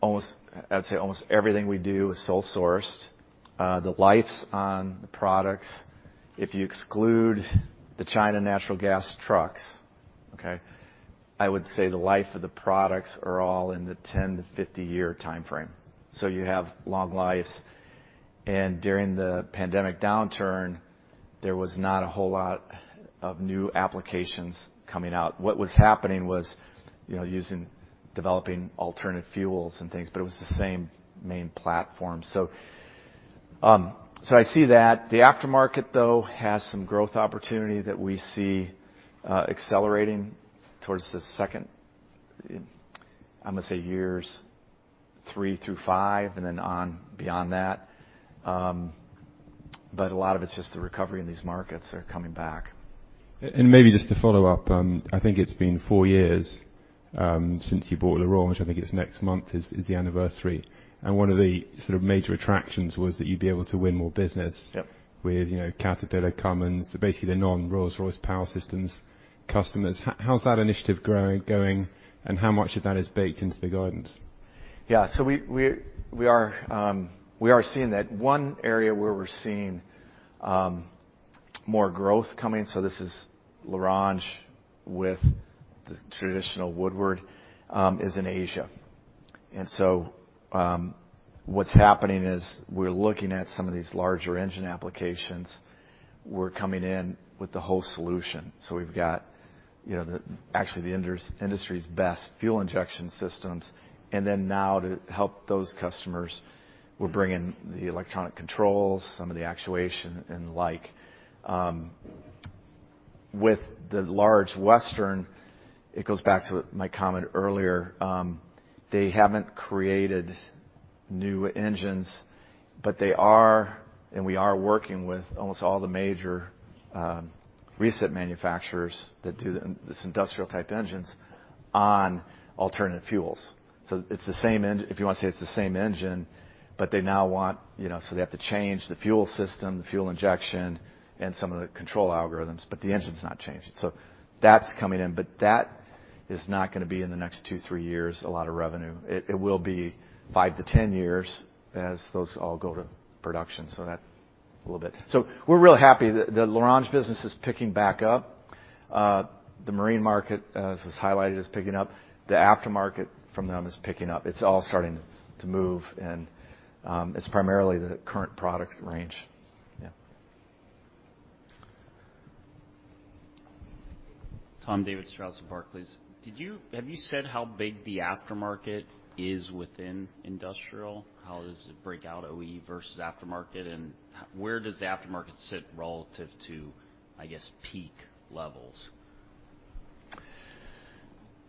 Almost, I'd say everything we do is sole sourced. The life's on the products, if you exclude the China natural gas trucks, okay? I would say the life of the products are all in the 10-50-year timeframe. You have long lives. During the pandemic downturn, there was not a whole lot of new applications coming out. What was happening was, you know, using, developing alternative fuels and things, but it was the same main platform. I see that. The aftermarket, though, has some growth opportunity that we see accelerating towards the second, I'm gonna say years three through five and then on beyond that. A lot of it's just the recovery in these markets are coming back. Maybe just to follow up, I think it's been four years since you bought L'Orange, which I think next month is the anniversary. One of the sort of major attractions was that you'd be able to win more business- Yep. With you know, Caterpillar, Cummins, basically the non-Rolls-Royce Power Systems customers. How's that initiative going, and how much of that is baked into the guidance? We are seeing that one area where we're seeing more growth coming. This is L'Orange with the traditional Woodward is in Asia. What's happening is we're looking at some of these larger engine applications. We're coming in with the whole solution. We've got the industry's best fuel injection systems. And then now to help those customers, we're bringing the electronic controls, some of the actuation and like. With the large Western, it goes back to my comment earlier. They haven't created new engines, but they are, and we are working with almost all the major recent manufacturers that do this industrial type engines on alternative fuels. It's the same if you wanna say it's the same engine, but they now want, you know, so they have to change the fuel system, the fuel injection, and some of the control algorithms, but the engine's not changing. That's coming in, but that is not gonna be in the next two to three years a lot of revenue. It will be five-10 years as those all go to production. That's a little bit. We're real happy. The L'Orange business is picking back up. The marine market, as was highlighted, is picking up. The aftermarket from them is picking up. It's all starting to move, and it's primarily the current product range. Yeah. Tom, David Strauss from Barclays. Have you said how big the aftermarket is within industrial? How does it break out OE versus aftermarket, and where does the aftermarket sit relative to, I guess, peak levels?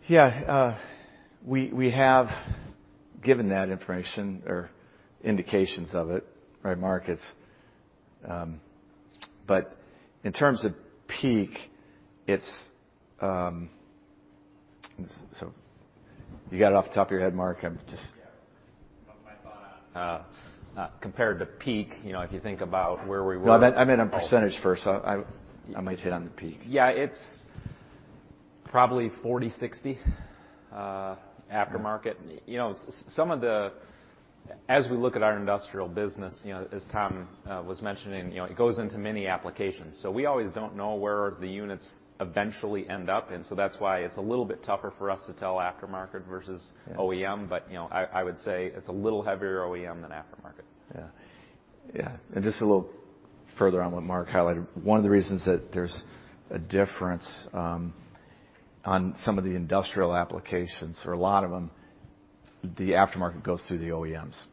Yeah. We have given that information or indications of it by markets. In terms of peak, it's. You got it off the top of your head, Mark? I'm just- Yeah. Off my bottom. Uh. Compared to peak, you know, if you think about where we were. No, I meant on percentage first. I might hit on the peak. Yeah. It's probably 40/60 aftermarket. You know, as we look at our industrial business, you know, as Tom was mentioning, you know, it goes into many applications. We always don't know where the units eventually end up. That's why it's a little bit tougher for us to tell aftermarket versus- Yeah. OEM, you know, I would say it's a little heavier OEM than aftermarket. Yeah. Yeah. Just a little further on what Mark highlighted, one of the reasons that there's a difference on some of the industrial applications or a lot of them, the aftermarket goes through the OEMs.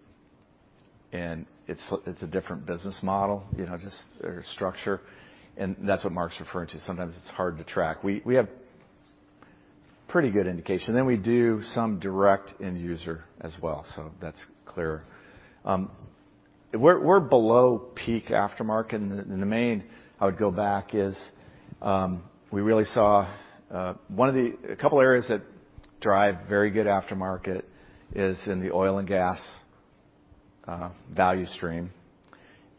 It's a different business model, you know, just or structure, and that's what Mark's referring to. Sometimes it's hard to track. We have pretty good indication. Then we do some direct end user as well, so that's clear. We're below peak aftermarket. In the main, I would go back is we really saw one of the. A couple areas that drive very good aftermarket is in the oil and gas value stream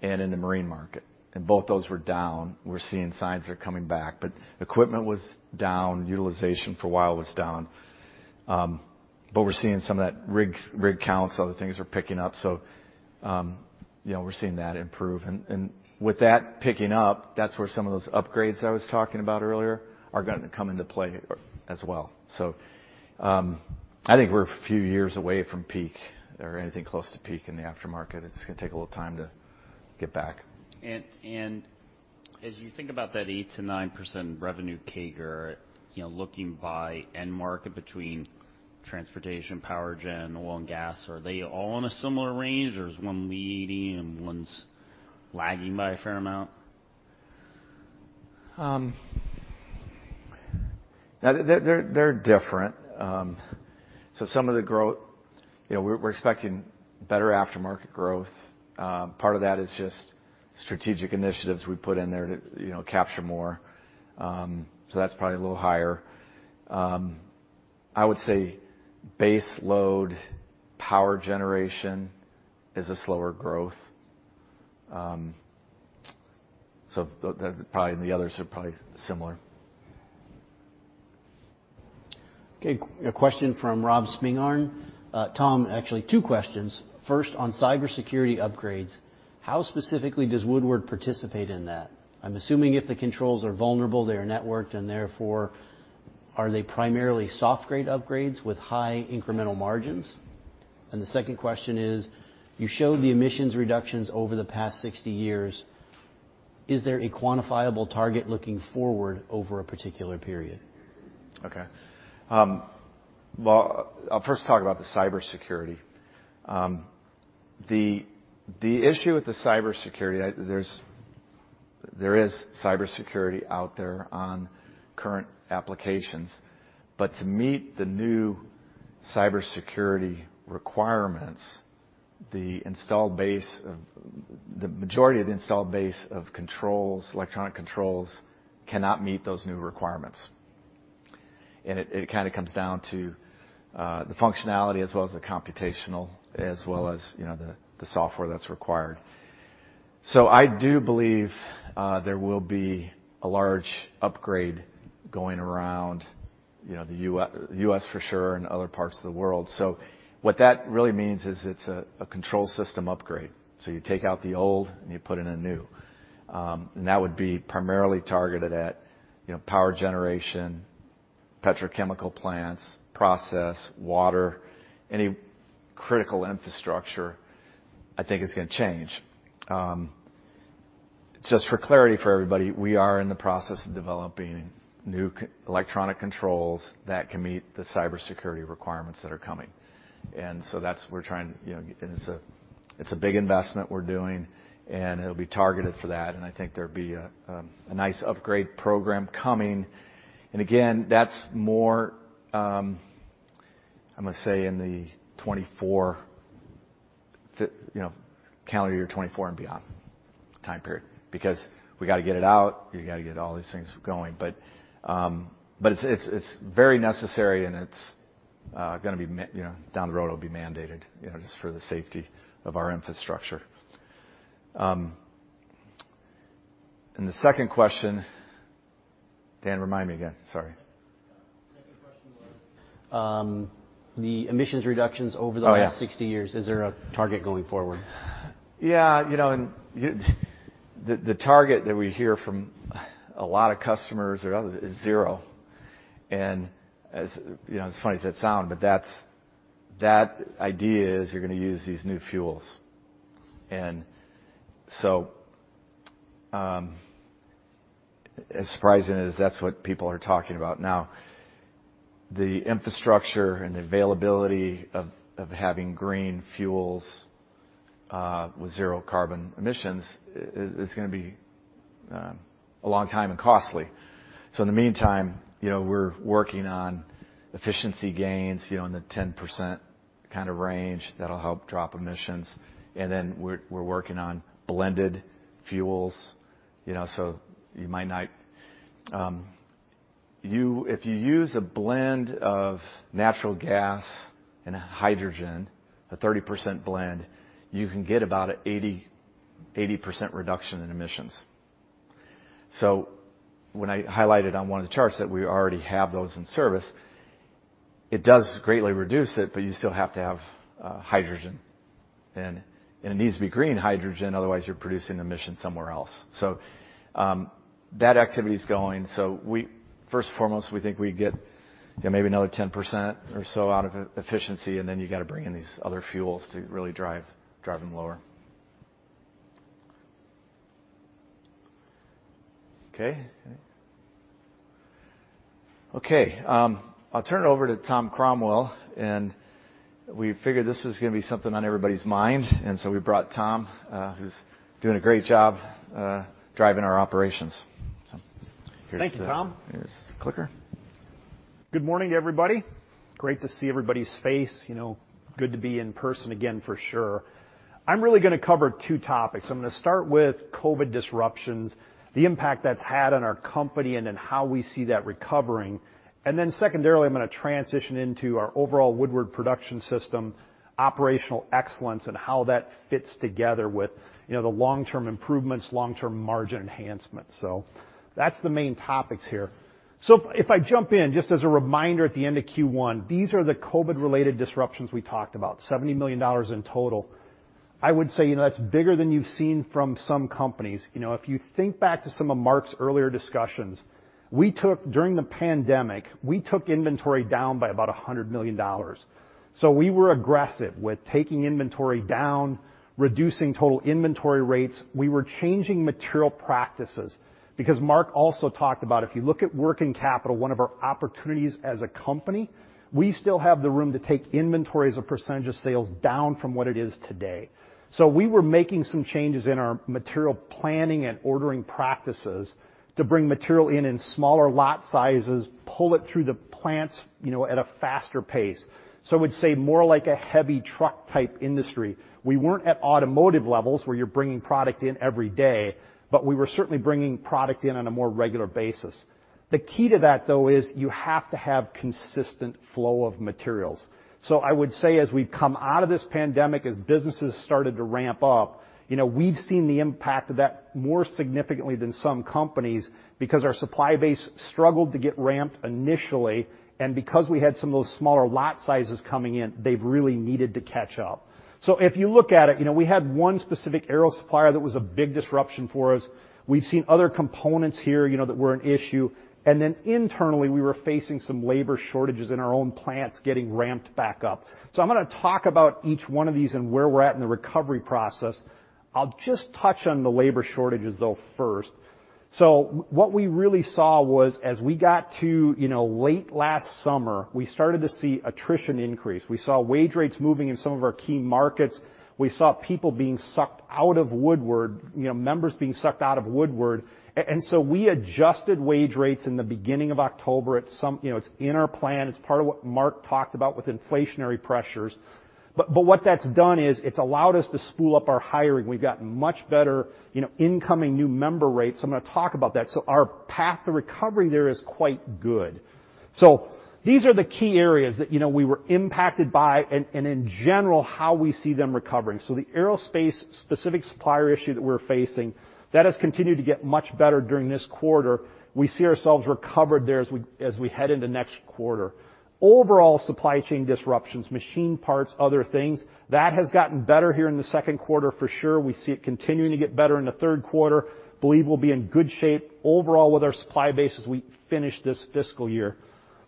and in the marine market, and both those were down. We're seeing signs they're coming back. Equipment was down, utilization for a while was down. We're seeing some of those rig counts, other things are picking up. You know, we're seeing that improve. With that picking up, that's where some of those upgrades I was talking about earlier are gonna come into play as well. I think we're a few years away from peak or anything close to peak in the aftermarket. It's gonna take a little time to get back. As you think about that 8%-9% revenue CAGR, you know, looking by end market between transportation, power gen, oil and gas, are they all in a similar range, or is one leading and one's lagging by a fair amount? They're different. You know, we're expecting better aftermarket growth. Part of that is just strategic initiatives we put in there to, you know, capture more. That's probably a little higher. I would say base load power generation is a slower growth. Probably the others are probably similar. Okay. A question from Rob Spingarn. Tom, actually two questions. First, on cybersecurity upgrades, how specifically does Woodward participate in that? I'm assuming if the controls are vulnerable, they are networked, and therefore, are they primarily software upgrades with high incremental margins? And the second question is, you showed the emissions reductions over the past 60 years. Is there a quantifiable target looking forward over a particular period? Well, I'll first talk about the cybersecurity. The issue with the cybersecurity, there is cybersecurity out there on current applications, but to meet the new cybersecurity requirements, the majority of the installed base of electronic controls cannot meet those new requirements. It kinda comes down to the functionality as well as the computational as well as, you know, the software that's required. I do believe there will be a large upgrade going around, you know, the U.S. for sure, and other parts of the world. What that really means is it's a control system upgrade. You take out the old, and you put in a new. That would be primarily targeted at, you know, power generation, petrochemical plants, process, water, any critical infrastructure, I think is gonna change. Just for clarity for everybody, we are in the process of developing new electronic controls that can meet the cybersecurity requirements that are coming. That's what we're trying, you know, and it's a big investment we're doing, and it'll be targeted for that, and I think there'll be a nice upgrade program coming. That's more, I'm gonna say in the 2024, you know, calendar year 2024 and beyond time period, because we gotta get it out, we gotta get all these things going. It's very necessary, and it's gonna be mandated, you know, down the road it'll be mandated, you know, just for the safety of our infrastructure. The second question. Dan, remind me again, sorry. The second question was, the emissions reductions over the next 60 years. Oh, yeah. Is there a target going forward? Yeah, you know, the target that we hear from a lot of customers or others is zero. You know, as funny as that sounds, but that's the idea. You're gonna use these new fuels. As surprising as that is what people are talking about now, the infrastructure and the availability of having green fuels with zero carbon emissions is gonna be a long time and costly. In the meantime, you know, we're working on efficiency gains, you know, in the 10% kind of range that'll help drop emissions. We're working on blended fuels, you know, so if you use a blend of natural gas and hydrogen, a 30% blend, you can get about an 80% reduction in emissions. When I highlighted on one of the charts that we already have those in service, it does greatly reduce it, but you still have to have hydrogen. And it needs to be green hydrogen, otherwise you're producing emissions somewhere else. That activity is going. First and foremost, we think we get, you know, maybe another 10% or so out of efficiency, and then you gotta bring in these other fuels to really drive them lower. Okay. I'll turn it over to Tom Cromwell, and we figured this was gonna be something on everybody's mind, and so we brought Tom, who's doing a great job driving our operations. Here's the Thank you, Tom. Here's the clicker. Good morning, everybody. Great to see everybody's face. You know, good to be in person again for sure. I'm really gonna cover two topics. I'm gonna start with COVID disruptions, the impact that's had on our company, and then how we see that recovering. Secondarily, I'm gonna transition into our overall Woodward Production System, operational excellence, and how that fits together with, you know, the long-term improvements, long-term margin enhancements. That's the main topics here. If I jump in, just as a reminder at the end of Q1, these are the COVID-related disruptions we talked about, $70 million in total. I would say, you know, that's bigger than you've seen from some companies. You know, if you think back to some of Mark's earlier discussions, we took during the pandemic, we took inventory down by about $100 million. We were aggressive with taking inventory down, reducing total inventory rates. We were changing material practices because Mark also talked about, if you look at working capital, one of our opportunities as a company, we still have the room to take inventories a percentage of sales down from what it is today. We were making some changes in our material planning and ordering practices to bring material in in smaller lot sizes, pull it through the plant, you know, at a faster pace. I would say more like a heavy truck type industry. We weren't at automotive levels where you're bringing product in every day, but we were certainly bringing product in on a more regular basis. The key to that, though, is you have to have consistent flow of materials. I would say as we've come out of this pandemic, as businesses started to ramp up, you know, we've seen the impact of that more significantly than some companies because our supply base struggled to get ramped initially, and because we had some of those smaller lot sizes coming in, they've really needed to catch up. If you look at it, you know, we had one specific aero supplier that was a big disruption for us. We've seen other components here, you know, that were an issue. Then internally, we were facing some labor shortages in our own plants getting ramped back up. I'm gonna talk about each one of these and where we're at in the recovery process. I'll just touch on the labor shortages, though, first. What we really saw was, as we got to, you know, late last summer, we started to see attrition increase. We saw wage rates moving in some of our key markets. We saw people being sucked out of Woodward, you know, members being sucked out of Woodward. And so we adjusted wage rates in the beginning of October. You know, it's in our plan. It's part of what Mark talked about with inflationary pressures. What that's done is it's allowed us to spool up our hiring. We've got much better, you know, incoming new member rates. I'm gonna talk about that. Our path to recovery there is quite good. These are the key areas that, you know, we were impacted by and, in general, how we see them recovering. The aerospace specific supplier issue that we're facing, that has continued to get much better during this quarter. We see ourselves recovered there as we head into next quarter. Overall supply chain disruptions, machine parts, other things, that has gotten better here in the second quarter for sure. We see it continuing to get better in the third quarter. We believe we'll be in good shape overall with our supply base as we finish this fiscal year.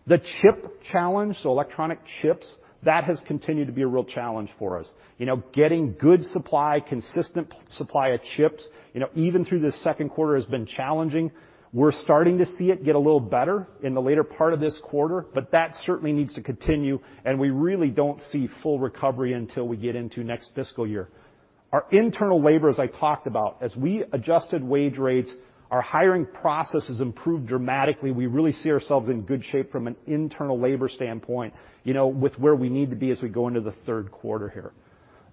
The chip challenge, so electronic chips, that has continued to be a real challenge for us. You know, getting good supply, consistent supply of chips, you know, even through this second quarter has been challenging. We're starting to see it get a little better in the later part of this quarter, but that certainly needs to continue, and we really don't see full recovery until we get into next fiscal year. Our internal labor, as I talked about, as we adjusted wage rates, our hiring process has improved dramatically. We really see ourselves in good shape from an internal labor standpoint, you know, with where we need to be as we go into the third quarter here.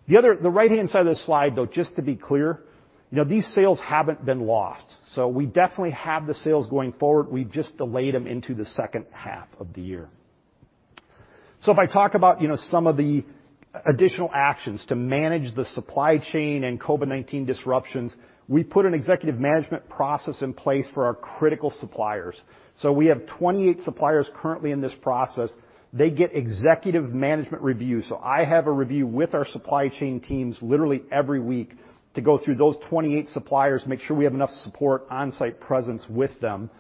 The right-hand side of the slide, though, just to be clear, you know, these sales haven't been lost. We definitely have the sales going forward. We've just delayed them into the second half of the year. If I talk about, you know, some of the additional actions to manage the supply chain and COVID-19 disruptions, we put an executive management process in place for our critical suppliers. We have 28 suppliers currently in this process. They get executive management reviews. I have a review with our supply chain teams literally every week to go through those 28 suppliers, make sure we have enough support on-site presence with them.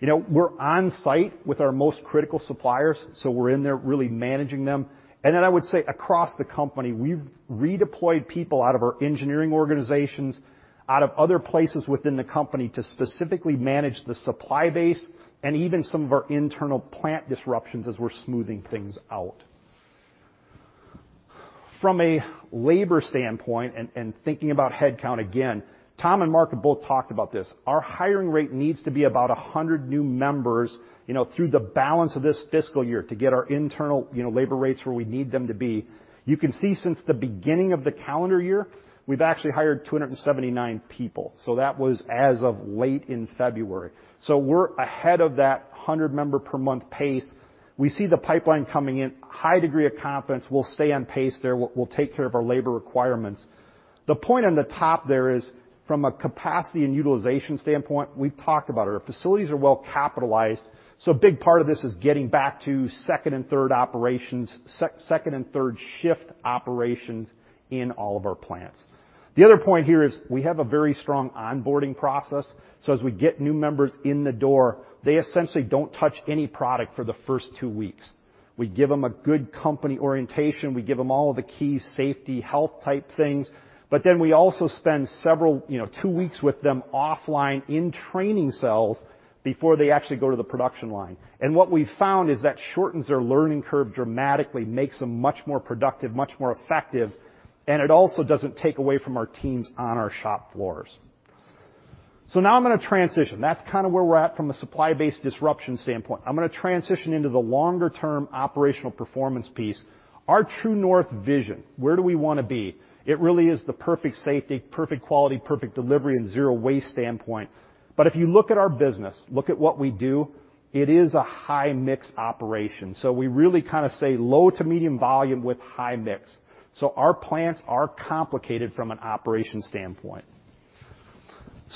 You know, we're on-site with our most critical suppliers, so we're in there really managing them. I would say across the company, we've redeployed people out of our engineering organizations, out of other places within the company to specifically manage the supply base and even some of our internal plant disruptions as we're smoothing things out. From a labor standpoint and thinking about headcount again, Tom and Mark have both talked about this. Our hiring rate needs to be about 100 new members, you know, through the balance of this fiscal year to get our internal, you know, labor rates where we need them to be. You can see since the beginning of the calendar year, we've actually hired 279 people. So that was as of late in February. So we're ahead of that 100-member per month pace. We see the pipeline coming in. High degree of confidence we'll stay on pace there. We'll take care of our labor requirements. The point on the top there is from a capacity and utilization standpoint, we've talked about our facilities are well-capitalized, so a big part of this is getting back to second and third shift operations in all of our plants. The other point here is we have a very strong onboarding process. As we get new members in the door, they essentially don't touch any product for the first two weeks. We give them a good company orientation. We give them all of the key safety, health-type things, but then we also spend several, you know, two weeks with them offline in training cells before they actually go to the production line. What we've found is that shortens their learning curve dramatically, makes them much more productive, much more effective, and it also doesn't take away from our teams on our shop floors. Now I'm gonna transition. That's kind of where we're at from a supply-based disruption standpoint. I'm gonna transition into the longer-term operational performance piece. Our True North vision, where do we wanna be? It really is the perfect safety, perfect quality, perfect delivery, and zero waste standpoint. If you look at our business, look at what we do, it is a high-mix operation. We really kind of say low to medium volume with high mix. Our plants are complicated from an operations standpoint.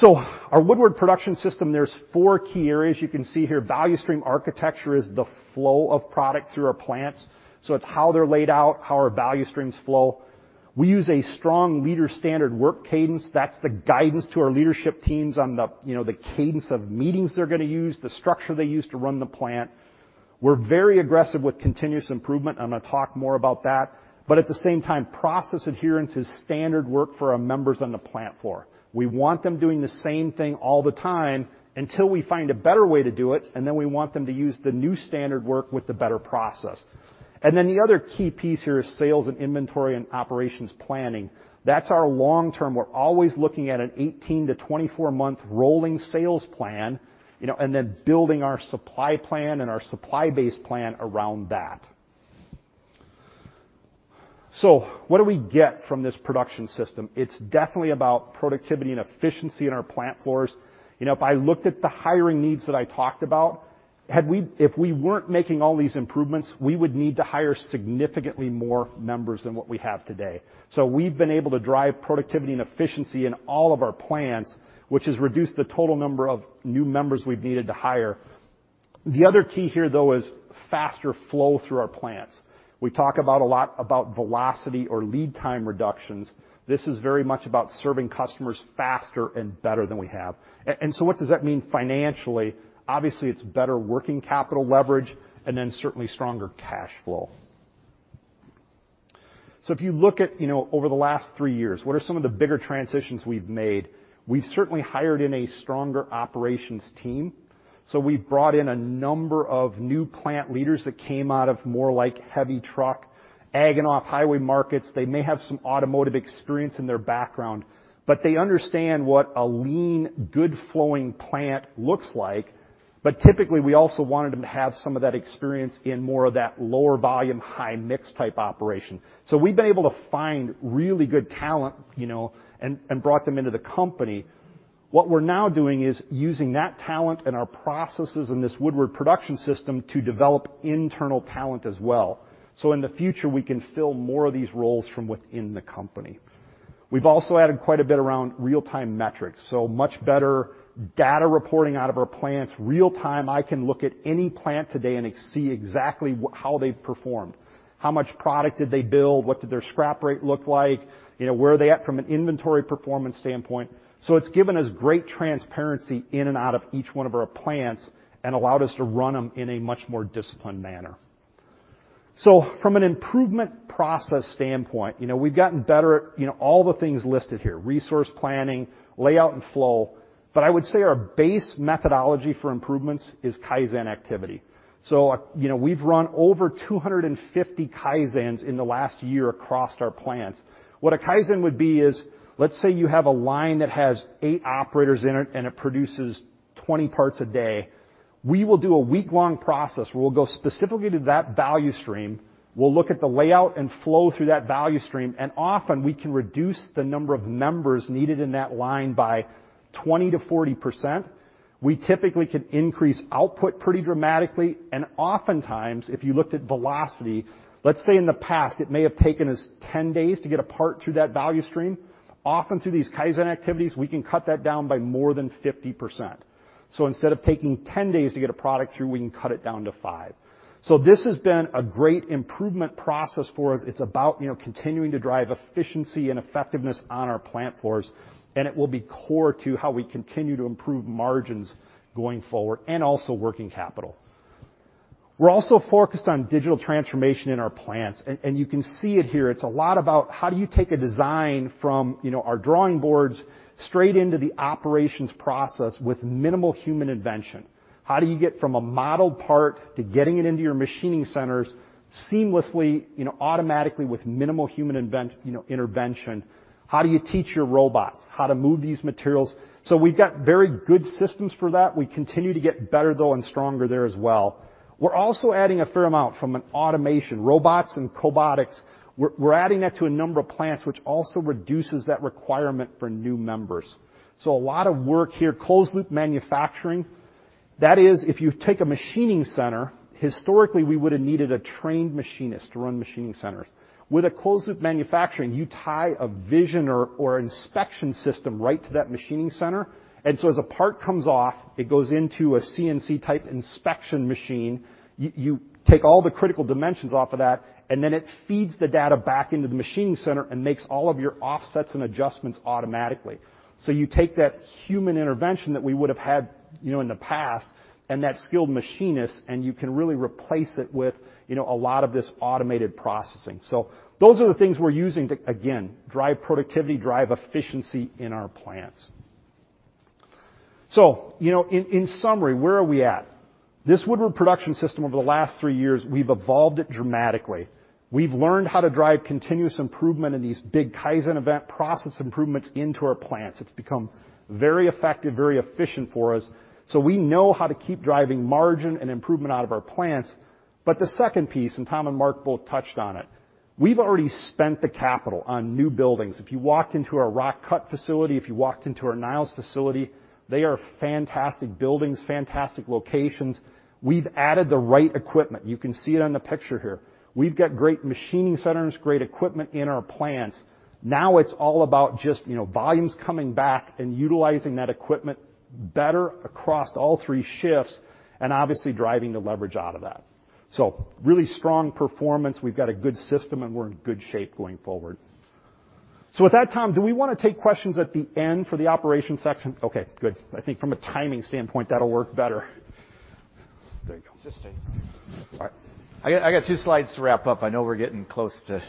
Our Woodward Production System, there's four key areas you can see here. Value stream architecture is the flow of product through our plants, so it's how they're laid out, how our value streams flow. We use a strong leader standard work cadence. That's the guidance to our leadership teams on the, you know, the cadence of meetings they're gonna use, the structure they use to run the plant. We're very aggressive with continuous improvement. I'm gonna talk more about that. At the same time, process adherence is standard work for our members on the plant floor. We want them doing the same thing all the time until we find a better way to do it, and then we want them to use the new standard work with the better process. The other key piece here is sales and inventory and operations planning. That's our long term. We're always looking at an 18- to 24-month rolling sales plan, you know, and then building our supply plan and our supply base plan around that. What do we get from this production system? It's definitely about productivity and efficiency in our plant floors. You know, if I looked at the hiring needs that I talked about, if we weren't making all these improvements, we would need to hire significantly more members than what we have today. We've been able to drive productivity and efficiency in all of our plants, which has reduced the total number of new members we've needed to hire. The other key here, though, is faster flow through our plants. We talk a lot about velocity or lead time reductions. This is very much about serving customers faster and better than we have. What does that mean financially? Obviously, it's better working capital leverage and then certainly stronger cash flow. If you look at, you know, over the last three years, what are some of the bigger transitions we've made? We've certainly hired in a stronger operations team. We've brought in a number of new plant leaders that came out of more like heavy truck, ag and off-highway markets. They may have some automotive experience in their background, but they understand what a lean, good flowing plant looks like. Typically, we also wanted them to have some of that experience in more of that lower volume, high mix type operation. We've been able to find really good talent, you know, and brought them into the company. What we're now doing is using that talent and our processes in this Woodward Production System to develop internal talent as well, so in the future, we can fill more of these roles from within the company. We've also added quite a bit around real-time metrics, so much better data reporting out of our plants. real time, I can look at any plant today and see exactly how they've performed, how much product did they build, what did their scrap rate look like, you know, where are they at from an inventory performance standpoint. It's given us great transparency in and out of each one of our plants and allowed us to run them in a much more disciplined manner. From an improvement process standpoint, you know, we've gotten better at, you know, all the things listed here, resource planning, layout, and flow. I would say our base methodology for improvements is Kaizen activity. You know, we've run over 250 Kaizens in the last year across our plants. What a Kaizen would be is, let's say you have a line that has eight operators in it, and it produces 20 parts a day. We will do a week-long process where we'll go specifically to that value stream. We'll look at the layout and flow through that value stream, and often we can reduce the number of members needed in that line by 20%-40%. We typically can increase output pretty dramatically. Oftentimes, if you looked at velocity, let's say in the past, it may have taken us 10 days to get a part through that value stream. Often through these Kaizen activities, we can cut that down by more than 50%. Instead of taking 10 days to get a product through, we can cut it down to five. This has been a great improvement process for us. It's about, you know, continuing to drive efficiency and effectiveness on our plant floors, and it will be core to how we continue to improve margins going forward and also working capital. We're also focused on digital transformation in our plants. You can see it here, it's a lot about how do you take a design from, you know, our drawing boards straight into the operations process with minimal human intervention. How do you get from a modeled part to getting it into your machining centers seamlessly, you know, automatically with minimal human intervention? How do you teach your robots how to move these materials? We've got very good systems for that. We continue to get better though, and stronger there as well. We're also adding a fair amount from an automation. Robots and cobotics, we're adding that to a number of plants, which also reduces that requirement for new members. A lot of work here. Closed loop manufacturing. That is, if you take a machining center, historically, we would have needed a trained machinist to run machining centers. With a closed loop manufacturing, you tie a vision or inspection system right to that machining center. As a part comes off, it goes into a CNC-type inspection machine. You take all the critical dimensions off of that, and then it feeds the data back into the machining center and makes all of your offsets and adjustments automatically. You take that human intervention that we would have had, you know, in the past and that skilled machinist, and you can really replace it with, you know, a lot of this automated processing. Those are the things we're using to, again, drive productivity, drive efficiency in our plants. You know, in summary, where are we at? This Woodward Production System, over the last three years, we've evolved it dramatically. We've learned how to drive continuous improvement in these big Kaizen event process improvements into our plants. It's become very effective, very efficient for us. We know how to keep driving margin and improvement out of our plants. The second piece, and Tom and Mark both touched on it, we've already spent the capital on new buildings. If you walked into our Rock Cut facility, if you walked into our Niles facility, they are fantastic buildings, fantastic locations. We've added the right equipment. You can see it on the picture here. We've got great machining centers, great equipment in our plants. Now it's all about just, you know, volumes coming back and utilizing that equipment better across all three shifts, and obviously, driving the leverage out of that. Really strong performance. We've got a good system, and we're in good shape going forward. With that, Tom, do we wanna take questions at the end for the operations section? Okay, good. I think from a timing standpoint, that'll work better. There you go. I got two slides to wrap up. I know we're getting close to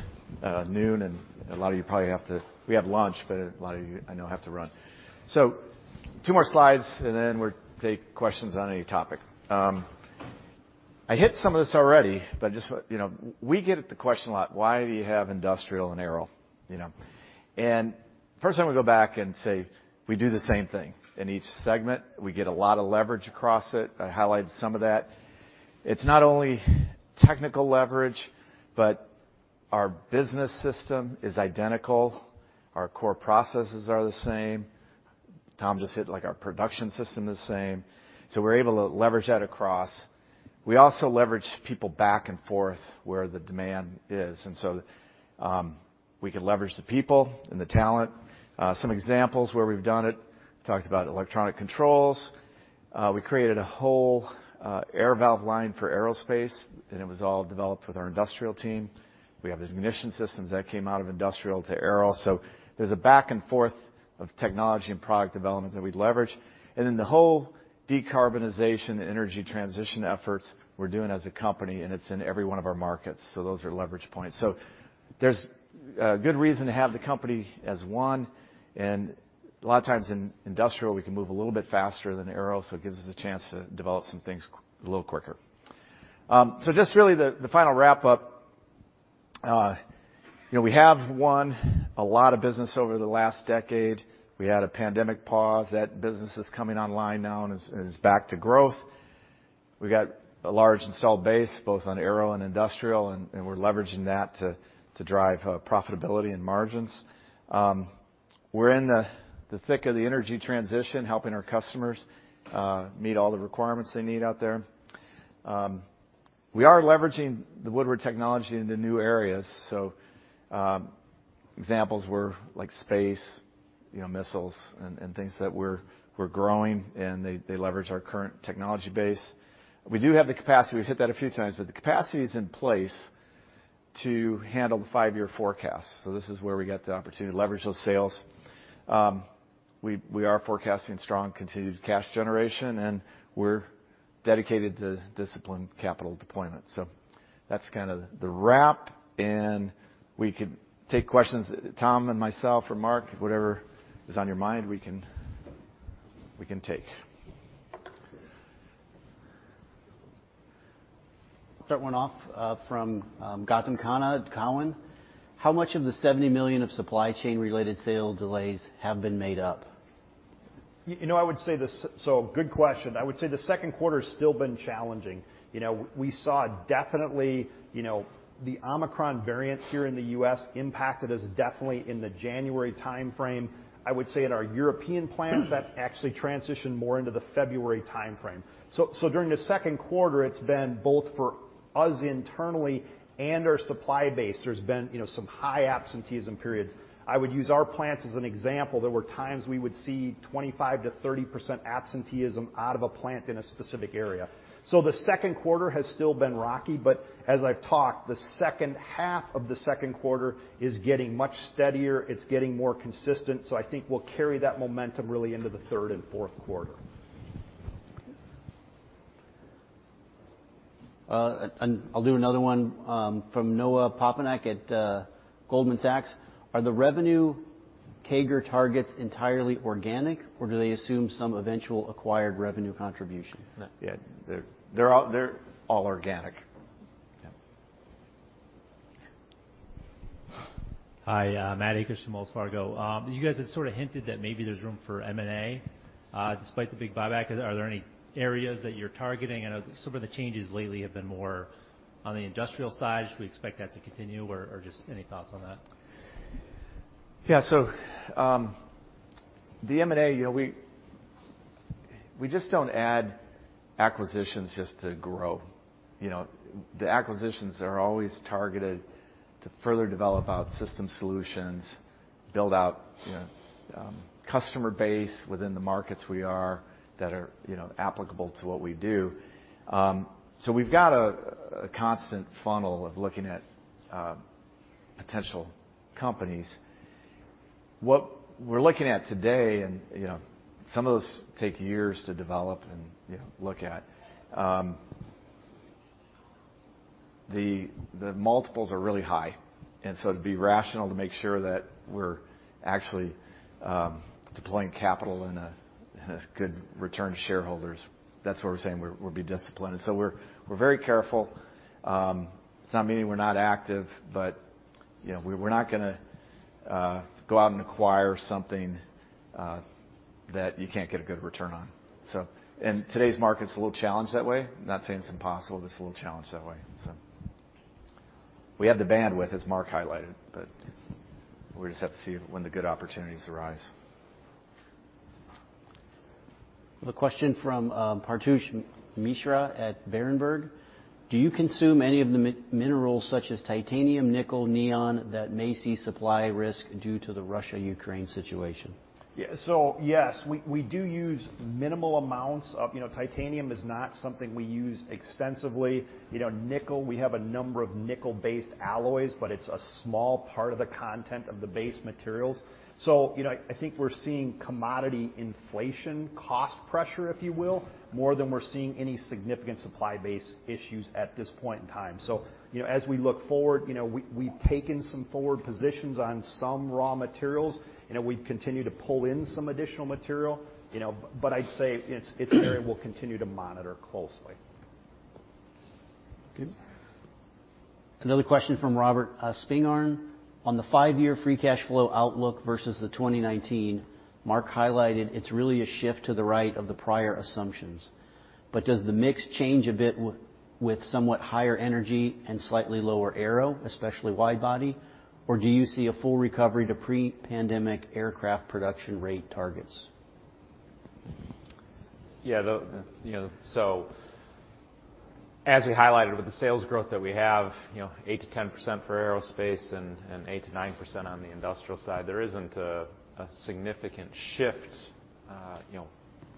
noon, and a lot of you probably have to run. We have lunch, but a lot of you I know have to run. So two more slides, and then we'll take questions on any topic. I hit some of this already, but just, you know, we get the question a lot, why do you have Industrial and Aero, you know? First time we go back and say, we do the same thing. In each segment, we get a lot of leverage across it. I highlighted some of that. It's not only technical leverage, but our business system is identical. Our core processes are the same. Tom just said, like, our production system is the same, so we're able to leverage that across. We also leverage people back and forth where the demand is. We can leverage the people and the talent. Some examples where we've done it, talked about electronic controls. We created a whole air valve line for aerospace, and it was all developed with our industrial team. We have the ignition systems that came out of industrial to aero. There's a back and forth of technology and product development that we leverage. The whole decarbonization energy transition efforts we're doing as a company, and it's in every one of our markets. Those are leverage points. There's a good reason to have the company as one. A lot of times in industrial, we can move a little bit faster than aero, so it gives us a chance to develop some things a little quicker. Just really the final wrap-up, you know, we have won a lot of business over the last decade. We had a pandemic pause. That business is coming online now and is back to growth. We got a large install base, both on aero and industrial, and we're leveraging that to drive profitability and margins. We're in the thick of the energy transition, helping our customers meet all the requirements they need out there. We are leveraging the Woodward technology into new areas. Examples were like space, you know, missiles and things that we're growing, and they leverage our current technology base. We do have the capacity. We've hit that a few times, but the capacity is in place to handle the five-year forecast. This is where we get the opportunity to leverage those sales. We are forecasting strong continued cash generation, and we're dedicated to disciplined capital deployment. That's kind of the wrap, and we could take questions, Tom and myself or Mark, whatever is on your mind, we can take. Start one off from Gautam Khanna at Cowen. How much of the $70 million of supply chain related sales delays have been made up? Good question. I would say the second quarter's still been challenging. You know, we saw definitely, you know, the Omicron variant here in the U.S. impacted us definitely in the January timeframe. I would say at our European plants, that actually transitioned more into the February timeframe. During the second quarter, it's been both for us internally and our supply base, there's been, you know, some high absenteeism periods. I would use our plants as an example. There were times we would see 25%-30% absenteeism out of a plant in a specific area. The second quarter has still been rocky, but as I've talked, the second half of the second quarter is getting much steadier. It's getting more consistent. I think we'll carry that momentum really into the third and fourth quarter. I'll do another one, from Noah Poponak at Goldman Sachs. Are the revenue CAGR targets entirely organic, or do they assume some eventual acquired revenue contribution? Yeah. They're all organic. Okay. Hi, Matt Akers from Wells Fargo. You guys have sort of hinted that maybe there's room for M&A, despite the big buyback. Are there any areas that you're targeting? I know some of the changes lately have been more on the industrial side. Should we expect that to continue or just any thoughts on that? Yeah. The M&A, you know, we just don't add acquisitions just to grow. You know, the acquisitions are always targeted to further develop our system solutions, build out customer base within the markets that are applicable to what we do. We've got a constant funnel of looking at potential companies. What we're looking at today and some of those take years to develop and look at the multiples are really high, and so to be rational to make sure that we're actually deploying capital in a good return to shareholders, that's where we're saying we'll be disciplined. We're very careful. It's not meaning we're not active, but, you know, we're not gonna go out and acquire something that you can't get a good return on. Today's market's a little challenged that way. Not saying it's impossible, just a little challenged that way. We have the bandwidth, as Mark highlighted, but we just have to see when the good opportunities arise. The question from Paretosh Misra at Berenberg. Do you consume any of the minerals such as titanium, nickel, neon, that may see supply risk due to the Russia-Ukraine situation? Yeah. Yes, we do use minimal amounts of. You know, titanium is not something we use extensively. You know, nickel, we have a number of nickel-based alloys, but it's a small part of the content of the base materials. You know, I think we're seeing commodity inflation cost pressure, if you will, more than we're seeing any significant supply base issues at this point in time. You know, as we look forward, you know, we've taken some forward positions on some raw materials. You know, we continue to pull in some additional material, you know, but I'd say it's an area we'll continue to monitor closely. Okay. Another question from Robert Spingarn. On the five-year free cash flow outlook versus the 2019, Mark highlighted it's really a shift to the right of the prior assumptions. Does the mix change a bit with somewhat higher energy and slightly lower aero, especially wide-body? Or do you see a full recovery to pre-pandemic aircraft production rate targets? Yeah. You know, as we highlighted with the sales growth that we have, you know, 8%-10% for Aerospace and 8%-9% on the Industrial side, there isn't a significant shift, you know,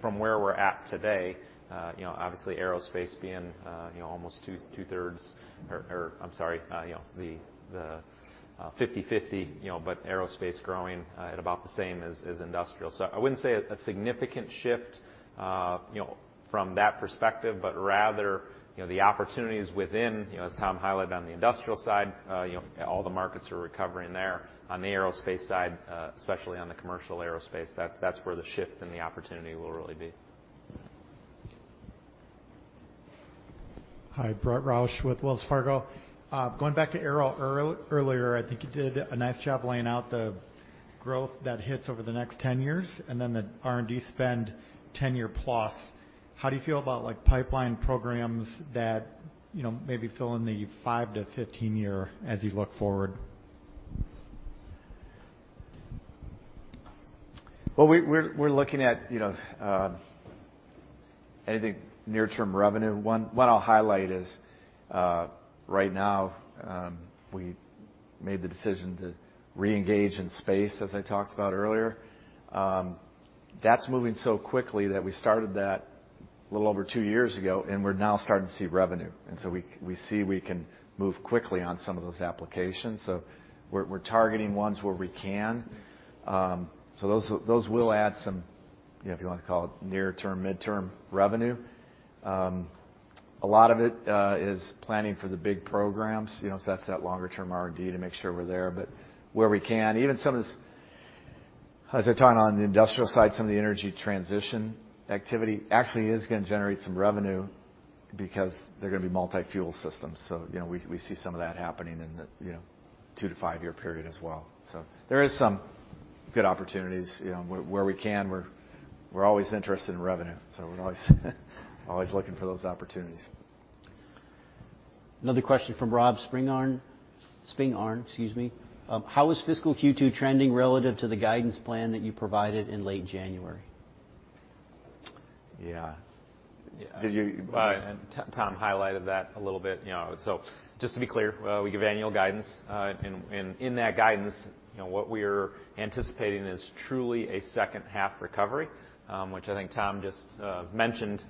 from where we're at today. You know, obviously, Aerospace being, you know, almost two-thirds or, I'm sorry, you know, the 50/50, you know, but Aerospace growing at about the same as Industrial. I wouldn't say a significant shift, you know, from that perspective, but rather, you know, the opportunities within, you know, as Tom highlighted on the Industrial side, you know, all the markets are recovering there. On the Aerospace side, especially on the commercial Aerospace, that's where the shift and the opportunity will really be. Hi, Brett Rausch with Wells Fargo. Going back to aero earlier, I think you did a nice job laying out the growth that hits over the next 10 years and then the R&D spend 10-year plus. How do you feel about like pipeline programs that, you know, maybe fill in the five- to 15-year as you look forward? We're looking at, you know, anything near term revenue. One I'll highlight is right now we made the decision to reengage in space, as I talked about earlier. That's moving so quickly that we started that a little over two years ago, and we're now starting to see revenue. We see we can move quickly on some of those applications. We're targeting ones where we can. Those will add some, you know, if you wanna call it near term, mid-term revenue. A lot of it is planning for the big programs, you know. That's that longer term R&D to make sure we're there. Where we can, even some of this, as I talked on the industrial side, some of the energy transition activity actually is gonna generate some revenue because they're gonna be multi-fuel systems. You know, we see some of that happening in the, you know, two to five-year period as well. There is some good opportunities. You know, where we can, we're always interested in revenue, so we're always looking for those opportunities. Another question from Rob Spingarn, excuse me. How is fiscal Q2 trending relative to the guidance plan that you provided in late January? Yeah. Did you Tom highlighted that a little bit, you know. Just to be clear, we give annual guidance. In that guidance, you know, what we're anticipating is truly a second half recovery, which I think Tom just mentioned,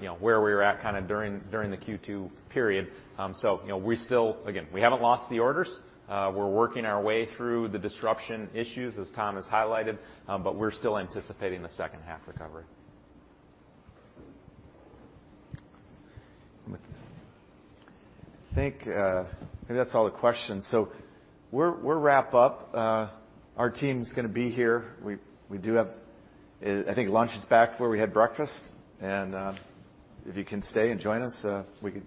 you know, where we were at kinda during the Q2 period. You know, we still again haven't lost the orders. We're working our way through the disruption issues, as Tom has highlighted. We're still anticipating the second half recovery. I think maybe that's all the questions. We're wrapping up. Our team's gonna be here. We do have. I think lunch is back where we had breakfast. If you can stay and join us, we could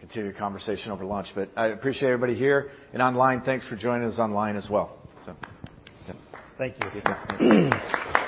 continue conversation over lunch. I appreciate everybody here and online. Thanks for joining us online as well. Yeah. Thank you.